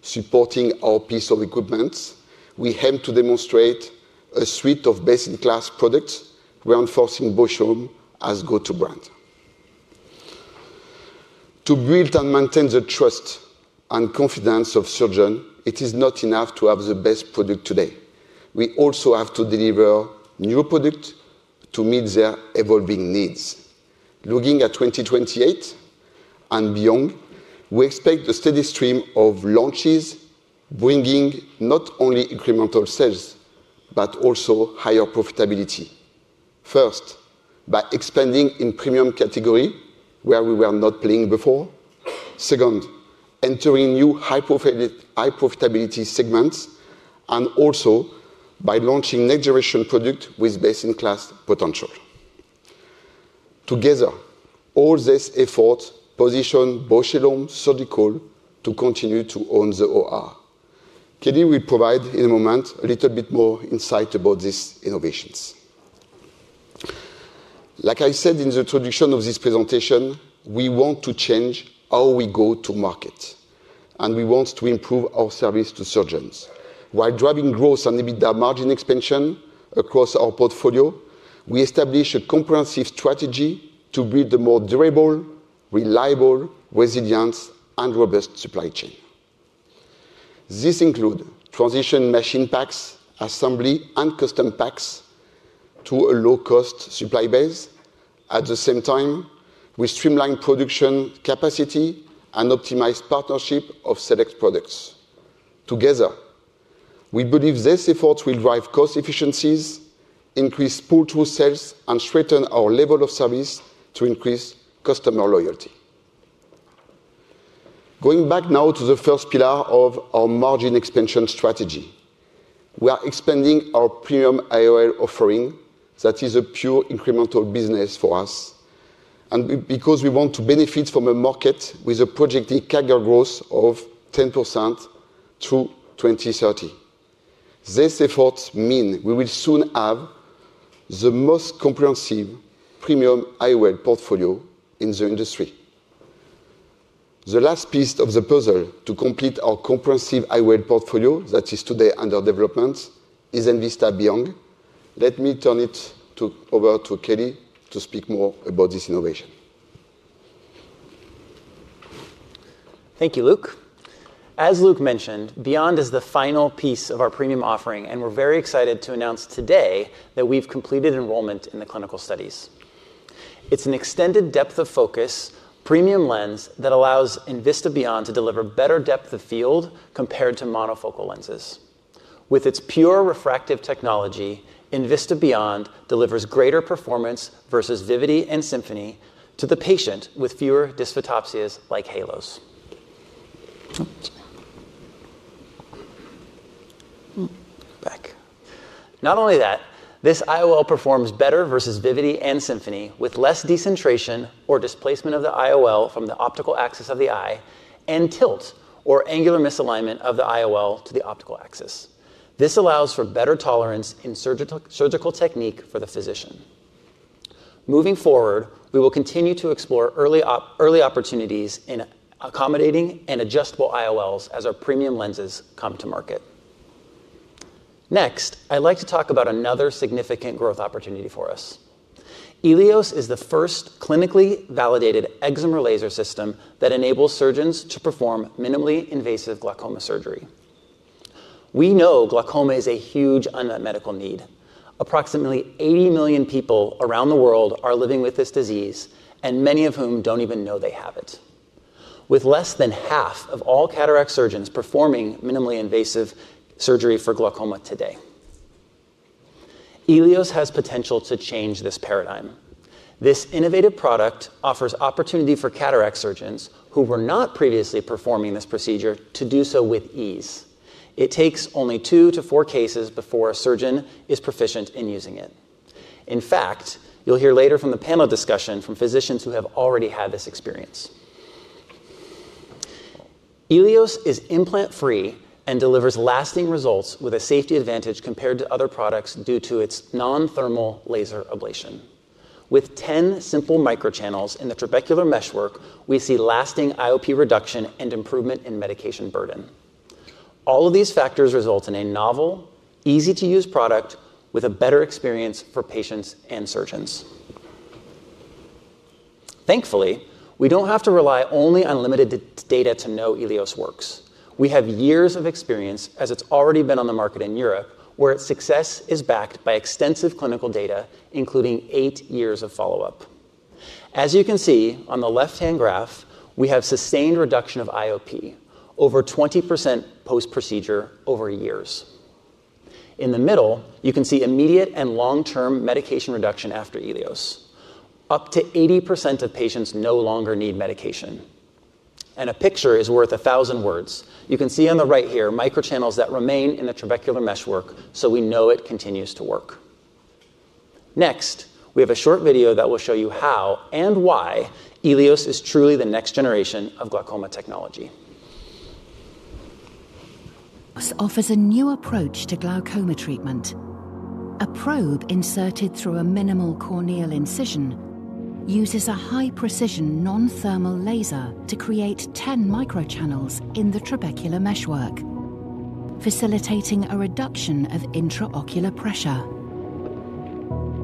supporting our piece of equipment, we aim to demonstrate a suite of best-in-class products, reinforcing Bausch + Lomb as a go-to brand. To build and maintain the trust and confidence of surgeons, it is not enough to have the best product today. We also have to deliver new products to meet their evolving needs. Looking at 2028 and beyond, we expect a steady stream of launches bringing not only incremental sales, but also higher profitability. First, by expanding in premium categories where we were not playing before. Second, entering new high-profitability segments, and also by launching next-generation products with best-in-class potential. Together, all these efforts position Bausch + Lomb Surgical to continue to own the OR. Kelly will provide in a moment a little bit more insight about these innovations. Like I said in the introduction of this presentation, we want to change how we go to market, and we want to improve our service to surgeons. While driving growth and EBITDA margin expansion across our portfolio, we establish a comprehensive strategy to build a more durable, reliable, resilient, and robust supply chain. This includes transition machine packs, assembly, and custom packs to a low-cost supply base. At the same time, we streamline production capacity and optimize partnerships of select products. Together, we believe these efforts will drive cost efficiencies, increase pull-through sales, and strengthen our level of service to increase customer loyalty. Going back now to the first pillar of our margin expansion strategy, we are expanding our premium IOL offering. That is a pure incremental business for us, and because we want to benefit from a market with a projected CAGR growth of 10% through 2030. These efforts mean we will soon have the most comprehensive premium IOL portfolio in the industry. The last piece of the puzzle to complete our comprehensive IOL portfolio that is today under development is Envista Beyond. Let me turn it over to Kelly to speak more about this innovation. Thank you, Luc. As Luc mentioned, Beyond is the final piece of our premium offering, and we're very excited to announce today that we've completed enrollment in the clinical studies. It's an extended depth of focus premium lens that allows Envista Beyond to deliver better depth of field compared to monofocal lenses. With its pure refractive technology, Envista Beyond delivers greater performance versus Vivity and Symphony to the patient with fewer dysphotopsias like halos. Back. Not only that, this IOL performs better versus Vivity and Symfony with less decentration or displacement of the IOL from the optical axis of the eye and tilt or angular misalignment of the IOL to the optical axis. This allows for better tolerance in surgical technique for the physician. Moving forward, we will continue to explore early opportunities in accommodating and adjustable IOLs as our premium lenses come to market. Next, I'd like to talk about another significant growth opportunity for us. Elios is the first clinically validated excimer laser system that enables surgeons to perform minimally invasive glaucoma surgery. We know glaucoma is a huge unmet medical need. Approximately 80 million people around the world are living with this disease, and many of whom do not even know they have it, with less than half of all cataract surgeons performing minimally invasive surgery for glaucoma today. Elios has potential to change this paradigm. This innovative product offers opportunity for cataract surgeons who were not previously performing this procedure to do so with ease. It takes only two to four cases before a surgeon is proficient in using it. In fact, you'll hear later from the panel discussion from physicians who have already had this experience. Elios is implant-free and delivers lasting results with a safety advantage compared to other products due to its non-thermal laser ablation. With 10 simple microchannels in the trabecular meshwork, we see lasting IOP reduction and improvement in medication burden. All of these factors result in a novel, easy-to-use product with a better experience for patients and surgeons. Thankfully, we don't have to rely only on limited data to know Elios works. We have years of experience as it's already been on the market in Europe, where its success is backed by extensive clinical data, including eight years of follow-up. As you can see on the left-hand graph, we have sustained reduction of IOP, over 20% post-procedure over years. In the middle, you can see immediate and long-term medication reduction after Elios. Up to 80% of patients no longer need medication. A picture is worth a thousand words. You can see on the right here microchannels that remain in the trabecular meshwork, so we know it continues to work. Next, we have a short video that will show you how and why Elios is truly the next generation of glaucoma technology. Offers a new approach to glaucoma treatment. A probe inserted through a minimal corneal incision uses a high-precision non-thermal laser to create 10 microchannels in the trabecular meshwork, facilitating a reduction of intraocular pressure.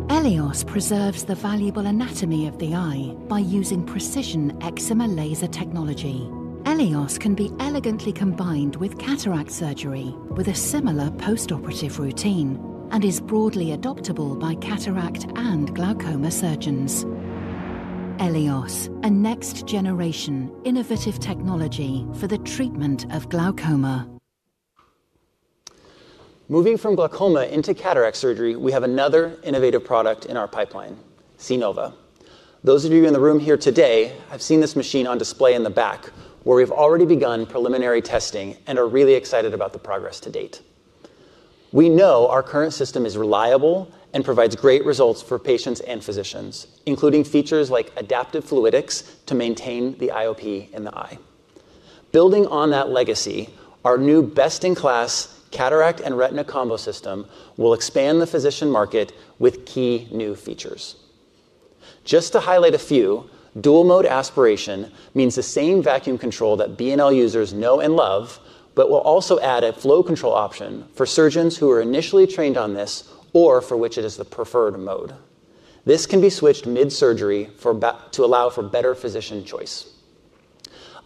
Elios preserves the valuable anatomy of the eye by using precision excimer laser technology. Elios can be elegantly combined with cataract surgery with a similar post-operative routine and is broadly adoptable by cataract and glaucoma surgeons. Elios, a next-generation innovative technology for the treatment of glaucoma. Moving from glaucoma into cataract surgery, we have another innovative product in our pipeline, C-Nova. Those of you in the room here today have seen this machine on display in the back, where we've already begun preliminary testing and are really excited about the progress to date. We know our current system is reliable and provides great results for patients and physicians, including features like adaptive fluidics to maintain the IOP in the eye. Building on that legacy, our new best-in-class cataract and retina combo system will expand the physician market with key new features. Just to highlight a few, dual-mode aspiration means the same vacuum control that Bausch + Lomb users know and love, but will also add a flow control option for surgeons who are initially trained on this or for which it is the preferred mode. This can be switched mid-surgery to allow for better physician choice.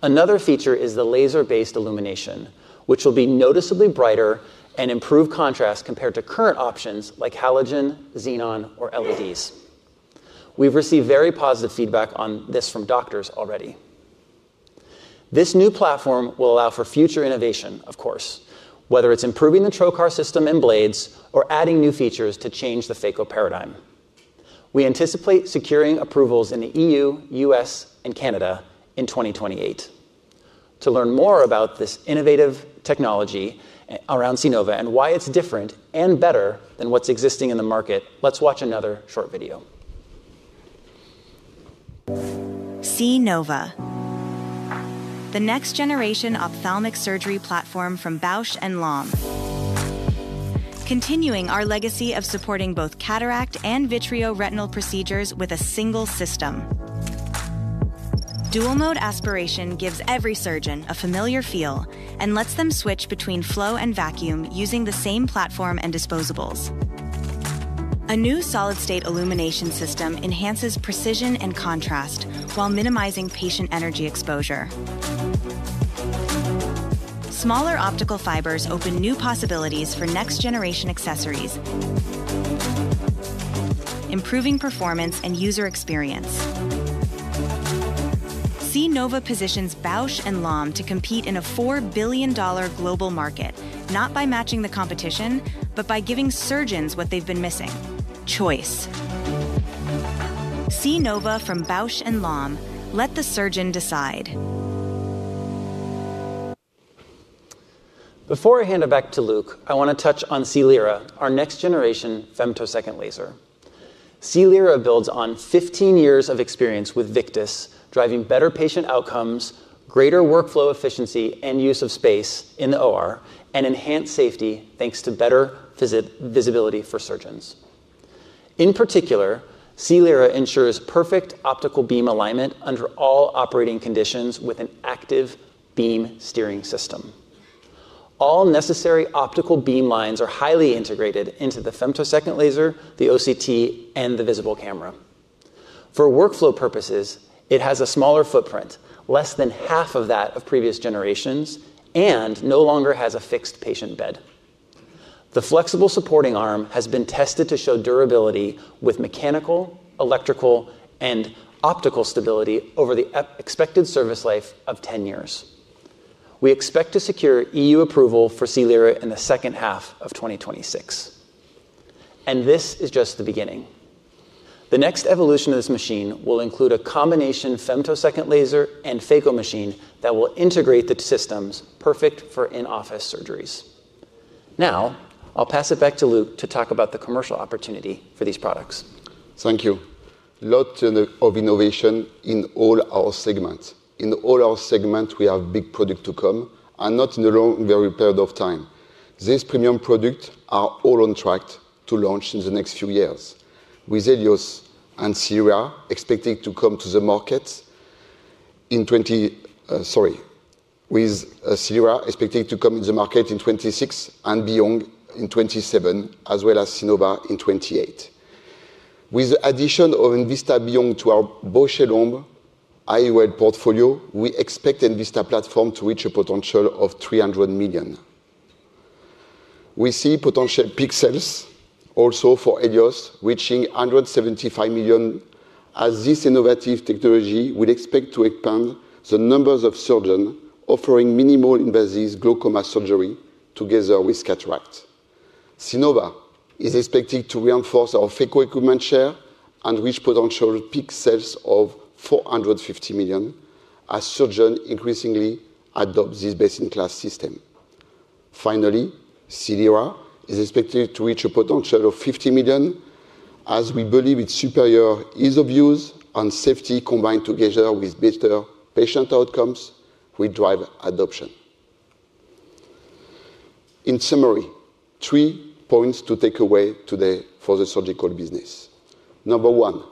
Another feature is the laser-based illumination, which will be noticeably brighter and improve contrast compared to current options like halogen, xenon, or LEDs. We've received very positive feedback on this from doctors already. This new platform will allow for future innovation, of course, whether it's improving the trocar system and blades or adding new features to change the phaco paradigm. We anticipate securing approvals in the EU, U.S., and Canada in 2028. To learn more about this innovative technology around C-Nova and why it's different and better than what's existing in the market, let's watch another short video. C-Nova. The next-generation ophthalmic surgery platform from Bausch + Lomb. Continuing our legacy of supporting both cataract and vitreoretinal procedures with a single system. Dual-mode aspiration gives every surgeon a familiar feel and lets them switch between flow and vacuum using the same platform and disposables. A new solid-state illumination system enhances precision and contrast while minimizing patient energy exposure. Smaller optical fibers open new possibilities for next-generation accessories, improving performance and user experience. C-Nova positions Bausch + Lomb to compete in a $4 billion global market, not by matching the competition, but by giving surgeons what they've been missing: choice. C-Nova from Bausch + Lomb, let the surgeon decide. Before I hand it back to Luc, I want to touch on C-Lira, our next-generation femtosecond laser. C-Lira builds on 15 years of experience with Victus, driving better patient outcomes, greater workflow efficiency, and use of space in the OR, and enhanced safety thanks to better visibility for surgeons. In particular, C-Lira ensures perfect optical beam alignment under all operating conditions with an active beam steering system. All necessary optical beam lines are highly integrated into the femtosecond laser, the OCT, and the visible camera. For workflow purposes, it has a smaller footprint, less than half of that of previous generations, and no longer has a fixed patient bed. The flexible supporting arm has been tested to show durability with mechanical, electrical, and optical stability over the expected service life of 10 years. We expect to secure EU approval for C-Lira in the second half of 2026. This is just the beginning. The next evolution of this machine will include a combination femtosecond laser and phaco machine that will integrate the systems, perfect for in-office surgeries. Now, I'll pass it back to Luc to talk about the commercial opportunity for these products. Thank you. Lots of innovation in all our segments. In all our segments, we have big products to come and not in a long period of time. These premium products are all on track to launch in the next few years, with Elios and C-Lira expecting to come to the market in 2026 and beyond in 2027, as well as C-Nova in 2028. With the addition of Envista Beyond to our Bausch + Lomb IOL portfolio, we expect the Envista platform to reach a potential of $300 million. We see potential pixels also for Elios reaching $175 million, as this innovative technology will expect to expand the numbers of surgeons offering minimally invasive glaucoma surgery together with cataracts. C-Nova is expected to reinforce our phaco equipment share and reach potential pixels of $450 million as surgeons increasingly adopt this best-in-class system. Finally, C-Lira is expected to reach a potential of $50 million, as we believe its superior ease of use and safety combined together with better patient outcomes will drive adoption. In summary, three points to take away today for the surgical business. Number one,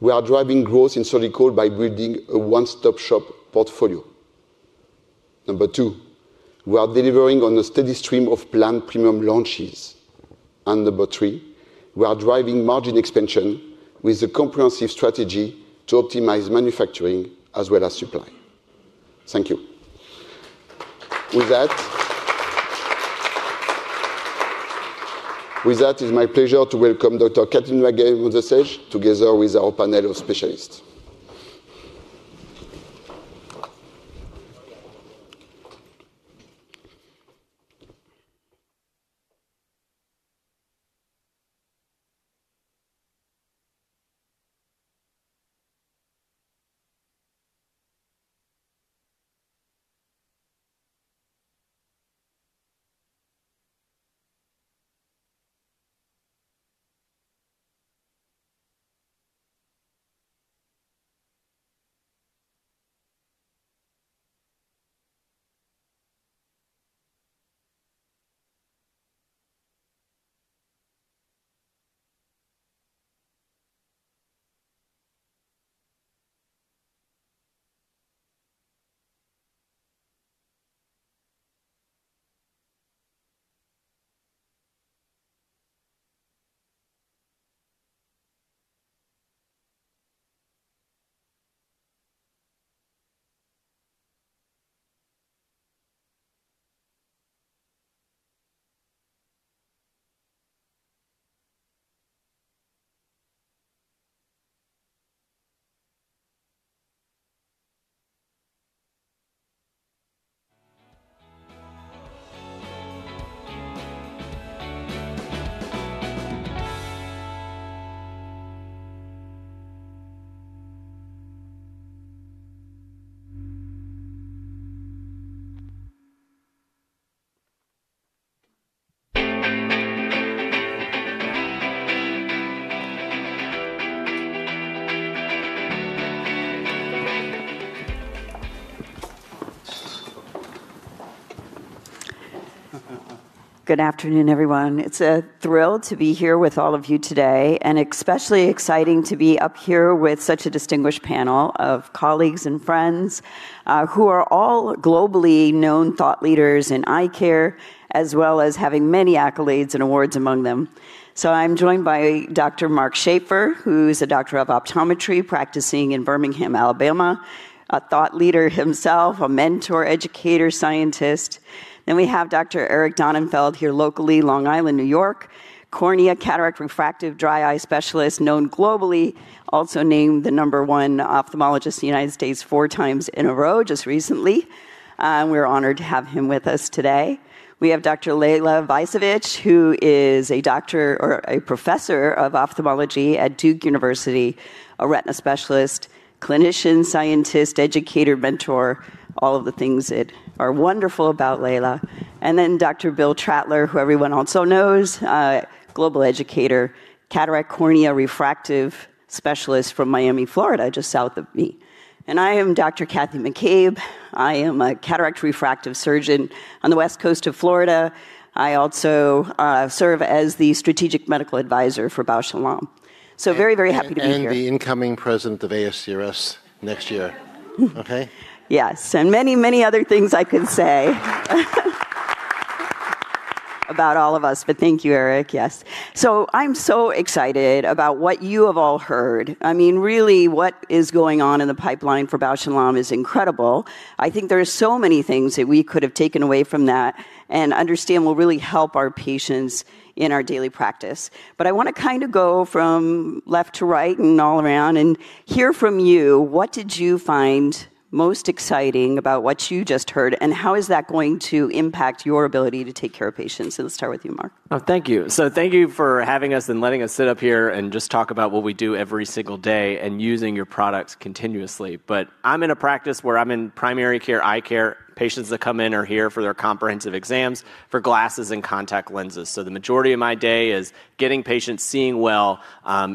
we are driving growth in surgical by building a one-stop-shop portfolio. Number two, we are delivering on a steady stream of planned premium launches. Number three, we are driving margin expansion with a comprehensive strategy to optimize manufacturing as well as supply. Thank you. With that, it is my pleasure to welcome Dr. Karen Wagner-Mozesche together with our panel of specialists. Good afternoon, everyone. It's a thrill to be here with all of you today, and especially exciting to be up here with such a distinguished panel of colleagues and friends who are all globally known thought leaders in eye care, as well as having many accolades and awards among them. I'm joined by Dr. Mark Schaeffer, who's a doctor of optometry practicing in Birmingham, Alabama, a thought leader himself, a mentor, educator, scientist. We have Dr. Eric Donnenfeld here locally, Long Island, New York, cornea, cataract, refractive, dry eye specialist known globally, also named the number one ophthalmologist in the United States four times in a row just recently. We're honored to have him with us today. We have Dr. Leila Alizadeh, who is a doctor or a professor of ophthalmology at Duke University, a retina specialist, clinician, scientist, educator, mentor, all of the things that are wonderful about Leyla. Dr. Bill Trattler, who everyone also knows, a global educator, cataract cornea refractive specialist from Miami, Florida, just south of me. I am Dr. Kathy McCabe. I am a cataract refractive surgeon on the West Coast of Florida. I also serve as the Strategic Medical Advisor for Bausch + Lomb. Very, very happy to be here. I am the incoming president of ASCRS next year. Yes. Many, many other things I could say about all of us, but thank you, Eric. Yes. I am so excited about what you have all heard. I mean, really, what is going on in the pipeline for Bausch + Lomb is incredible. I think there are so many things that we could have taken away from that and understand will really help our patients in our daily practice. I want to kind of go from left to right and all around and hear from you. What did you find most exciting about what you just heard, and how is that going to impact your ability to take care of patients? Let's start with you, Mark. Oh, thank you. Thank you for having us and letting us sit up here and just talk about what we do every single day and using your products continuously. I'm in a practice where I'm in primary care, eye care. Patients that come in are here for their comprehensive exams for glasses and contact lenses. The majority of my day is getting patients seeing well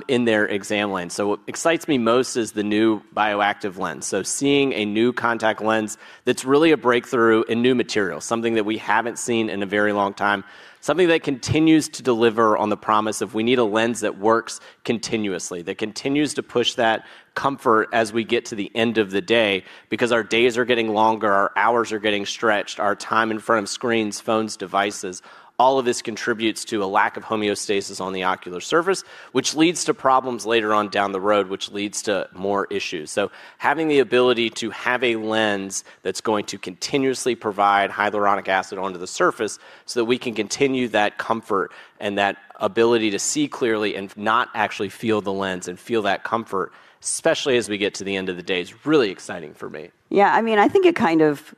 in their exam line. What excites me most is the new bioactive lens. Seeing a new contact lens that's really a breakthrough in new material, something that we haven't seen in a very long time, something that continues to deliver on the promise of we need a lens that works continuously, that continues to push that comfort as we get to the end of the day because our days are getting longer, our hours are getting stretched, our time in front of screens, phones, devices. All of this contributes to a lack of homeostasis on the ocular surface, which leads to problems later on down the road, which leads to more issues. Having the ability to have a lens that's going to continuously provide hyaluronic acid onto the surface so that we can continue that comfort and that ability to see clearly and not actually feel the lens and feel that comfort, especially as we get to the end of the day, is really exciting for me. Yeah. I mean, I think it kind of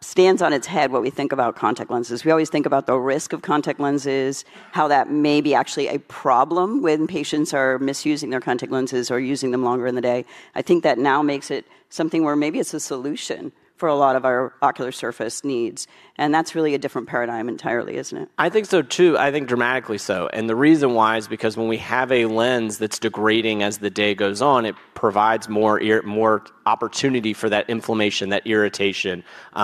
stands on its head what we think about contact lenses. We always think about the risk of contact lenses, how that may be actually a problem when patients are misusing their contact lenses or using them longer in the day. I think that now makes it something where maybe it's a solution for a lot of our ocular surface needs. That's really a different paradigm entirely, isn't it? I think so too. I think dramatically so. The reason why is because when we have a lens that's degrading as the day goes on, it provides more opportunity for that inflammation, that irritation,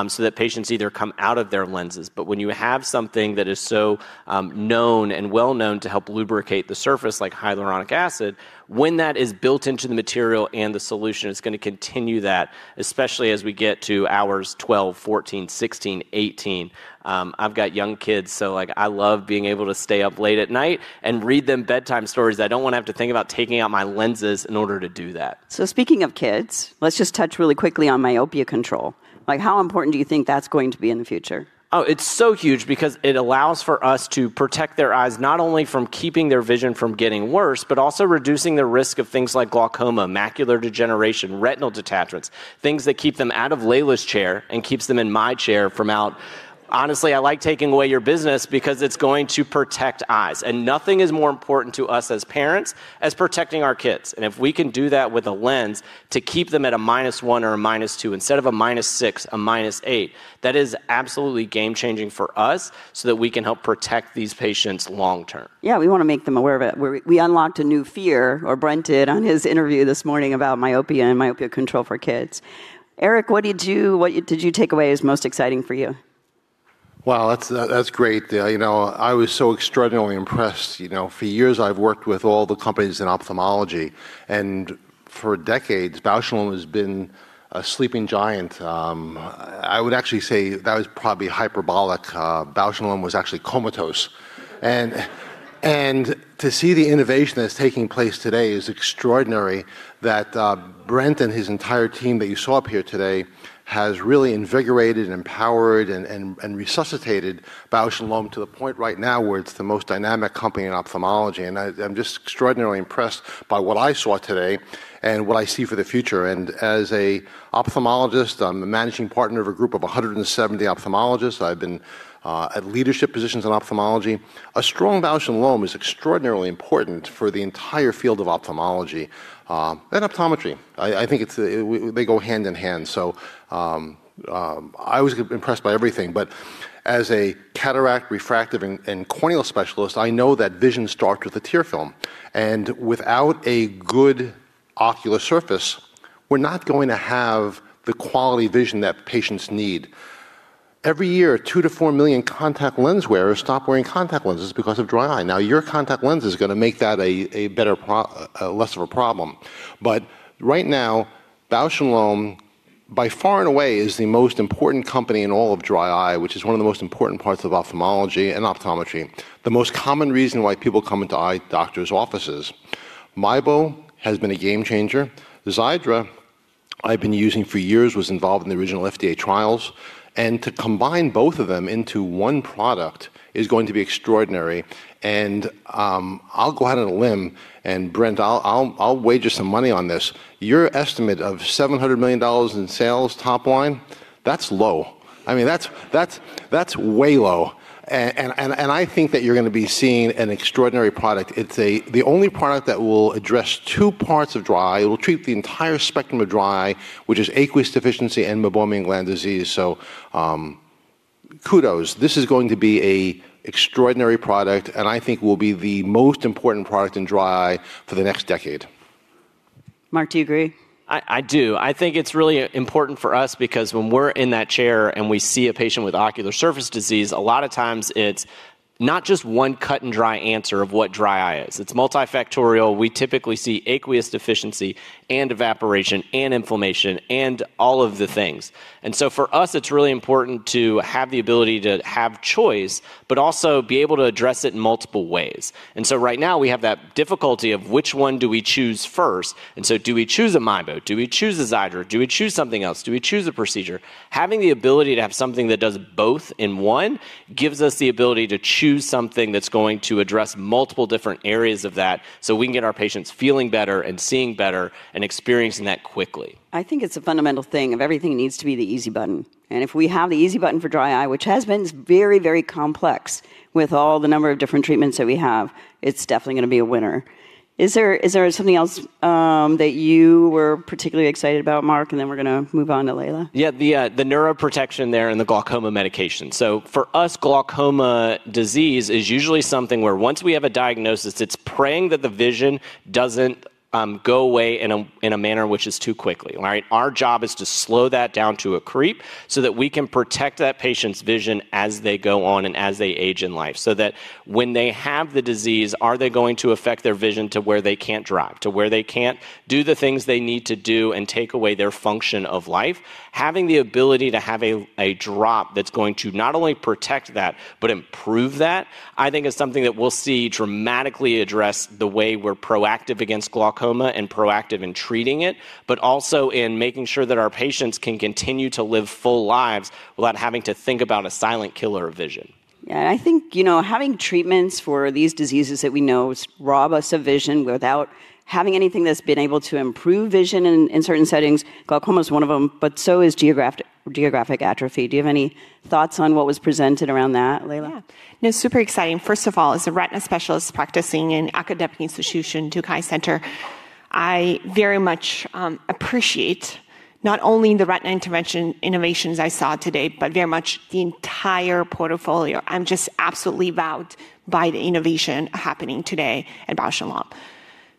so that patients either come out of their lenses. When you have something that is so known and well-known to help lubricate the surface, like hyaluronic acid, when that is built into the material and the solution, it's going to continue that, especially as we get to hours 12, 14, 16, 18. I've got young kids, so I love being able to stay up late at night and read them bedtime stories. I don't want to have to think about taking out my lenses in order to do that. Speaking of kids, let's just touch really quickly on myopia control. How important do you think that's going to be in the future? Oh, it's so huge because it allows for us to protect their eyes not only from keeping their vision from getting worse, but also reducing the risk of things like glaucoma, macular degeneration, retinal detachments, things that keep them out of Leyla's chair and keeps them in my chair from out. Honestly, I like taking away your business because it's going to protect eyes. Nothing is more important to us as parents as protecting our kids. If we can do that with a lens to keep them at a minus one or a minus two instead of a minus six, a minus eight, that is absolutely game-changing for us so that we can help protect these patients long-term. Yeah, we want to make them aware of it. We unlocked a new fear, or Brent did on his interview this morning about myopia and myopia control for kids. Eric, what did you take away as most exciting for you? That's great. I was so extraordinarily impressed. For years, I've worked with all the companies in ophthalmology. And for decades, Bausch + Lomb has been a sleeping giant. I would actually say that was probably hyperbolic. Bausch + Lomb was actually comatose. To see the innovation that's taking place today is extraordinary that Brent and his entire team that you saw up here today has really invigorated and empowered and resuscitated Bausch + Lomb to the point right now where it's the most dynamic company in ophthalmology. I'm just extraordinarily impressed by what I saw today and what I see for the future. As an ophthalmologist, I'm a managing partner of a group of 170 ophthalmologists. I've been at leadership positions in ophthalmology. A strong Bausch + Lomb is extraordinarily important for the entire field of ophthalmology and optometry. I think they go hand in hand. I was impressed by everything. As a cataract, refractive, and corneal specialist, I know that vision starts with the tear film. Without a good ocular surface, we're not going to have the quality vision that patients need. Every year, 2-4 million contact lens wearers stop wearing contact lenses because of dry eye. Your contact lens is going to make that less of a problem. Right now, Bausch + Lomb, by far and away, is the most important company in all of dry eye, which is one of the most important parts of ophthalmology and optometry, the most common reason why people come into eye doctors' offices. Mibo has been a game changer. Xiidra, I've been using for years, was involved in the original FDA trials. To combine both of them into one product is going to be extraordinary. I'll go ahead and limb. Brent, I'll wager some money on this. Your estimate of $700 million in sales top line, that's low. I mean, that's way low. I think that you're going to be seeing an extraordinary product. It's the only product that will address two parts of dry eye. It will treat the entire spectrum of dry eye, which is aqueous deficiency and meibomian gland disease. Kudos. This is going to be an extraordinary product, and I think will be the most important product in dry eye for the next decade. Mark, do you agree? I do. I think it's really important for us because when we're in that chair and we see a patient with ocular surface disease, a lot of times it's not just one cut-and-dry answer of what dry eye is. It's multifactorial. We typically see aqueous deficiency and evaporation and inflammation and all of the things. For us, it's really important to have the ability to have choice, but also be able to address it in multiple ways. Right now, we have that difficulty of which one do we choose first. Do we choose a Mibo? Do we choose a Xiidra? Do we choose something else? Do we choose a procedure? Having the ability to have something that does both in one gives us the ability to choose something that's going to address multiple different areas of that so we can get our patients feeling better and seeing better and experiencing that quickly. I think it's a fundamental thing of everything needs to be the easy button. If we have the easy button for dry eye, which has been very, very complex with all the number of different treatments that we have, it's definitely going to be a winner. Is there something else that you were particularly excited about, Mark, and then we're going to move on to Leyla? Yeah, the neuroprotection there and the glaucoma medication. For us, glaucoma disease is usually something where once we have a diagnosis, it's praying that the vision doesn't go away in a manner which is too quickly. Our job is to slow that down to a creep so that we can protect that patient's vision as they go on and as they age in life, so that when they have the disease, are they going to affect their vision to where they can't drive, to where they can't do the things they need to do and take away their function of life? Having the ability to have a drop that's going to not only protect that, but improve that, I think is something that we'll see dramatically address the way we're proactive against glaucoma and proactive in treating it, but also in making sure that our patients can continue to live full lives without having to think about a silent killer of vision. Yeah. I think having treatments for these diseases that we know rob us of vision without having anything that's been able to improve vision in certain settings, glaucoma is one of them, but so is geographic atrophy. Do you have any thoughts on what was presented around that, Leyla? Yeah. No, super exciting. First of all, as a retina specialist practicing in an academic institution, Duke Eye Center, I very much appreciate not only the retina intervention innovations I saw today, but very much the entire portfolio. I'm just absolutely wowed by the innovation happening today at Bausch + Lomb.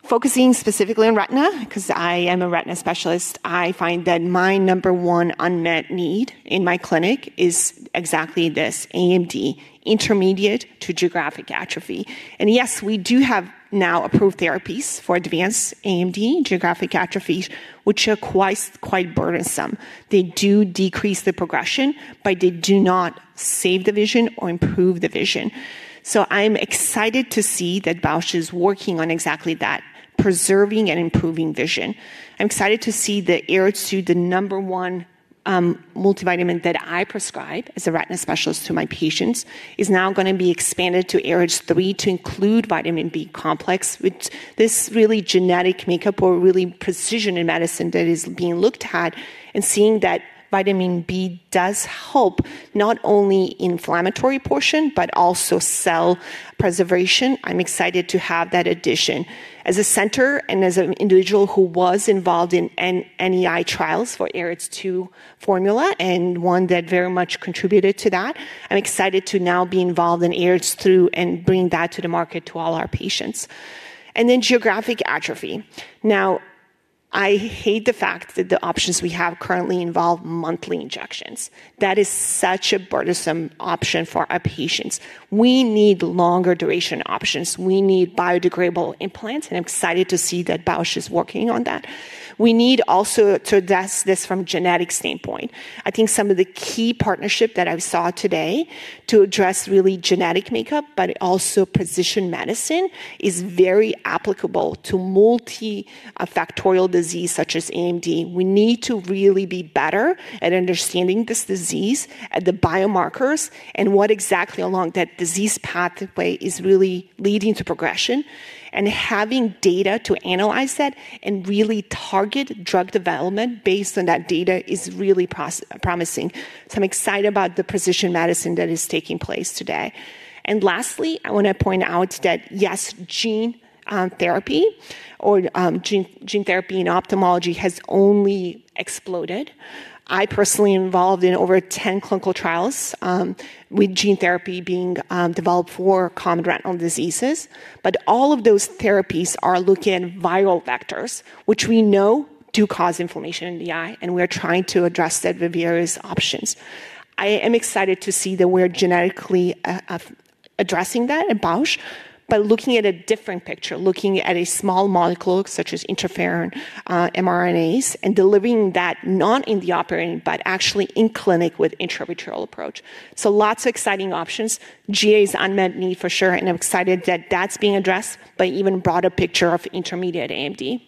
Focusing specifically on retina, because I am a retina specialist, I find that my number one unmet need in my clinic is exactly this: AMD, intermediate to geographic atrophy. And yes, we do have now approved therapies for advanced AMD, geographic atrophy, which are quite burdensome. They do decrease the progression, but they do not save the vision or improve the vision. I'm excited to see that Bausch + Lomb is working on exactly that, preserving and improving vision. I'm excited to see that AREDS2, the number one multivitamin that I prescribe as a retina specialist to my patients, is now going to be expanded to AREDS3 to include vitamin B complex, which this really genetic makeup or really precision in medicine that is being looked at and seeing that vitamin B does help not only the inflammatory portion, but also cell preservation. I'm excited to have that addition. As a center and as an individual who was involved in NEI trials for AREDS2 formula and one that very much contributed to that, I'm excited to now be involved in AREDS3 and bring that to the market to all our patients. Geographic atrophy. Now, I hate the fact that the options we have currently involve monthly injections. That is such a burdensome option for our patients. We need longer duration options. We need biodegradable implants, and I'm excited to see that Bausch + Lomb is working on that. We need also to address this from a genetic standpoint. I think some of the key partnership that I saw today to address really genetic makeup, but also precision medicine is very applicable to multifactorial disease such as AMD. We need to really be better at understanding this disease at the biomarkers and what exactly along that disease pathway is really leading to progression. Having data to analyze that and really target drug development based on that data is really promising. I am excited about the precision medicine that is taking place today. Lastly, I want to point out that yes, gene therapy or gene therapy in ophthalmology has only exploded. I personally am involved in over 10 clinical trials with gene therapy being developed for common retinal diseases. All of those therapies are looking at viral vectors, which we know do cause inflammation in the eye, and we are trying to address that with various options. I am excited to see that we're genetically addressing that at Bausch + Lomb, but looking at a different picture, looking at a small molecule such as interferon mRNAs and delivering that not in the operating, but actually in clinic with intravitreal approach. Lots of exciting options. GA is unmet need for sure, and I'm excited that that's being addressed by even broader picture of intermediate AMD.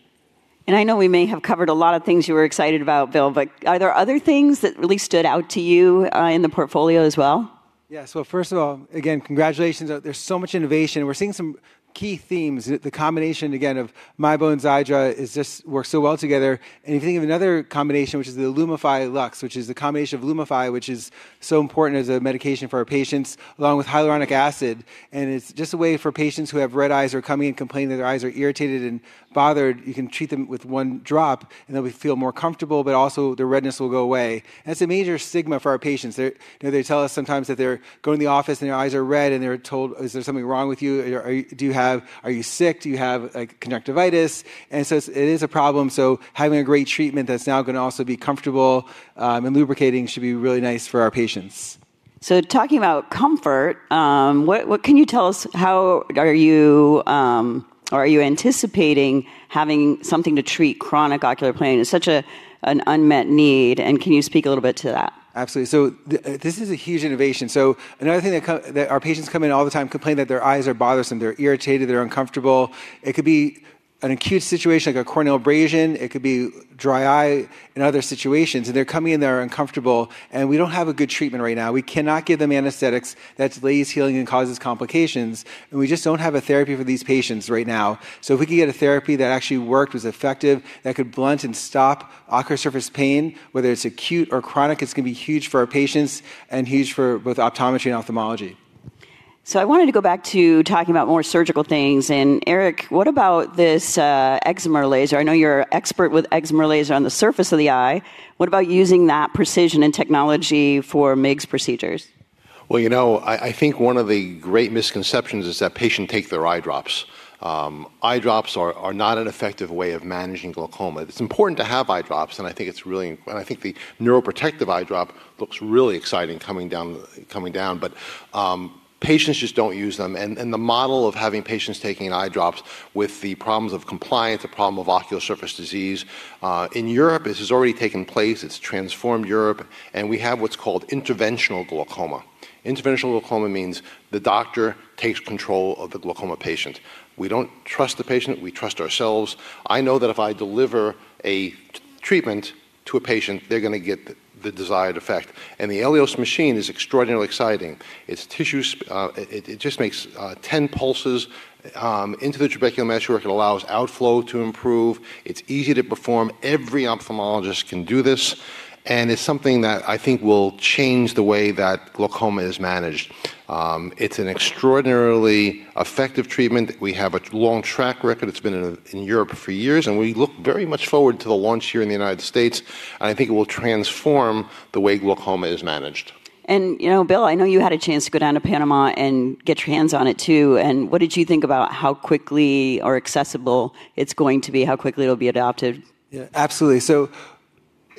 I know we may have covered a lot of things you were excited about, Bill, but are there other things that really stood out to you in the portfolio as well? Yes. First of all, again, congratulations. There is so much innovation. We are seeing some key themes. The combination, again, of Mibo and Xiidra works so well together. If you think of another combination, which is the Lumify Lux, which is the combination of Lumify, which is so important as a medication for our patients, along with hyaluronic acid. It is just a way for patients who have red eyes or are coming in complaining that their eyes are irritated and bothered. You can treat them with one drop, and they will feel more comfortable, but also their redness will go away. That is a major stigma for our patients. They tell us sometimes that they're going to the office and their eyes are red, and they're told, "Is there something wrong with you? Do you have—are you sick? Do you have conjunctivitis?" It is a problem. Having a great treatment that's now going to also be comfortable and lubricating should be really nice for our patients. Talking about comfort, what can you tell us? How are you—or are you anticipating having something to treat chronic ocular pain? It's such an unmet need. Can you speak a little bit to that? Absolutely. This is a huge innovation. Another thing that our patients come in all the time and complain that their eyes are bothersome. They're irritated. They're uncomfortable. It could be an acute situation like a corneal abrasion. It could be dry eye in other situations. They're coming in. They're uncomfortable. We don't have a good treatment right now. We cannot give them anesthetics that are laser-healing and cause complications. We just don't have a therapy for these patients right now. If we can get a therapy that actually worked, was effective, that could blunt and stop ocular surface pain, whether it's acute or chronic, it's going to be huge for our patients and huge for both optometry and ophthalmology. I wanted to go back to talking about more surgical things. Eric, what about this excimer laser? I know you're an expert with excimer laser on the surface of the eye. What about using that precision and technology for MIGS procedures? You know, I think one of the great misconceptions is that patients take their eye drops. Eye drops are not an effective way of managing glaucoma. It's important to have eye drops. I think it's really—I think the neuroprotective eye drop looks really exciting coming down. Patients just don't use them. The model of having patients taking eye drops with the problems of compliance, the problem of ocular surface disease in Europe has already taken place. It's transformed Europe. We have what's called interventional glaucoma. Interventional glaucoma means the doctor takes control of the glaucoma patient. We don't trust the patient. We trust ourselves. I know that if I deliver a treatment to a patient, they're going to get the desired effect. The Elios machine is extraordinarily exciting. It's tissue. It just makes 10 pulses into the trabecular meshwork. It allows outflow to improve. It's easy to perform. Every ophthalmologist can do this. It's something that I think will change the way that glaucoma is managed. It's an extraordinarily effective treatment. We have a long track record. It's been in Europe for years. We look very much forward to the launch here in the United States. I think it will transform the way glaucoma is managed. You know, Bill, I know you had a chance to go down to Panama and get your hands on it too. What did you think about how quickly or accessible it's going to be, how quickly it'll be adopted? Yeah, absolutely.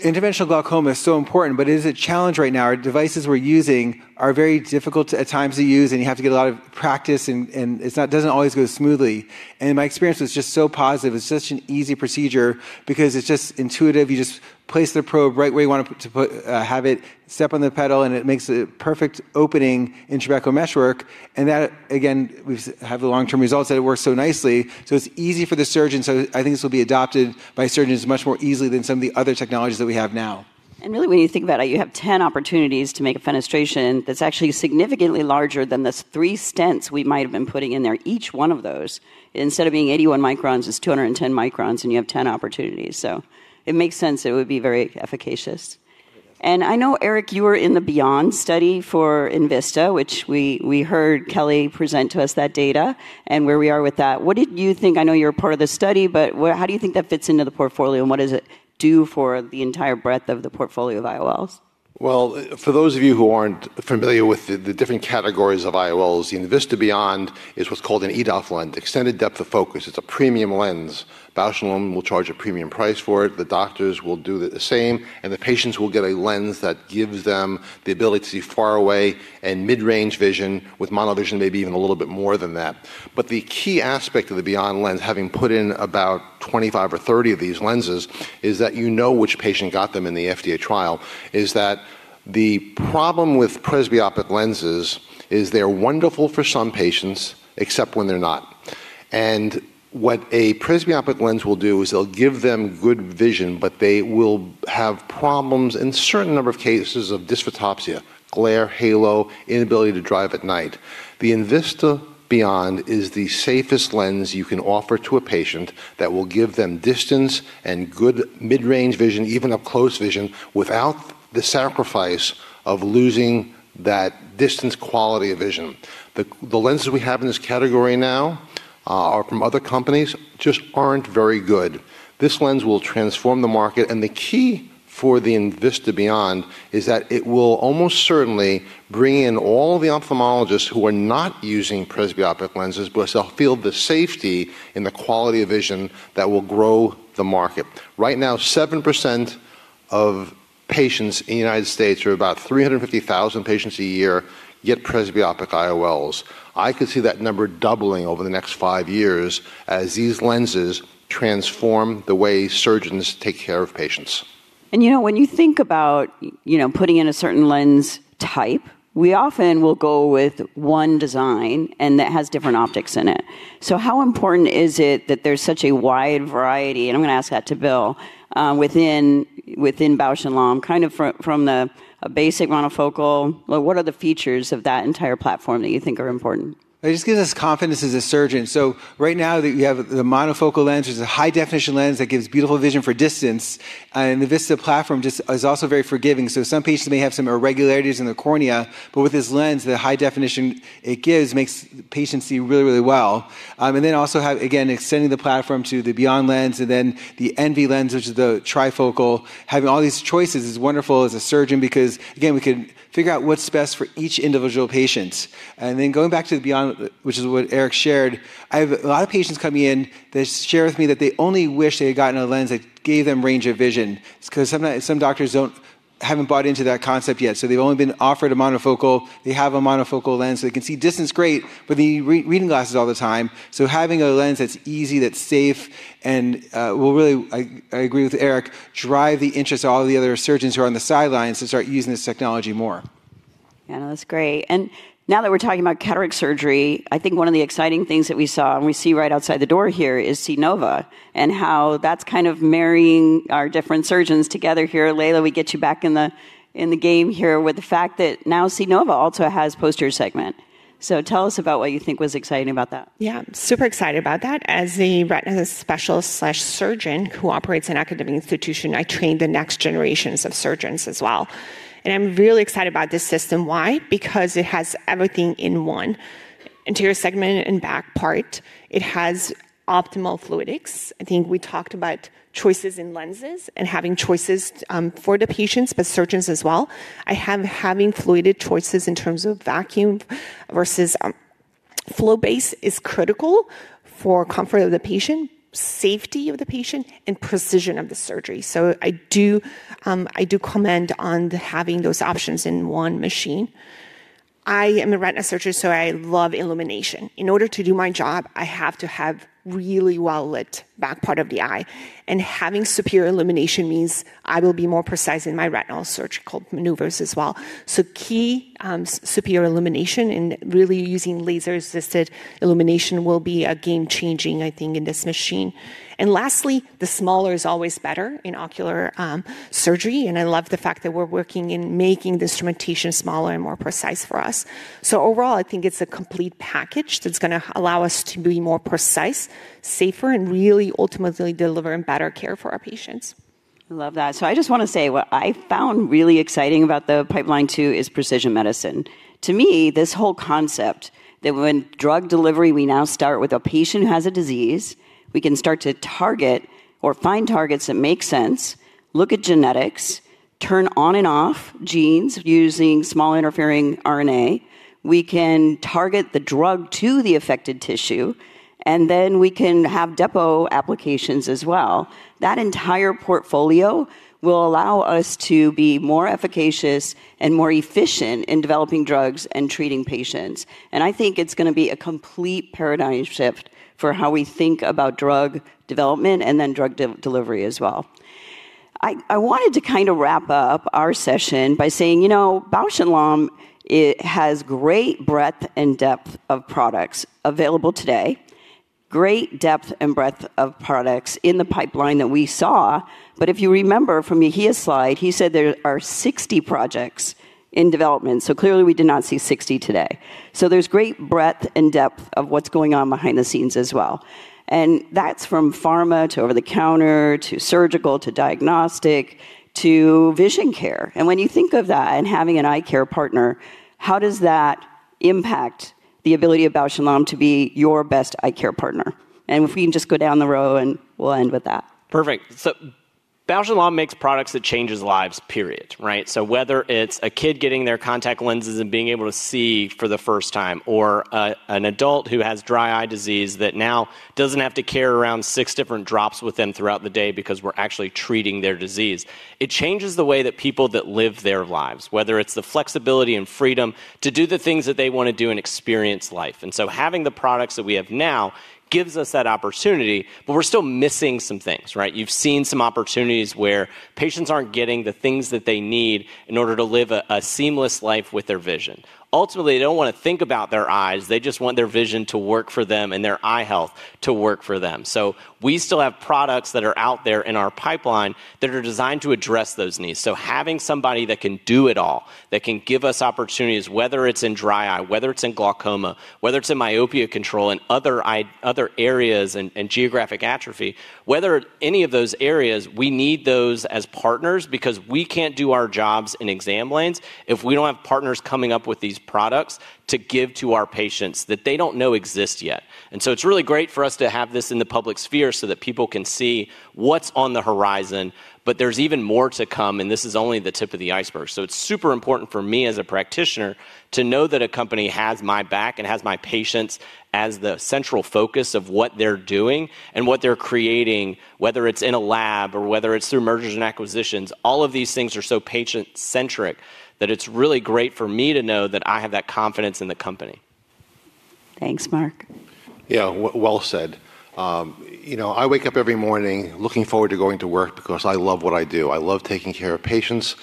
Interventional glaucoma is so important, but it is a challenge right now. Our devices we're using are very difficult at times to use, and you have to get a lot of practice, and it doesn't always go smoothly. My experience was just so positive. It's such an easy procedure because it's just intuitive. You just place the probe right where you want to have it, step on the pedal, and it makes a perfect opening in trabecular meshwork. That, again, we have the long-term results that it works so nicely. It is easy for the surgeon. I think this will be adopted by surgeons much more easily than some of the other technologies that we have now. Really, when you think about it, you have 10 opportunities to make a fenestration that is actually significantly larger than the three stents we might have been putting in there. Each one of those, instead of being 81 microns, is 210 microns, and you have 10 opportunities. It makes sense that it would be very efficacious. I know, Eric, you were in the Beyond study for Envista, which we heard Kelly present to us that data and where we are with that. What did you think? I know you're a part of the study, but how do you think that fits into the portfolio and what does it do for the entire breadth of the portfolio of IOLs? For those of you who aren't familiar with the different categories of IOLs, the Envista Beyond is what's called an EDOF lens, extended depth of focus. It's a premium lens. Bausch + Lomb will charge a premium price for it. The doctors will do the same. The patients will get a lens that gives them the ability to see far away and mid-range vision with monovision, maybe even a little bit more than that. The key aspect of the Beyond lens, having put in about 25 or 30 of these lenses, is that you know which patient got them in the FDA trial, is that the problem with presbyopic lenses is they're wonderful for some patients, except when they're not. What a presbyopic lens will do is it'll give them good vision, but they will have problems in a certain number of cases of dysphotopsia, glare, halo, inability to drive at night. The Envista Beyond is the safest lens you can offer to a patient that will give them distance and good mid-range vision, even up-close vision, without the sacrifice of losing that distance quality of vision. The lenses we have in this category now are from other companies, just aren't very good. This lens will transform the market. The key for the Envista Beyond is that it will almost certainly bring in all of the ophthalmologists who are not using presbyopic lenses, but they'll feel the safety and the quality of vision that will grow the market. Right now, 7% of patients in the United States, about 350,000 patients a year, get presbyopic IOLs. I could see that number doubling over the next five years as these lenses transform the way surgeons take care of patients. You know, when you think about putting in a certain lens type, we often will go with one design, and that has different optics in it. How important is it that there's such a wide variety? I'm going to ask that to Bill within Bausch + Lomb, kind of from the basic monofocal. What are the features of that entire platform that you think are important? I just get this confidence as a surgeon. Right now, you have the monofocal lens, which is a high-definition lens that gives beautiful vision for distance. The Envista platform is also very forgiving. Some patients may have some irregularities in the cornea, but with this lens, the high definition it gives makes patients see really, really well. Also, extending the platform to the Beyond lens and then the Envy lens, which is the trifocal, having all these choices is wonderful as a surgeon because we can figure out what's best for each individual patient. Going back to the Beyond, which is what Eric shared, I have a lot of patients coming in that share with me that they only wish they had gotten a lens that gave them range of vision because some doctors have not bought into that concept yet. They've only been offered a monofocal. They have a monofocal lens. They can see distance great, but they need reading glasses all the time. Having a lens that's easy, that's safe, and will really, I agree with Eric, drive the interest of all the other surgeons who are on the sidelines to start using this technology more. Yeah, no, that's great. Now that we're talking about cataract surgery, I think one of the exciting things that we saw and we see right outside the door here is C-Nova and how that's kind of marrying our different surgeons together here. Layla, we get you back in the game here with the fact that now C-Nova also has posterior segment. Tell us about what you think was exciting about that. Yeah, I'm super excited about that. As a retina specialist/surgeon who operates an academic institution, I train the next generations of surgeons as well. I'm really excited about this system. Why? Because it has everything in one: anterior segment and back part. It has optimal fluidics. I think we talked about choices in lenses and having choices for the patients, but surgeons as well. Having fluidic choices in terms of vacuum versus flow base is critical for comfort of the patient, safety of the patient, and precision of the surgery. I do commend on having those options in one machine. I am a retina surgeon, so I love illumination. In order to do my job, I have to have really well-lit back part of the eye. Having superior illumination means I will be more precise in my retinal surgical maneuvers as well. Key superior illumination and really using laser-assisted illumination will be a game-changer, I think, in this machine. Lastly, smaller is always better in ocular surgery. I love the fact that we're working in making the instrumentation smaller and more precise for us. Overall, I think it's a complete package that's going to allow us to be more precise, safer, and really ultimately deliver better care for our patients. I love that. I just want to say what I found really exciting about the Pipeline 2 is precision medicine. To me, this whole concept that when drug delivery, we now start with a patient who has a disease, we can start to target or find targets that make sense, look at genetics, turn on and off genes using small interfering RNA. We can target the drug to the affected tissue, and then we can have depot applications as well. That entire portfolio will allow us to be more efficacious and more efficient in developing drugs and treating patients. I think it's going to be a complete paradigm shift for how we think about drug development and then drug delivery as well. I wanted to kind of wrap up our session by saying, you know, Bausch + Lomb has great breadth and depth of products available today, great depth and breadth of products in the pipeline that we saw. If you remember from Yehia's slide, he said there are 60 projects in development. Clearly, we did not see 60 today. There is great breadth and depth of what's going on behind the scenes as well. That is from pharma to over-the-counter to surgical to diagnostic to vision care. When you think of that and having an eye care partner, how does that impact the ability of Bausch + Lomb to be your best eye care partner? If we can just go down the row, and we'll end with that. Perfect. Bausch + Lomb makes products that change lives, period, right? Whether it's a kid getting their contact lenses and being able to see for the first time, or an adult who has dry eye disease that now doesn't have to carry around six different drops with them throughout the day because we're actually treating their disease, it changes the way that people live their lives, whether it's the flexibility and freedom to do the things that they want to do and experience life. Having the products that we have now gives us that opportunity, but we're still missing some things, right? You've seen some opportunities where patients aren't getting the things that they need in order to live a seamless life with their vision. Ultimately, they don't want to think about their eyes. They just want their vision to work for them and their eye health to work for them. We still have products that are out there in our pipeline that are designed to address those needs. Having somebody that can do it all, that can give us opportunities, whether it's in dry eye, whether it's in glaucoma, whether it's in myopia control and other areas and geographic atrophy, whether any of those areas, we need those as partners because we can't do our jobs in exam lanes if we don't have partners coming up with these products to give to our patients that they don't know exist yet. It is really great for us to have this in the public sphere so that people can see what is on the horizon. There is even more to come, and this is only the tip of the iceberg. It is super important for me as a practitioner to know that a company has my back and has my patients as the central focus of what they are doing and what they are creating, whether it is in a lab or whether it is through mergers and acquisitions. All of these things are so patient-centric that it is really great for me to know that I have that confidence in the company. Thanks, Mark. Yeah, well said. You know, I wake up every morning looking forward to going to work because I love what I do. I love taking care of patients.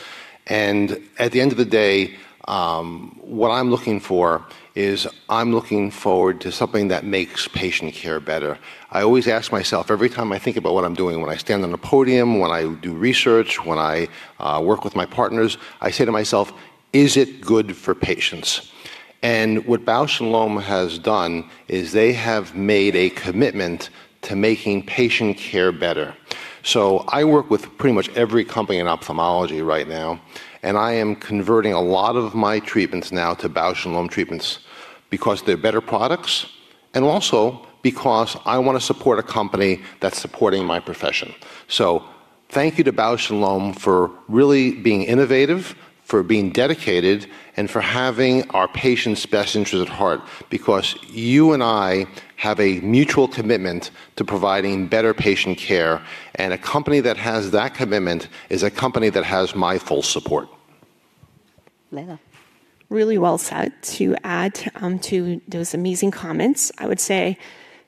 At the end of the day, what I'm looking for is I'm looking forward to something that makes patient care better. I always ask myself every time I think about what I'm doing, when I stand on a podium, when I do research, when I work with my partners, I say to myself, is it good for patients? What Bausch + Lomb has done is they have made a commitment to making patient care better. I work with pretty much every company in ophthalmology right now, and I am converting a lot of my treatments now to Bausch + Lomb treatments because they're better products and also because I want to support a company that's supporting my profession. Thank you to Bausch + Lomb for really being innovative, for being dedicated, and for having our patients' best interests at heart because you and I have a mutual commitment to providing better patient care. A company that has that commitment is a company that has my full support. Leila, really well said. To add to those amazing comments, I would say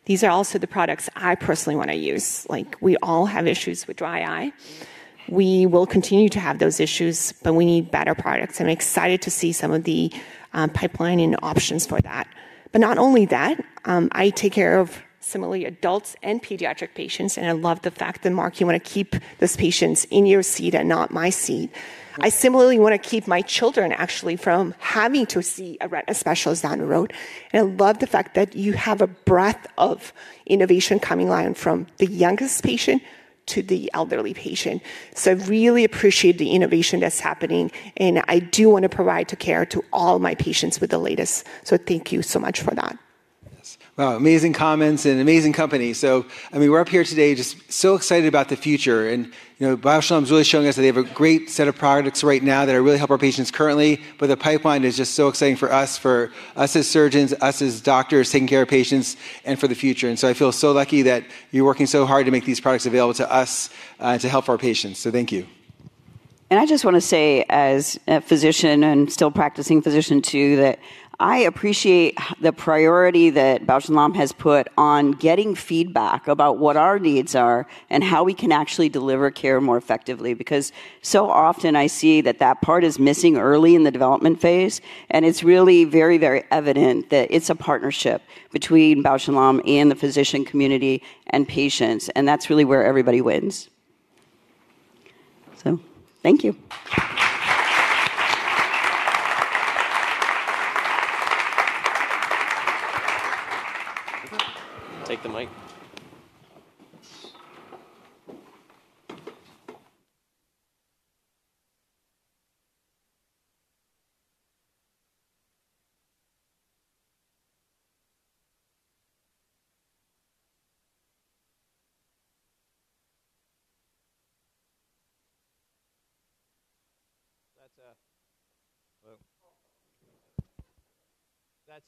these are also the products I personally want to use. Like, we all have issues with dry eye. We will continue to have those issues, but we need better products. I'm excited to see some of the pipeline and options for that. Not only that, I take care of similarly adults and pediatric patients, and I love the fact that, Mark, you want to keep those patients in your seat and not my seat. I similarly want to keep my children actually from having to see a retina specialist down the road. I love the fact that you have a breadth of innovation coming on from the youngest patient to the elderly patient. I really appreciate the innovation that's happening, and I do want to provide care to all my patients with the latest. Thank you so much for that. Wow, amazing comments and amazing company. I mean, we're up here today just so excited about the future. Bausch + Lomb is really showing us that they have a great set of products right now that really help our patients currently. The pipeline is just so exciting for us, for us as surgeons, us as doctors taking care of patients and for the future. I feel so lucky that you're working so hard to make these products available to us and to help our patients. Thank you. I just want to say, as a physician and still practicing physician too, that I appreciate the priority that Bausch + Lomb has put on getting feedback about what our needs are and how we can actually deliver care more effectively because so often I see that part is missing early in the development phase, and it is really very, very evident that it is a partnership between Bausch + Lomb and the physician community and patients. That is really where everybody wins. Thank you.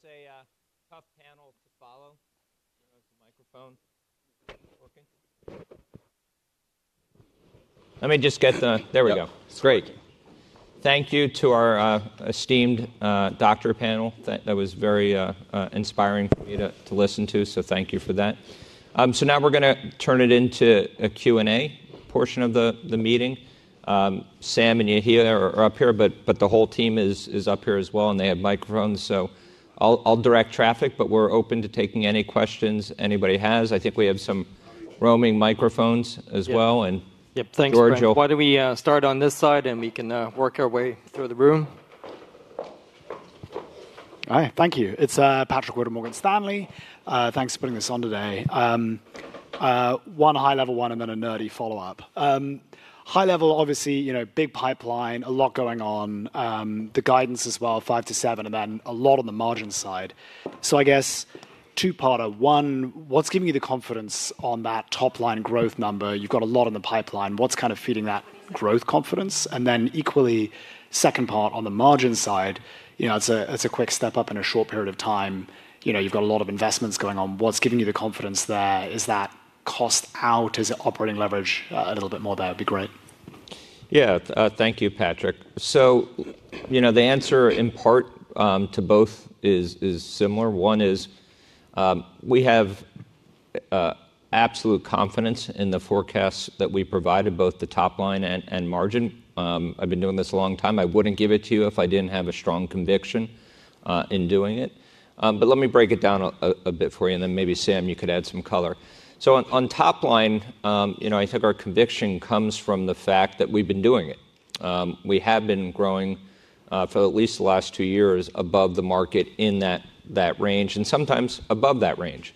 Take the mic. That is a tough panel to follow. Where is the microphone? Let me just get the—there we go. Great. Thank you to our esteemed doctor panel. That was very inspiring for me to listen to, so thank you for that. Now we're going to turn it into a Q&A portion of the meeting. Sam and Yehia are up here, but the whole team is up here as well, and they have microphones. I'll direct traffic, but we're open to taking any questions anybody has. I think we have some roaming microphones as well. Yep, thanks, Mark. Why don't we start on this side, and we can work our way through the room? Alright, thank you. It's Patrick Wood, Morgan Stanley. Thanks for putting this on today. One high-level one and then a nerdy follow-up. High-level, obviously, you know, big pipeline, a lot going on. The guidance as well, five to seven, and then a lot on the margin side. I guess two-parter. One, what's giving you the confidence on that top-line growth number? You've got a lot in the pipeline. What's kind of feeding that growth confidence? Equally, second part, on the margin side, you know, it's a quick step up in a short period of time. You know, you've got a lot of investments going on. What's giving you the confidence there? Is that cost out? Is it operating leverage a little bit more there? It'd be great. Yeah, thank you, Patrick. You know, the answer in part to both is similar. One is we have absolute confidence in the forecasts that we provided, both the top line and margin. I've been doing this a long time. I wouldn't give it to you if I didn't have a strong conviction in doing it. Let me break it down a bit for you, and then maybe Sam, you could add some color. On top line, you know, I think our conviction comes from the fact that we've been doing it. We have been growing for at least the last two years above the market in that range and sometimes above that range.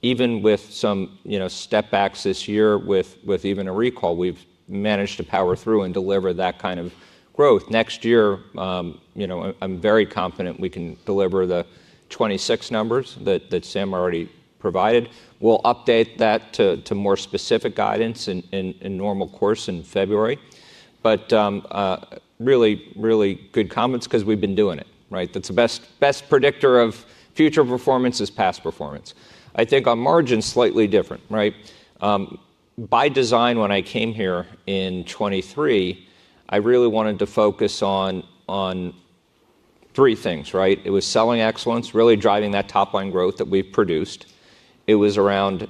Even with some step backs this year with even a recall, we've managed to power through and deliver that kind of growth. Next year, you know, I'm very confident we can deliver the 2026 numbers that Sam already provided. We'll update that to more specific guidance in normal course in February. Really, really good comments because we've been doing it, right? That's the best predictor of future performance is past performance. I think our margin is slightly different, right? By design, when I came here in 2023, I really wanted to focus on three things, right? It was selling excellence, really driving that top-line growth that we've produced. It was around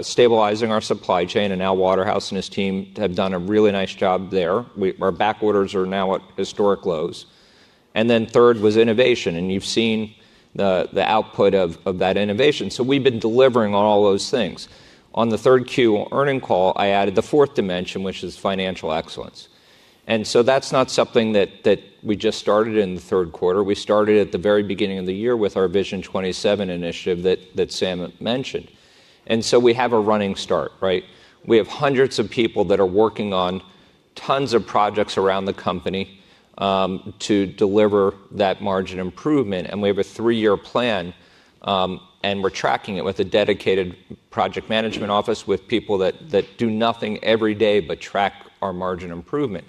stabilizing our supply chain, and now Waterhouse and his team have done a really nice job there. Our back orders are now at historic lows. Third was innovation, and you've seen the output of that innovation. We've been delivering on all those things. On the third quarter earning call, I added the fourth dimension, which is financial excellence. That's not something that we just started in the third quarter. We started at the very beginning of the year with our Vision 27 initiative that Sam mentioned. We have a running start, right? We have hundreds of people that are working on tons of projects around the company to deliver that margin improvement. We have a three-year plan, and we're tracking it with a dedicated project management office with people that do nothing every day but track our margin improvement.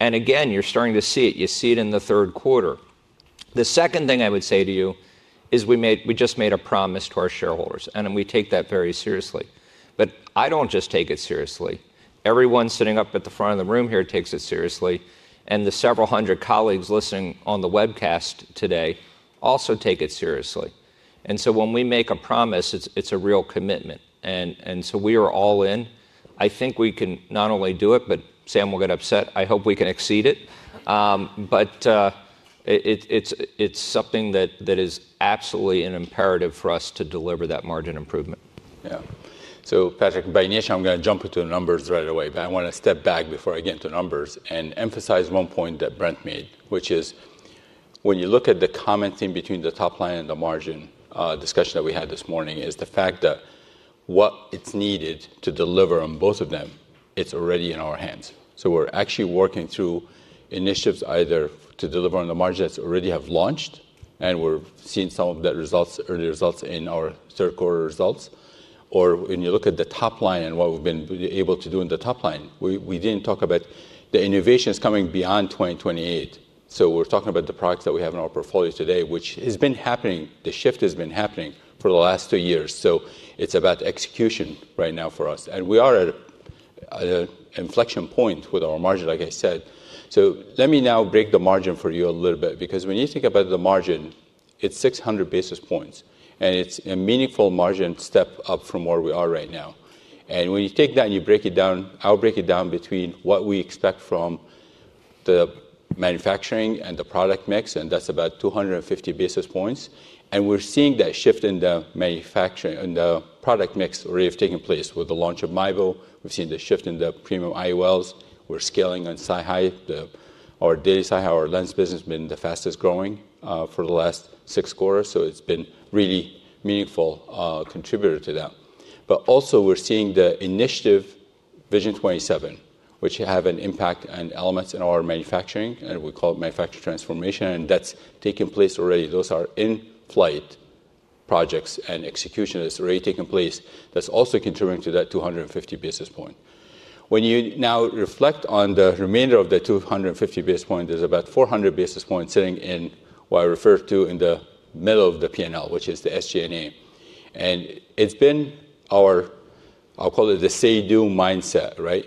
Again, you're starting to see it. You see it in the third quarter. The second thing I would say to you is we just made a promise to our shareholders, and we take that very seriously. I don't just take it seriously. Everyone sitting up at the front of the room here takes it seriously, and the several hundred colleagues listening on the webcast today also take it seriously. When we make a promise, it's a real commitment. We are all in. I think we can not only do it, but Sam will get upset. I hope we can exceed it. But it is something that is absolutely an imperative for us to deliver that margin improvement. Yeah. So, Patrick, by initial, I am going to jump into the numbers right away, but I want to step back before I get into numbers and emphasize one point that Brent made, which is when you look at the common theme between the top line and the margin discussion that we had this morning, it is the fact that what is needed to deliver on both of them is already in our hands. We are actually working through initiatives either to deliver on the margins that already have launched, and we are seeing some of the early results in our third quarter results. Or when you look at the top line and what we have been able to do in the top line, we did not talk about the innovations coming beyond 2028. We're talking about the products that we have in our portfolio today, which has been happening. The shift has been happening for the last two years. It's about execution right now for us. We are at an inflection point with our margin, like I said. Let me now break the margin for you a little bit because when you think about the margin, it's 600 basis points, and it's a meaningful margin step up from where we are right now. When you take that and you break it down, I'll break it down between what we expect from the manufacturing and the product mix, and that's about 250 basis points. We're seeing that shift in the manufacturing and the product mix already have taken place with the launch of Mibo. We've seen the shift in the premium IOLs. We're scaling on SiHi. Our daily SiHi, our lens business, has been the fastest growing for the last six quarters. It has been a really meaningful contributor to that. Also, we are seeing the initiative Vision 27, which has an impact and elements in our manufacturing, and we call it manufacturing transformation, and that is taking place already. Those are in-flight projects and execution that has already taken place. That is also contributing to that 250 basis point. When you now reflect on the remainder of the 250 basis point, there is about 400 basis points sitting in what I refer to in the middle of the P&L, which is the SG&A. It has been our, I will call it the say-do mindset, right,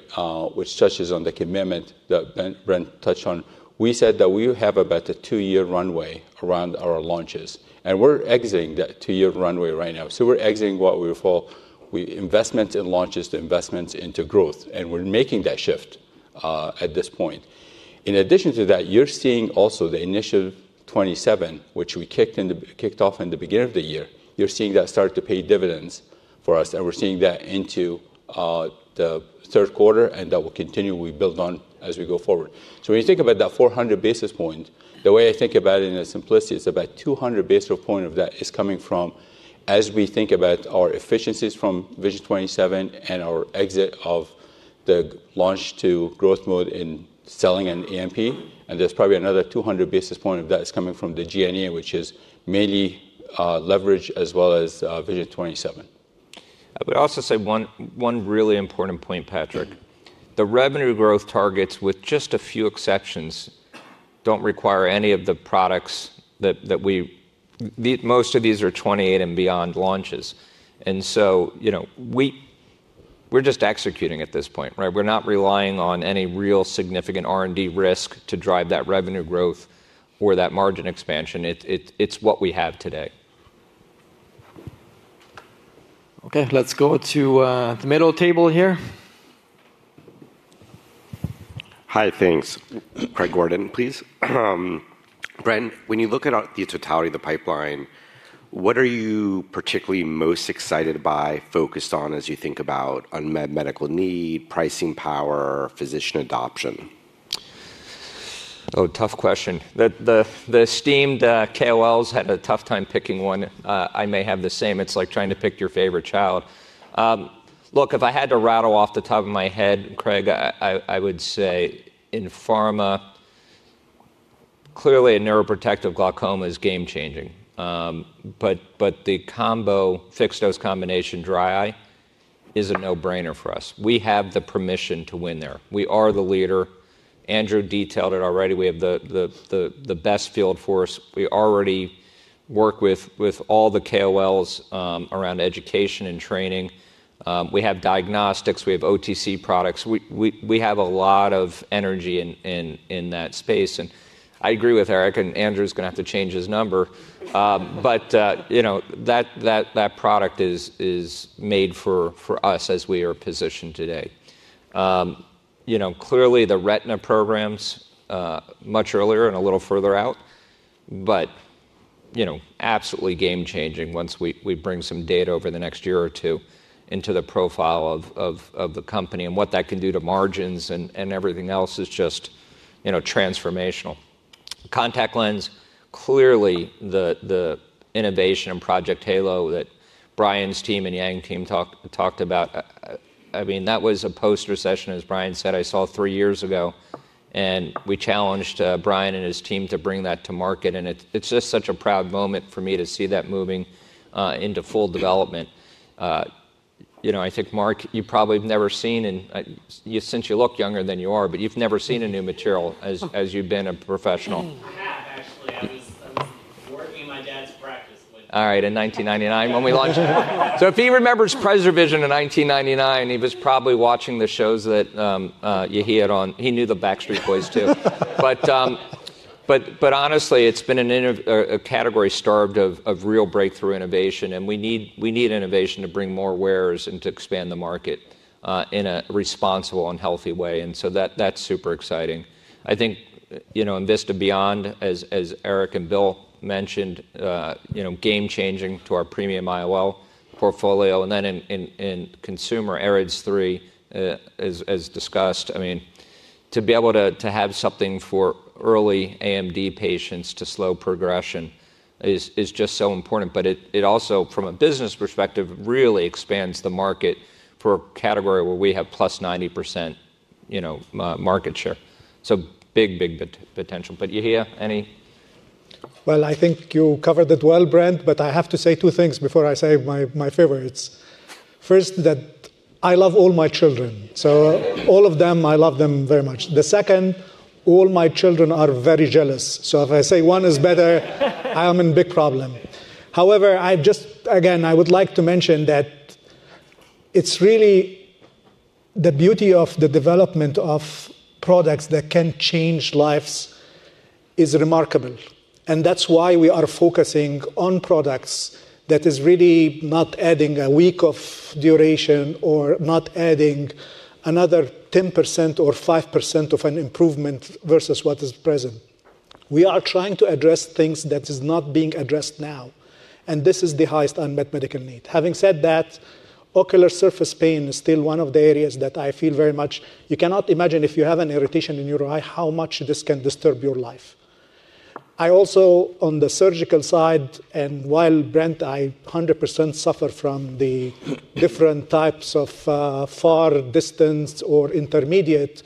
which touches on the commitment that Brent touched on. We said that we have about a two-year runway around our launches, and we are exiting that two-year runway right now. We're exiting what we call investments in launches to investments into growth, and we're making that shift at this point. In addition to that, you're seeing also the initial Vision 27, which we kicked off in the beginning of the year. You're seeing that start to pay dividends for us, and we're seeing that into the third quarter, and that will continue. We build on as we go forward. When you think about that 400 basis point, the way I think about it in its simplicity is about 200 basis point of that is coming from, as we think about our efficiencies from Vision 27 and our exit of the launch to growth mode in selling and EMP. There's probably another 200 basis point of that is coming from the G&A, which is mainly leverage as well as Vision 27. I would also say one really important point, Patrick. The revenue growth targets, with just a few exceptions, do not require any of the products that we—most of these are 2028 and beyond launches. You know, we are just executing at this point, right? We are not relying on any real significant R&D risk to drive that revenue growth or that margin expansion. It is what we have today. Okay, let us go to the middle table here. Hi, thanks. Craig Warden, please. Brent, when you look at the totality of the pipeline, what are you particularly most excited by, focused on as you think about unmet medical need, pricing power, physician adoption? Oh, tough question. The esteemed KOLs had a tough time picking one. I may have the same. It is like trying to pick your favorite child. Look, if I had to rattle off the top of my head, Craig, I would say in pharma, clearly a neuroprotective glaucoma is game-changing. The combo—fixed dose combination dry eye—is a no-brainer for us. We have the permission to win there. We are the leader. Andrew detailed it already. We have the best field for us. We already work with all the KOLs around education and training. We have diagnostics. We have OTC products. We have a lot of energy in that space. I agree with Eric, and Andrew's going to have to change his number. You know, that product is made for as we are positioned today. You know, clearly the retina programs much earlier and a little further out, but, you know, absolutely game-changing once we bring some data over the next year or two into the profile of the company and what that can do to margins and everything else is just, you know, transformational. Contact lens, clearly the innovation and Project Halo that Bryan's team and Yang team talked about. I mean, that was a post-recession, as Brian said, I saw three years ago, and we challenged Brian and his team to bring that to market. It is just such a proud moment for me to see that moving into full development. You know, I think, Mark, you probably have never seen—and since you look younger than you are—but you have never seen a new material as you have been a professional. I have, actually. I was working in my dad's practice when... All right, in 1999 when we launched. So if he remembers PreserVision in 1999, he was probably watching the shows that Yehia had on. He knew the Backstreet Boys too. But honestly, it's been a category starved of real breakthrough innovation, and we need innovation to bring more wearers and to expand the market in a responsible and healthy way. And so that's super exciting. I think, you know, Envista Beyond, as Eric and Bill mentioned, you know, game-changing to our premium IOL portfolio. And then in consumer, PreserVision AREDS3, as discussed, I mean, to be able to have something for early AMD patients to slow progression is just so important. But it also, from a business perspective, really expands the market for a category where we have plus 90% market share. So big, big potential. But Yehia, any? I think you covered it well, Brent, but I have to say two things before I say my favorites. First, that I love all my children. So all of them, I love them very much. The second, all my children are very jealous. So if I say one is better, I'm in big problem. However, I just, again, I would like to mention that it's really the beauty of the development of products that can change lives is remarkable. That's why we are focusing on products that are really not adding a week of duration or not adding another 10% or 5% of an improvement versus what is present. We are trying to address things that are not being addressed now, and this is the highest unmet medical need. Having said that, ocular surface pain is still one of the areas that I feel very much you cannot imagine if you have an irritation in your eye how much this can disturb your life. I also, on the surgical side, and while Brent, I 100% suffer from the different types of far distance or intermediate,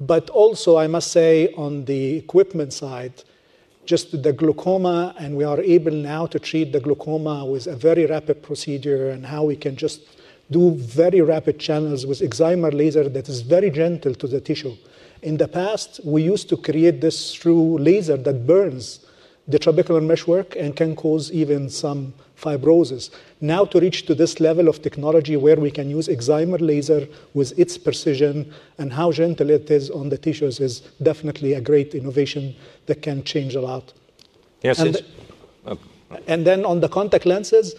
but also I must say on the equipment side, just the glaucoma, and we are able now to treat the glaucoma with a very rapid procedure and how we can just do very rapid channels with excimer laser that is very gentle to the tissue. In the past, we used to create this through laser that burns the trabecular meshwork and can cause even some fibrosis. Now, to reach to this level of technology where we can use excimer laser with its precision and how gentle it is on the tissues is definitely a great innovation that can change a lot. Yes, sir. Then on the contact lenses,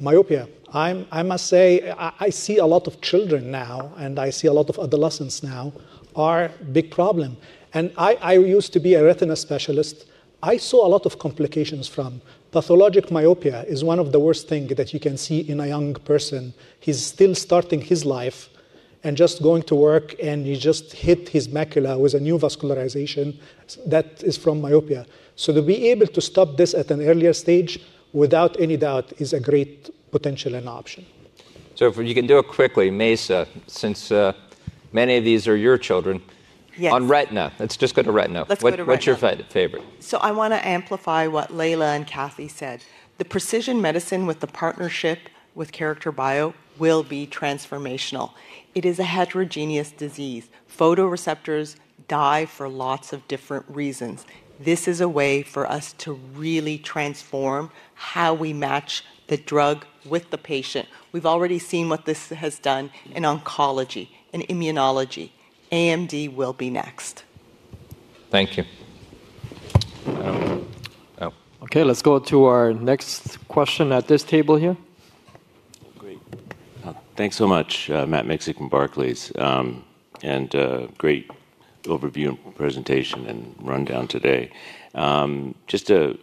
myopia. I must say, I see a lot of children now, and I see a lot of adolescents now are a big problem. I used to be a retina specialist. I saw a lot of complications from pathologic myopia. It is one of the worst things that you can see in a young person. He is still starting his life and just going to work, and he just hit his macula with a new vascularization that is from myopia. To be able to stop this at an earlier stage without any doubt is a great potential and option. If you can do it quickly, Mayssa, since many of these are your children. Yes. On retina, let's just go to retina. Let's go to retina. What's your favorite? I want to amplify what Leyla and Kathy said. The precision medicine with the partnership with Character Bio will be transformational. It is a heterogeneous disease. Photoreceptors die for lots of different reasons. This is a way for us to really transform how we match the drug with the patient. We've already seen what this has done in oncology, in immunology. AMD will be next. Thank you. Okay, let's go to our next question at this table here. Great. Thanks so much, Matt Miksic and Barclays, and great overview and presentation and rundown today. Just to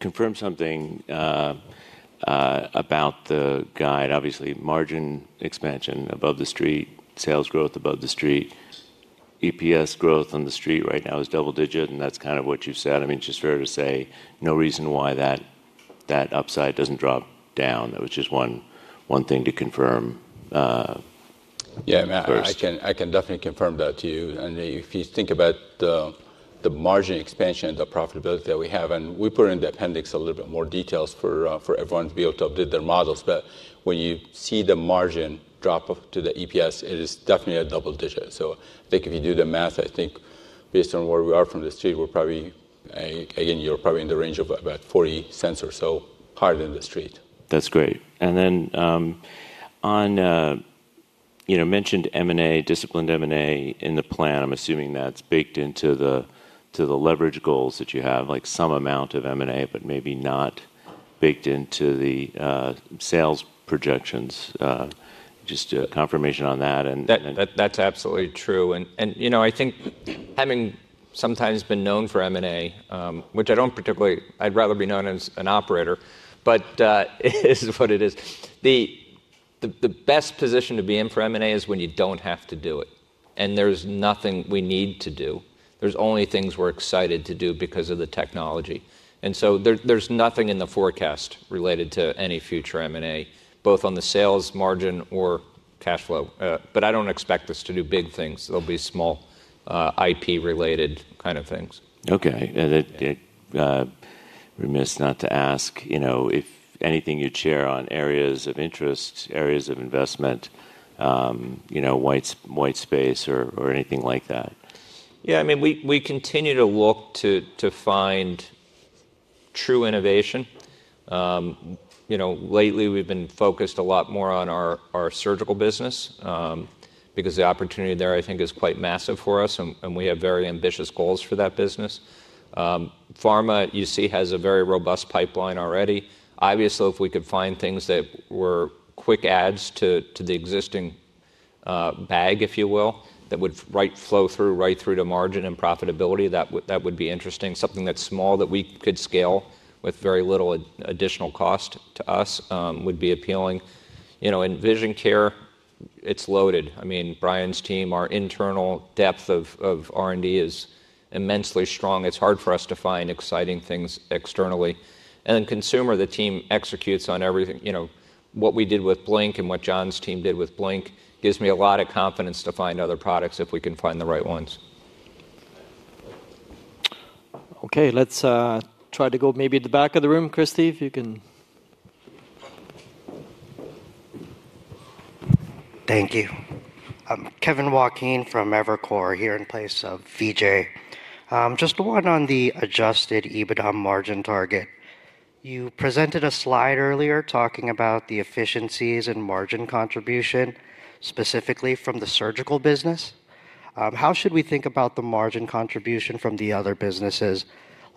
confirm something about the guide, obviously margin expansion above the street, sales growth above the street, EPS growth on the street right now is double-digit, and that's kind of what you've said. I mean, it's just fair to say no reason why that upside doesn't drop down. That was just one thing to confirm. Yeah, Matt, I can definitely confirm that to you. If you think about the margin expansion and the profitability that we have, and we put it in the appendix, a little bit more details for everyone to be able to update their models, but when you see the margin drop to the EPS, it is definitely a double digit. I think if you do the math, I think based on where we are from the street, we're probably, again, you're probably in the range of about 40 cents or so higher than the street. That's great. And then on, you know, mentioned M&A, disciplined M&A in the plan, I'm assuming that's baked into the leverage goals that you have, like some amount of M&A, but maybe not baked into the sales projections. Just confirmation on that. That's absolutely true. And, you know, I think having sometimes been known for M&A, which I don't particularly, I'd rather be known as an operator, but it is what it is. The best position to be in for M&A is when you don't have to do it, and there's nothing we need to do. There's only things we're excited to do because of the technology. There is nothing in the forecast related to any future M&A, both on the sales margin or cash flow. I do not expect us to do big things. There will be small IP-related kind of things. Okay. I would be remiss not to ask if there is anything you would share on areas of interest, areas of investment, white space, or anything like that. Yeah, I mean, we continue to look to find true innovation. You know, lately we have been focused a lot more on our surgical business because the opportunity there, I think, is quite massive for us, and we have very ambitious goals for that business. Pharma, you see, has a very robust pipeline already. Obviously, if we could find things that were quick adds to the existing bag, if you will, that would flow right through to margin and profitability, that would be interesting. Something that's small that we could scale with very little additional cost to us would be appealing. You know, in vision care, it's loaded. I mean, Bryan's team, our internal depth of R&D is immensely strong. It's hard for us to find exciting things externally. And then consumer, the team executes on everything. You know, what we did with Blink and what John's team did with Blink gives me a lot of confidence to find other products if we can find the right ones. Okay, let's try to go maybe to the back of the room. Christie, if you can. Thank you. I'm Kevin Joaquin from Evercore here in place of Vijay. Just one on the adjusted EBITDA margin target. You presented a slide earlier talking about the efficiencies and margin contribution specifically from the surgical business. How should we think about the margin contribution from the other businesses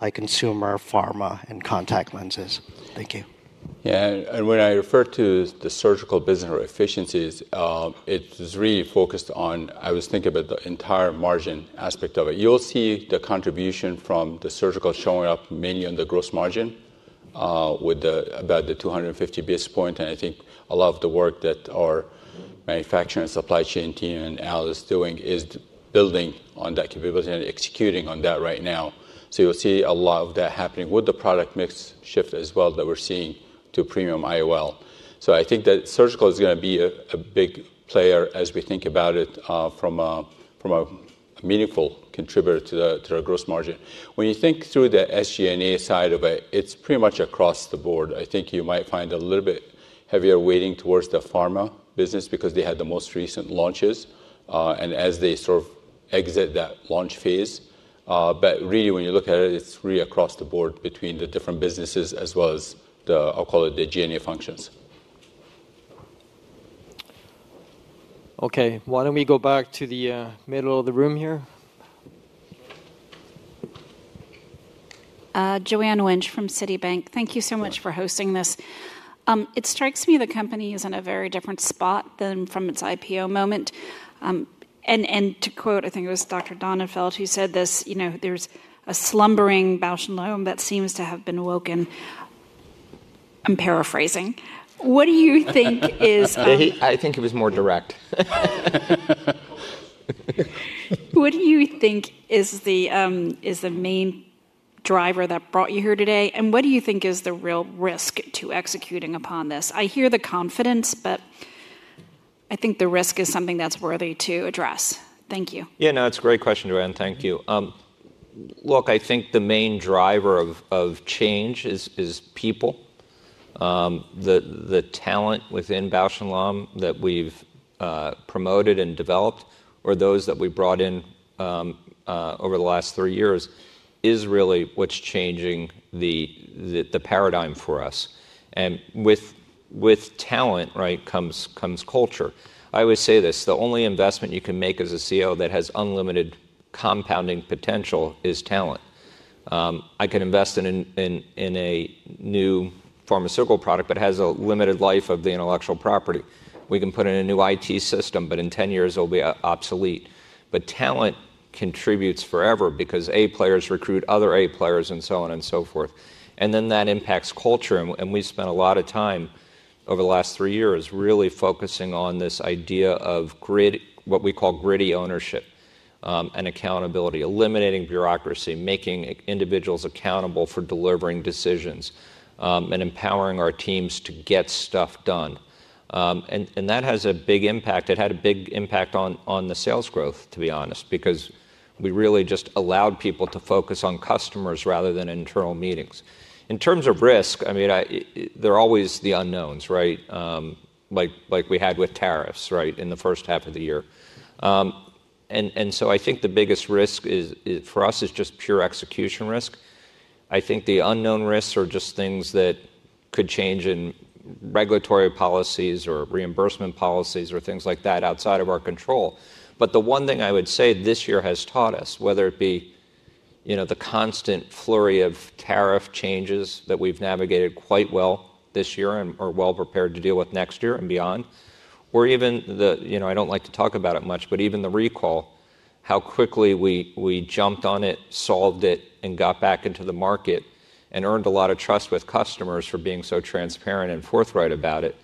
like consumer, pharma, and contact lenses? Thank you. Yeah, and when I refer to the surgical business or efficiencies, it is really focused on, I was thinking about the entire margin aspect of it. You'll see the contribution from the surgical showing up mainly on the gross margin with about the 250 basis points. I think a lot of the work that our manufacturing and supply chain team and Al is doing is building on that capability and executing on that right now. You'll see a lot of that happening with the product mix shift as well that we're seeing to premium IOL. I think that surgical is going to be a big player as we think about it from a meaningful contributor to our gross margin. When you think through the SG&A side of it, it's pretty much across the board. I think you might find a little bit heavier weighting towards the pharma business because they had the most recent launches. As they sort of exit that launch phase, but really when you look at it, it's really across the board between the different businesses as well as the, I'll call it the G&A functions. Okay, why don't we go back to the middle of the room here? Joanne Winch from Citibank. Thank you so much for hosting this. It strikes me the company is in a very different spot than from its IPO moment. To quote, I think it was Dr. Donnenfeld who said this, you know, there's a slumbering Bausch + Lomb that seems to have been awoken. I'm paraphrasing. What do you think is? I think it was more direct. What do you think is the main driver that brought you here today? And what do you think is the real risk to executing upon this? I hear the confidence, but I think the risk is something that's worthy to address. Thank you. Yeah, no, it's a great question, Joanne. Thank you. Look, I think the main driver of change is people. The talent within Bausch + Lomb that we've promoted and developed or those that we brought in over the last three years is really what's changing the paradigm for us. And with talent, right, comes culture. I always say this, the only investment you can make as a CEO that has unlimited compounding potential is talent. I can invest in a new pharmaceutical product that has a limited life of the intellectual property. We can put in a new IT system, but in 10 years it'll be obsolete. Talent contributes forever because A players recruit other A players and so on and so forth. That impacts culture. We spent a lot of time over the last three years really focusing on this idea of what we call gritty ownership and accountability, eliminating bureaucracy, making individuals accountable for delivering decisions, and empowering our teams to get stuff done. That has a big impact. It had a big impact on the sales growth, to be honest, because we really just allowed people to focus on customers rather than internal meetings. In terms of risk, I mean, there are always the unknowns, right? Like we had with tariffs, right, in the first half of the year. I think the biggest risk for us is just pure execution risk. I think the unknown risks are just things that could change in regulatory policies or reimbursement policies or things like that outside of our control. The one thing I would say this year has taught us, whether it be, you know, the constant flurry of tariff changes that we've navigated quite well this year and are well prepared to deal with next year and beyond, or even the, you know, I don't like to talk about it much, but even the recall, how quickly we jumped on it, solved it, and got back into the market and earned a lot of trust with customers for being so transparent and forthright about it.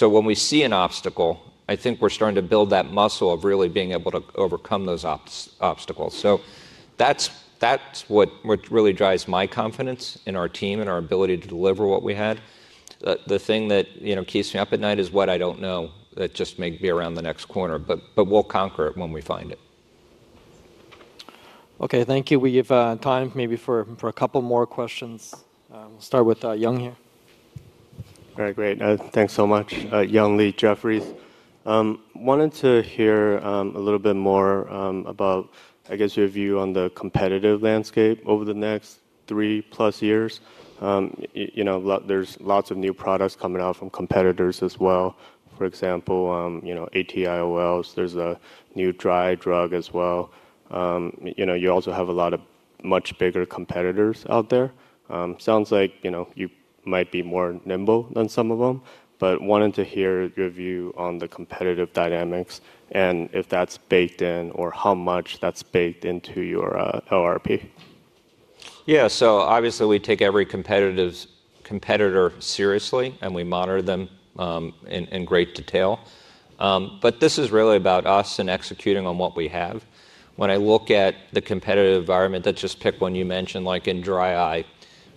When we see an obstacle, I think we're starting to build that muscle of really being able to overcome those obstacles. That's what really drives my confidence in our team and our ability to deliver what we had. The thing that, you know, keeps me up at night is what I do not know that just may be around the next corner, but we will conquer it when we find it. Okay, thank you. We have time maybe for a couple more questions. We will start with Yung here. All right, great. Thanks so much. Yung Lee, Jeffrey. Wanted to hear a little bit more about, I guess, your view on the competitive landscape over the next three plus years. You know, there are lots of new products coming out from competitors as well. For example, you know, ATIOLs, there is a new dry drug as well. You know, you also have a lot of much bigger competitors out there. Sounds like, you know, you might be more nimble than some of them, but wanted to hear your view on the competitive dynamics and if that's baked in or how much that's baked into your ORP. Yeah, so obviously we take every competitor seriously and we monitor them in great detail. But this is really about us and executing on what we have. When I look at the competitive environment, let's just pick one you mentioned, like in dry eye,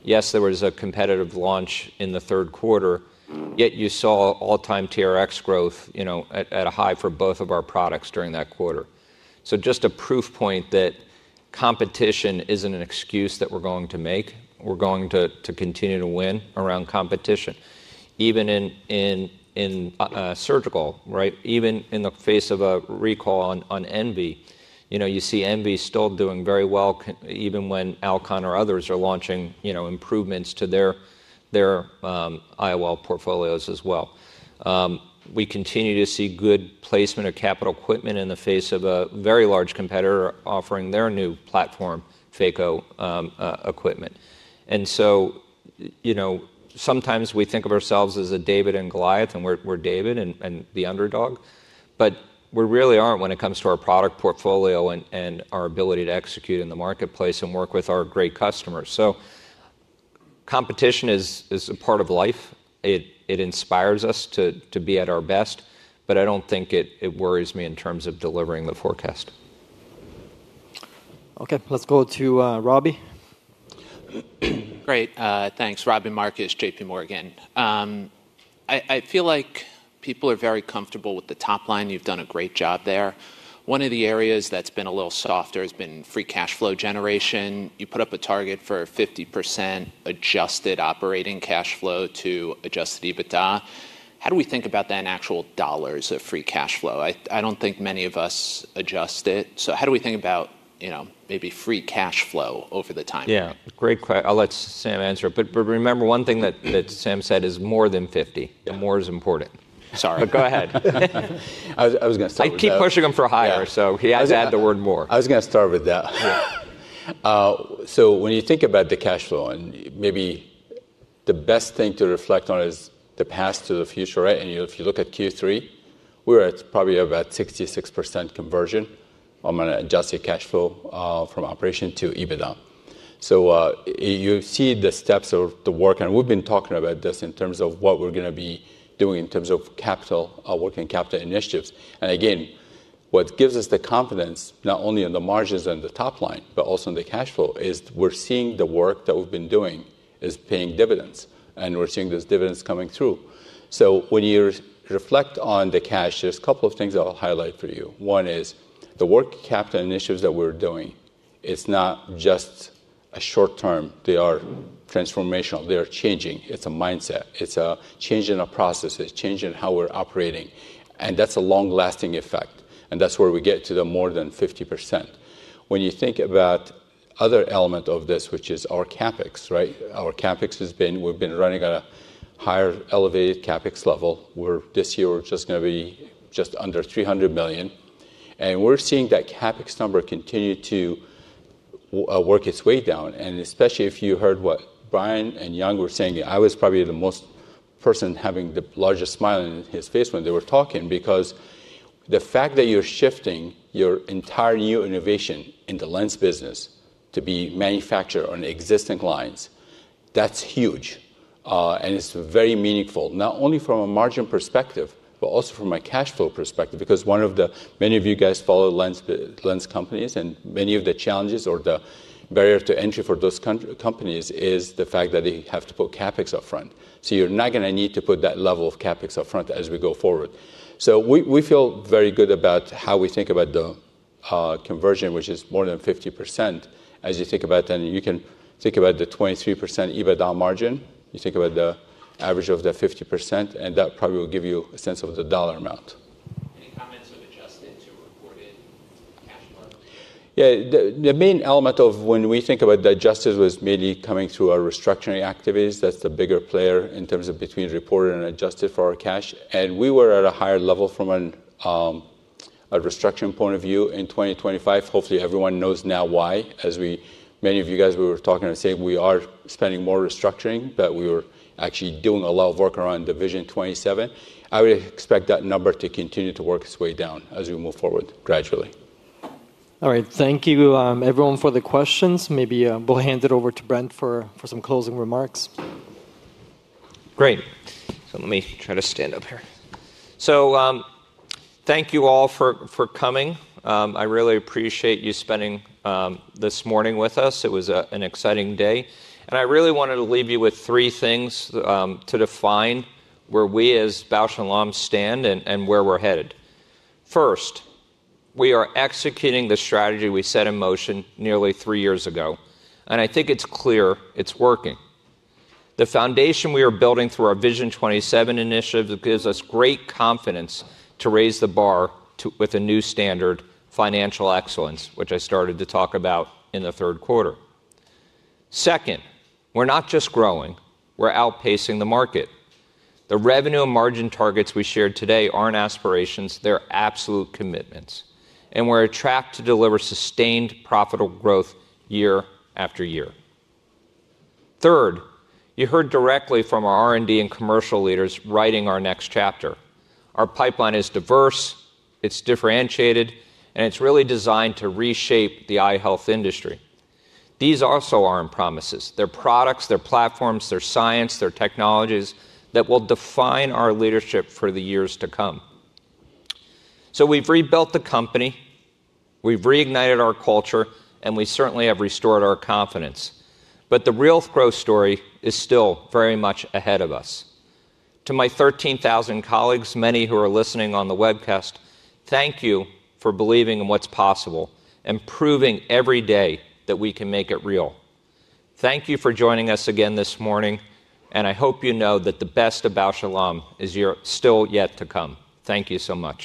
yes, there was a competitive launch in the third quarter, yet you saw all-time TRX growth, you know, at a high for both of our products during that quarter. So just a proof point that competition isn't an excuse that we're going to make. We're going to continue to win around competition. Even in surgical, right? Even in the face of a recall on Envista, you know, you see Envista still doing very well even when Alcon or others are launching, you know, improvements to their IOL portfolios as well. We continue to see good placement of capital equipment in the face of a very large competitor offering their new platform, phaco equipment. And so, you know, sometimes we think of ourselves as a David and Goliath and we're David and the underdog, but we really aren't when it comes to our product portfolio and our ability to execute in the marketplace and work with our great customers. Competition is a part of life. It inspires us to be at our best, but I don't think it worries me in terms of delivering the forecast. Okay, let's go to Robert. Great. Thanks. Robert Marcus, JP Morgan. I feel like people are very comfortable with the top line. You've done a great job there. One of the areas that's been a little softer has been free cash flow generation. You put up a target for 50% adjusted operating cash flow to adjusted EBITDA. How do we think about that in actual dollars of free cash flow? I don't think many of us adjust it. So how do we think about, you know, maybe free cash flow over the time? Yeah, great question. I'll let Sam answer. Remember one thing that Sam said is more than 50%. The more is important. Sorry, go ahead. I was going to say, I keep pushing him for higher, so he has to add the word more. I was going to start with that. When you think about the cash flow and maybe the best thing to reflect on is the past to the future, right? If you look at Q3, we were at probably about 66% conversion on an adjusted cash flow from operation to EBITDA. You see the steps of the work, and we've been talking about this in terms of what we're going to be doing in terms of capital, working capital initiatives. Again, what gives us the confidence not only on the margins and the top line, but also on the cash flow is we're seeing the work that we've been doing is paying dividends, and we're seeing those dividends coming through. When you reflect on the cash, there's a couple of things I'll highlight for you. One is the work capital initiatives that we're doing. It's not just a short term. They are transformational. They are changing. It's a mindset. It's a change in our processes. It's a change in how we're operating. That's a long-lasting effect. That's where we get to the more than 50%. When you think about other elements of this, which is our CapEx, right? Our CapEx has been, we've been running at a higher elevated CapEx level. This year we're just going to be just under $300 million. We're seeing that CapEx number continue to work its way down. Especially if you heard what Bryan and Yang were saying, I was probably the most person having the largest smile on his face when they were talking because the fact that you're shifting your entire new innovation in the lens business to be manufactured on existing lines, that's huge. It is very meaningful, not only from a margin perspective, but also from a cash flow perspective because many of you guys follow lens companies and many of the challenges or the barrier to entry for those companies is the fact that they have to put CapEx upfront. You are not going to need to put that level of CapEx upfront as we go forward. We feel very good about how we think about the conversion, which is more than 50%. As you think about, and you can think about the 23% EBITDA margin, you think about the average of the 50%, and that probably will give you a sense of the dollar amount. Any comments on adjusted to reported cash flow? Yeah, the main element of when we think about the adjusted was maybe coming through our restructuring activities. That's the bigger player in terms of between reported and adjusted for our cash. And we were at a higher level from a restructuring point of view in 2025. Hopefully everyone knows now why, as many of you guys were talking and saying we are spending more restructuring, but we were actually doing a lot of work around division 27. I would expect that number to continue to work its way down as we move forward gradually. All right, thank you everyone for the questions. Maybe we'll hand it over to Brent for some closing remarks. Great. Let me try to stand up here. Thank you all for coming. I really appreciate you spending this morning with us. It was an exciting day. I really wanted to leave you with three things to define where we as Bausch + Lomb stand and where we're headed. First, we are executing the strategy we set in motion nearly three years ago. I think it's clear it's working. The foundation we are building through our Vision 27 initiative gives us great confidence to raise the bar with a new standard of financial excellence, which I started to talk about in the third quarter. Second, we're not just growing. We're outpacing the market. The revenue and margin targets we shared today aren't aspirations. They're absolute commitments. We're tracked to deliver sustained profitable growth year after year. Third, you heard directly from our R&D and commercial leaders writing our next chapter. Our pipeline is diverse. It's differentiated. It's really designed to reshape the eye health industry. These also aren't promises. They're products, they're platforms, they're science, they're technologies that will define our leadership for the years to come. We have rebuilt the company. We've reignited our culture. We certainly have restored our confidence. The real growth story is still very much ahead of us. To my 13,000 colleagues, many who are listening on the webcast, thank you for believing in what's possible and proving every day that we can make it real. Thank you for joining us again this morning. I hope you know that the best about Bausch + Lomb is still yet to come. Thank you so much.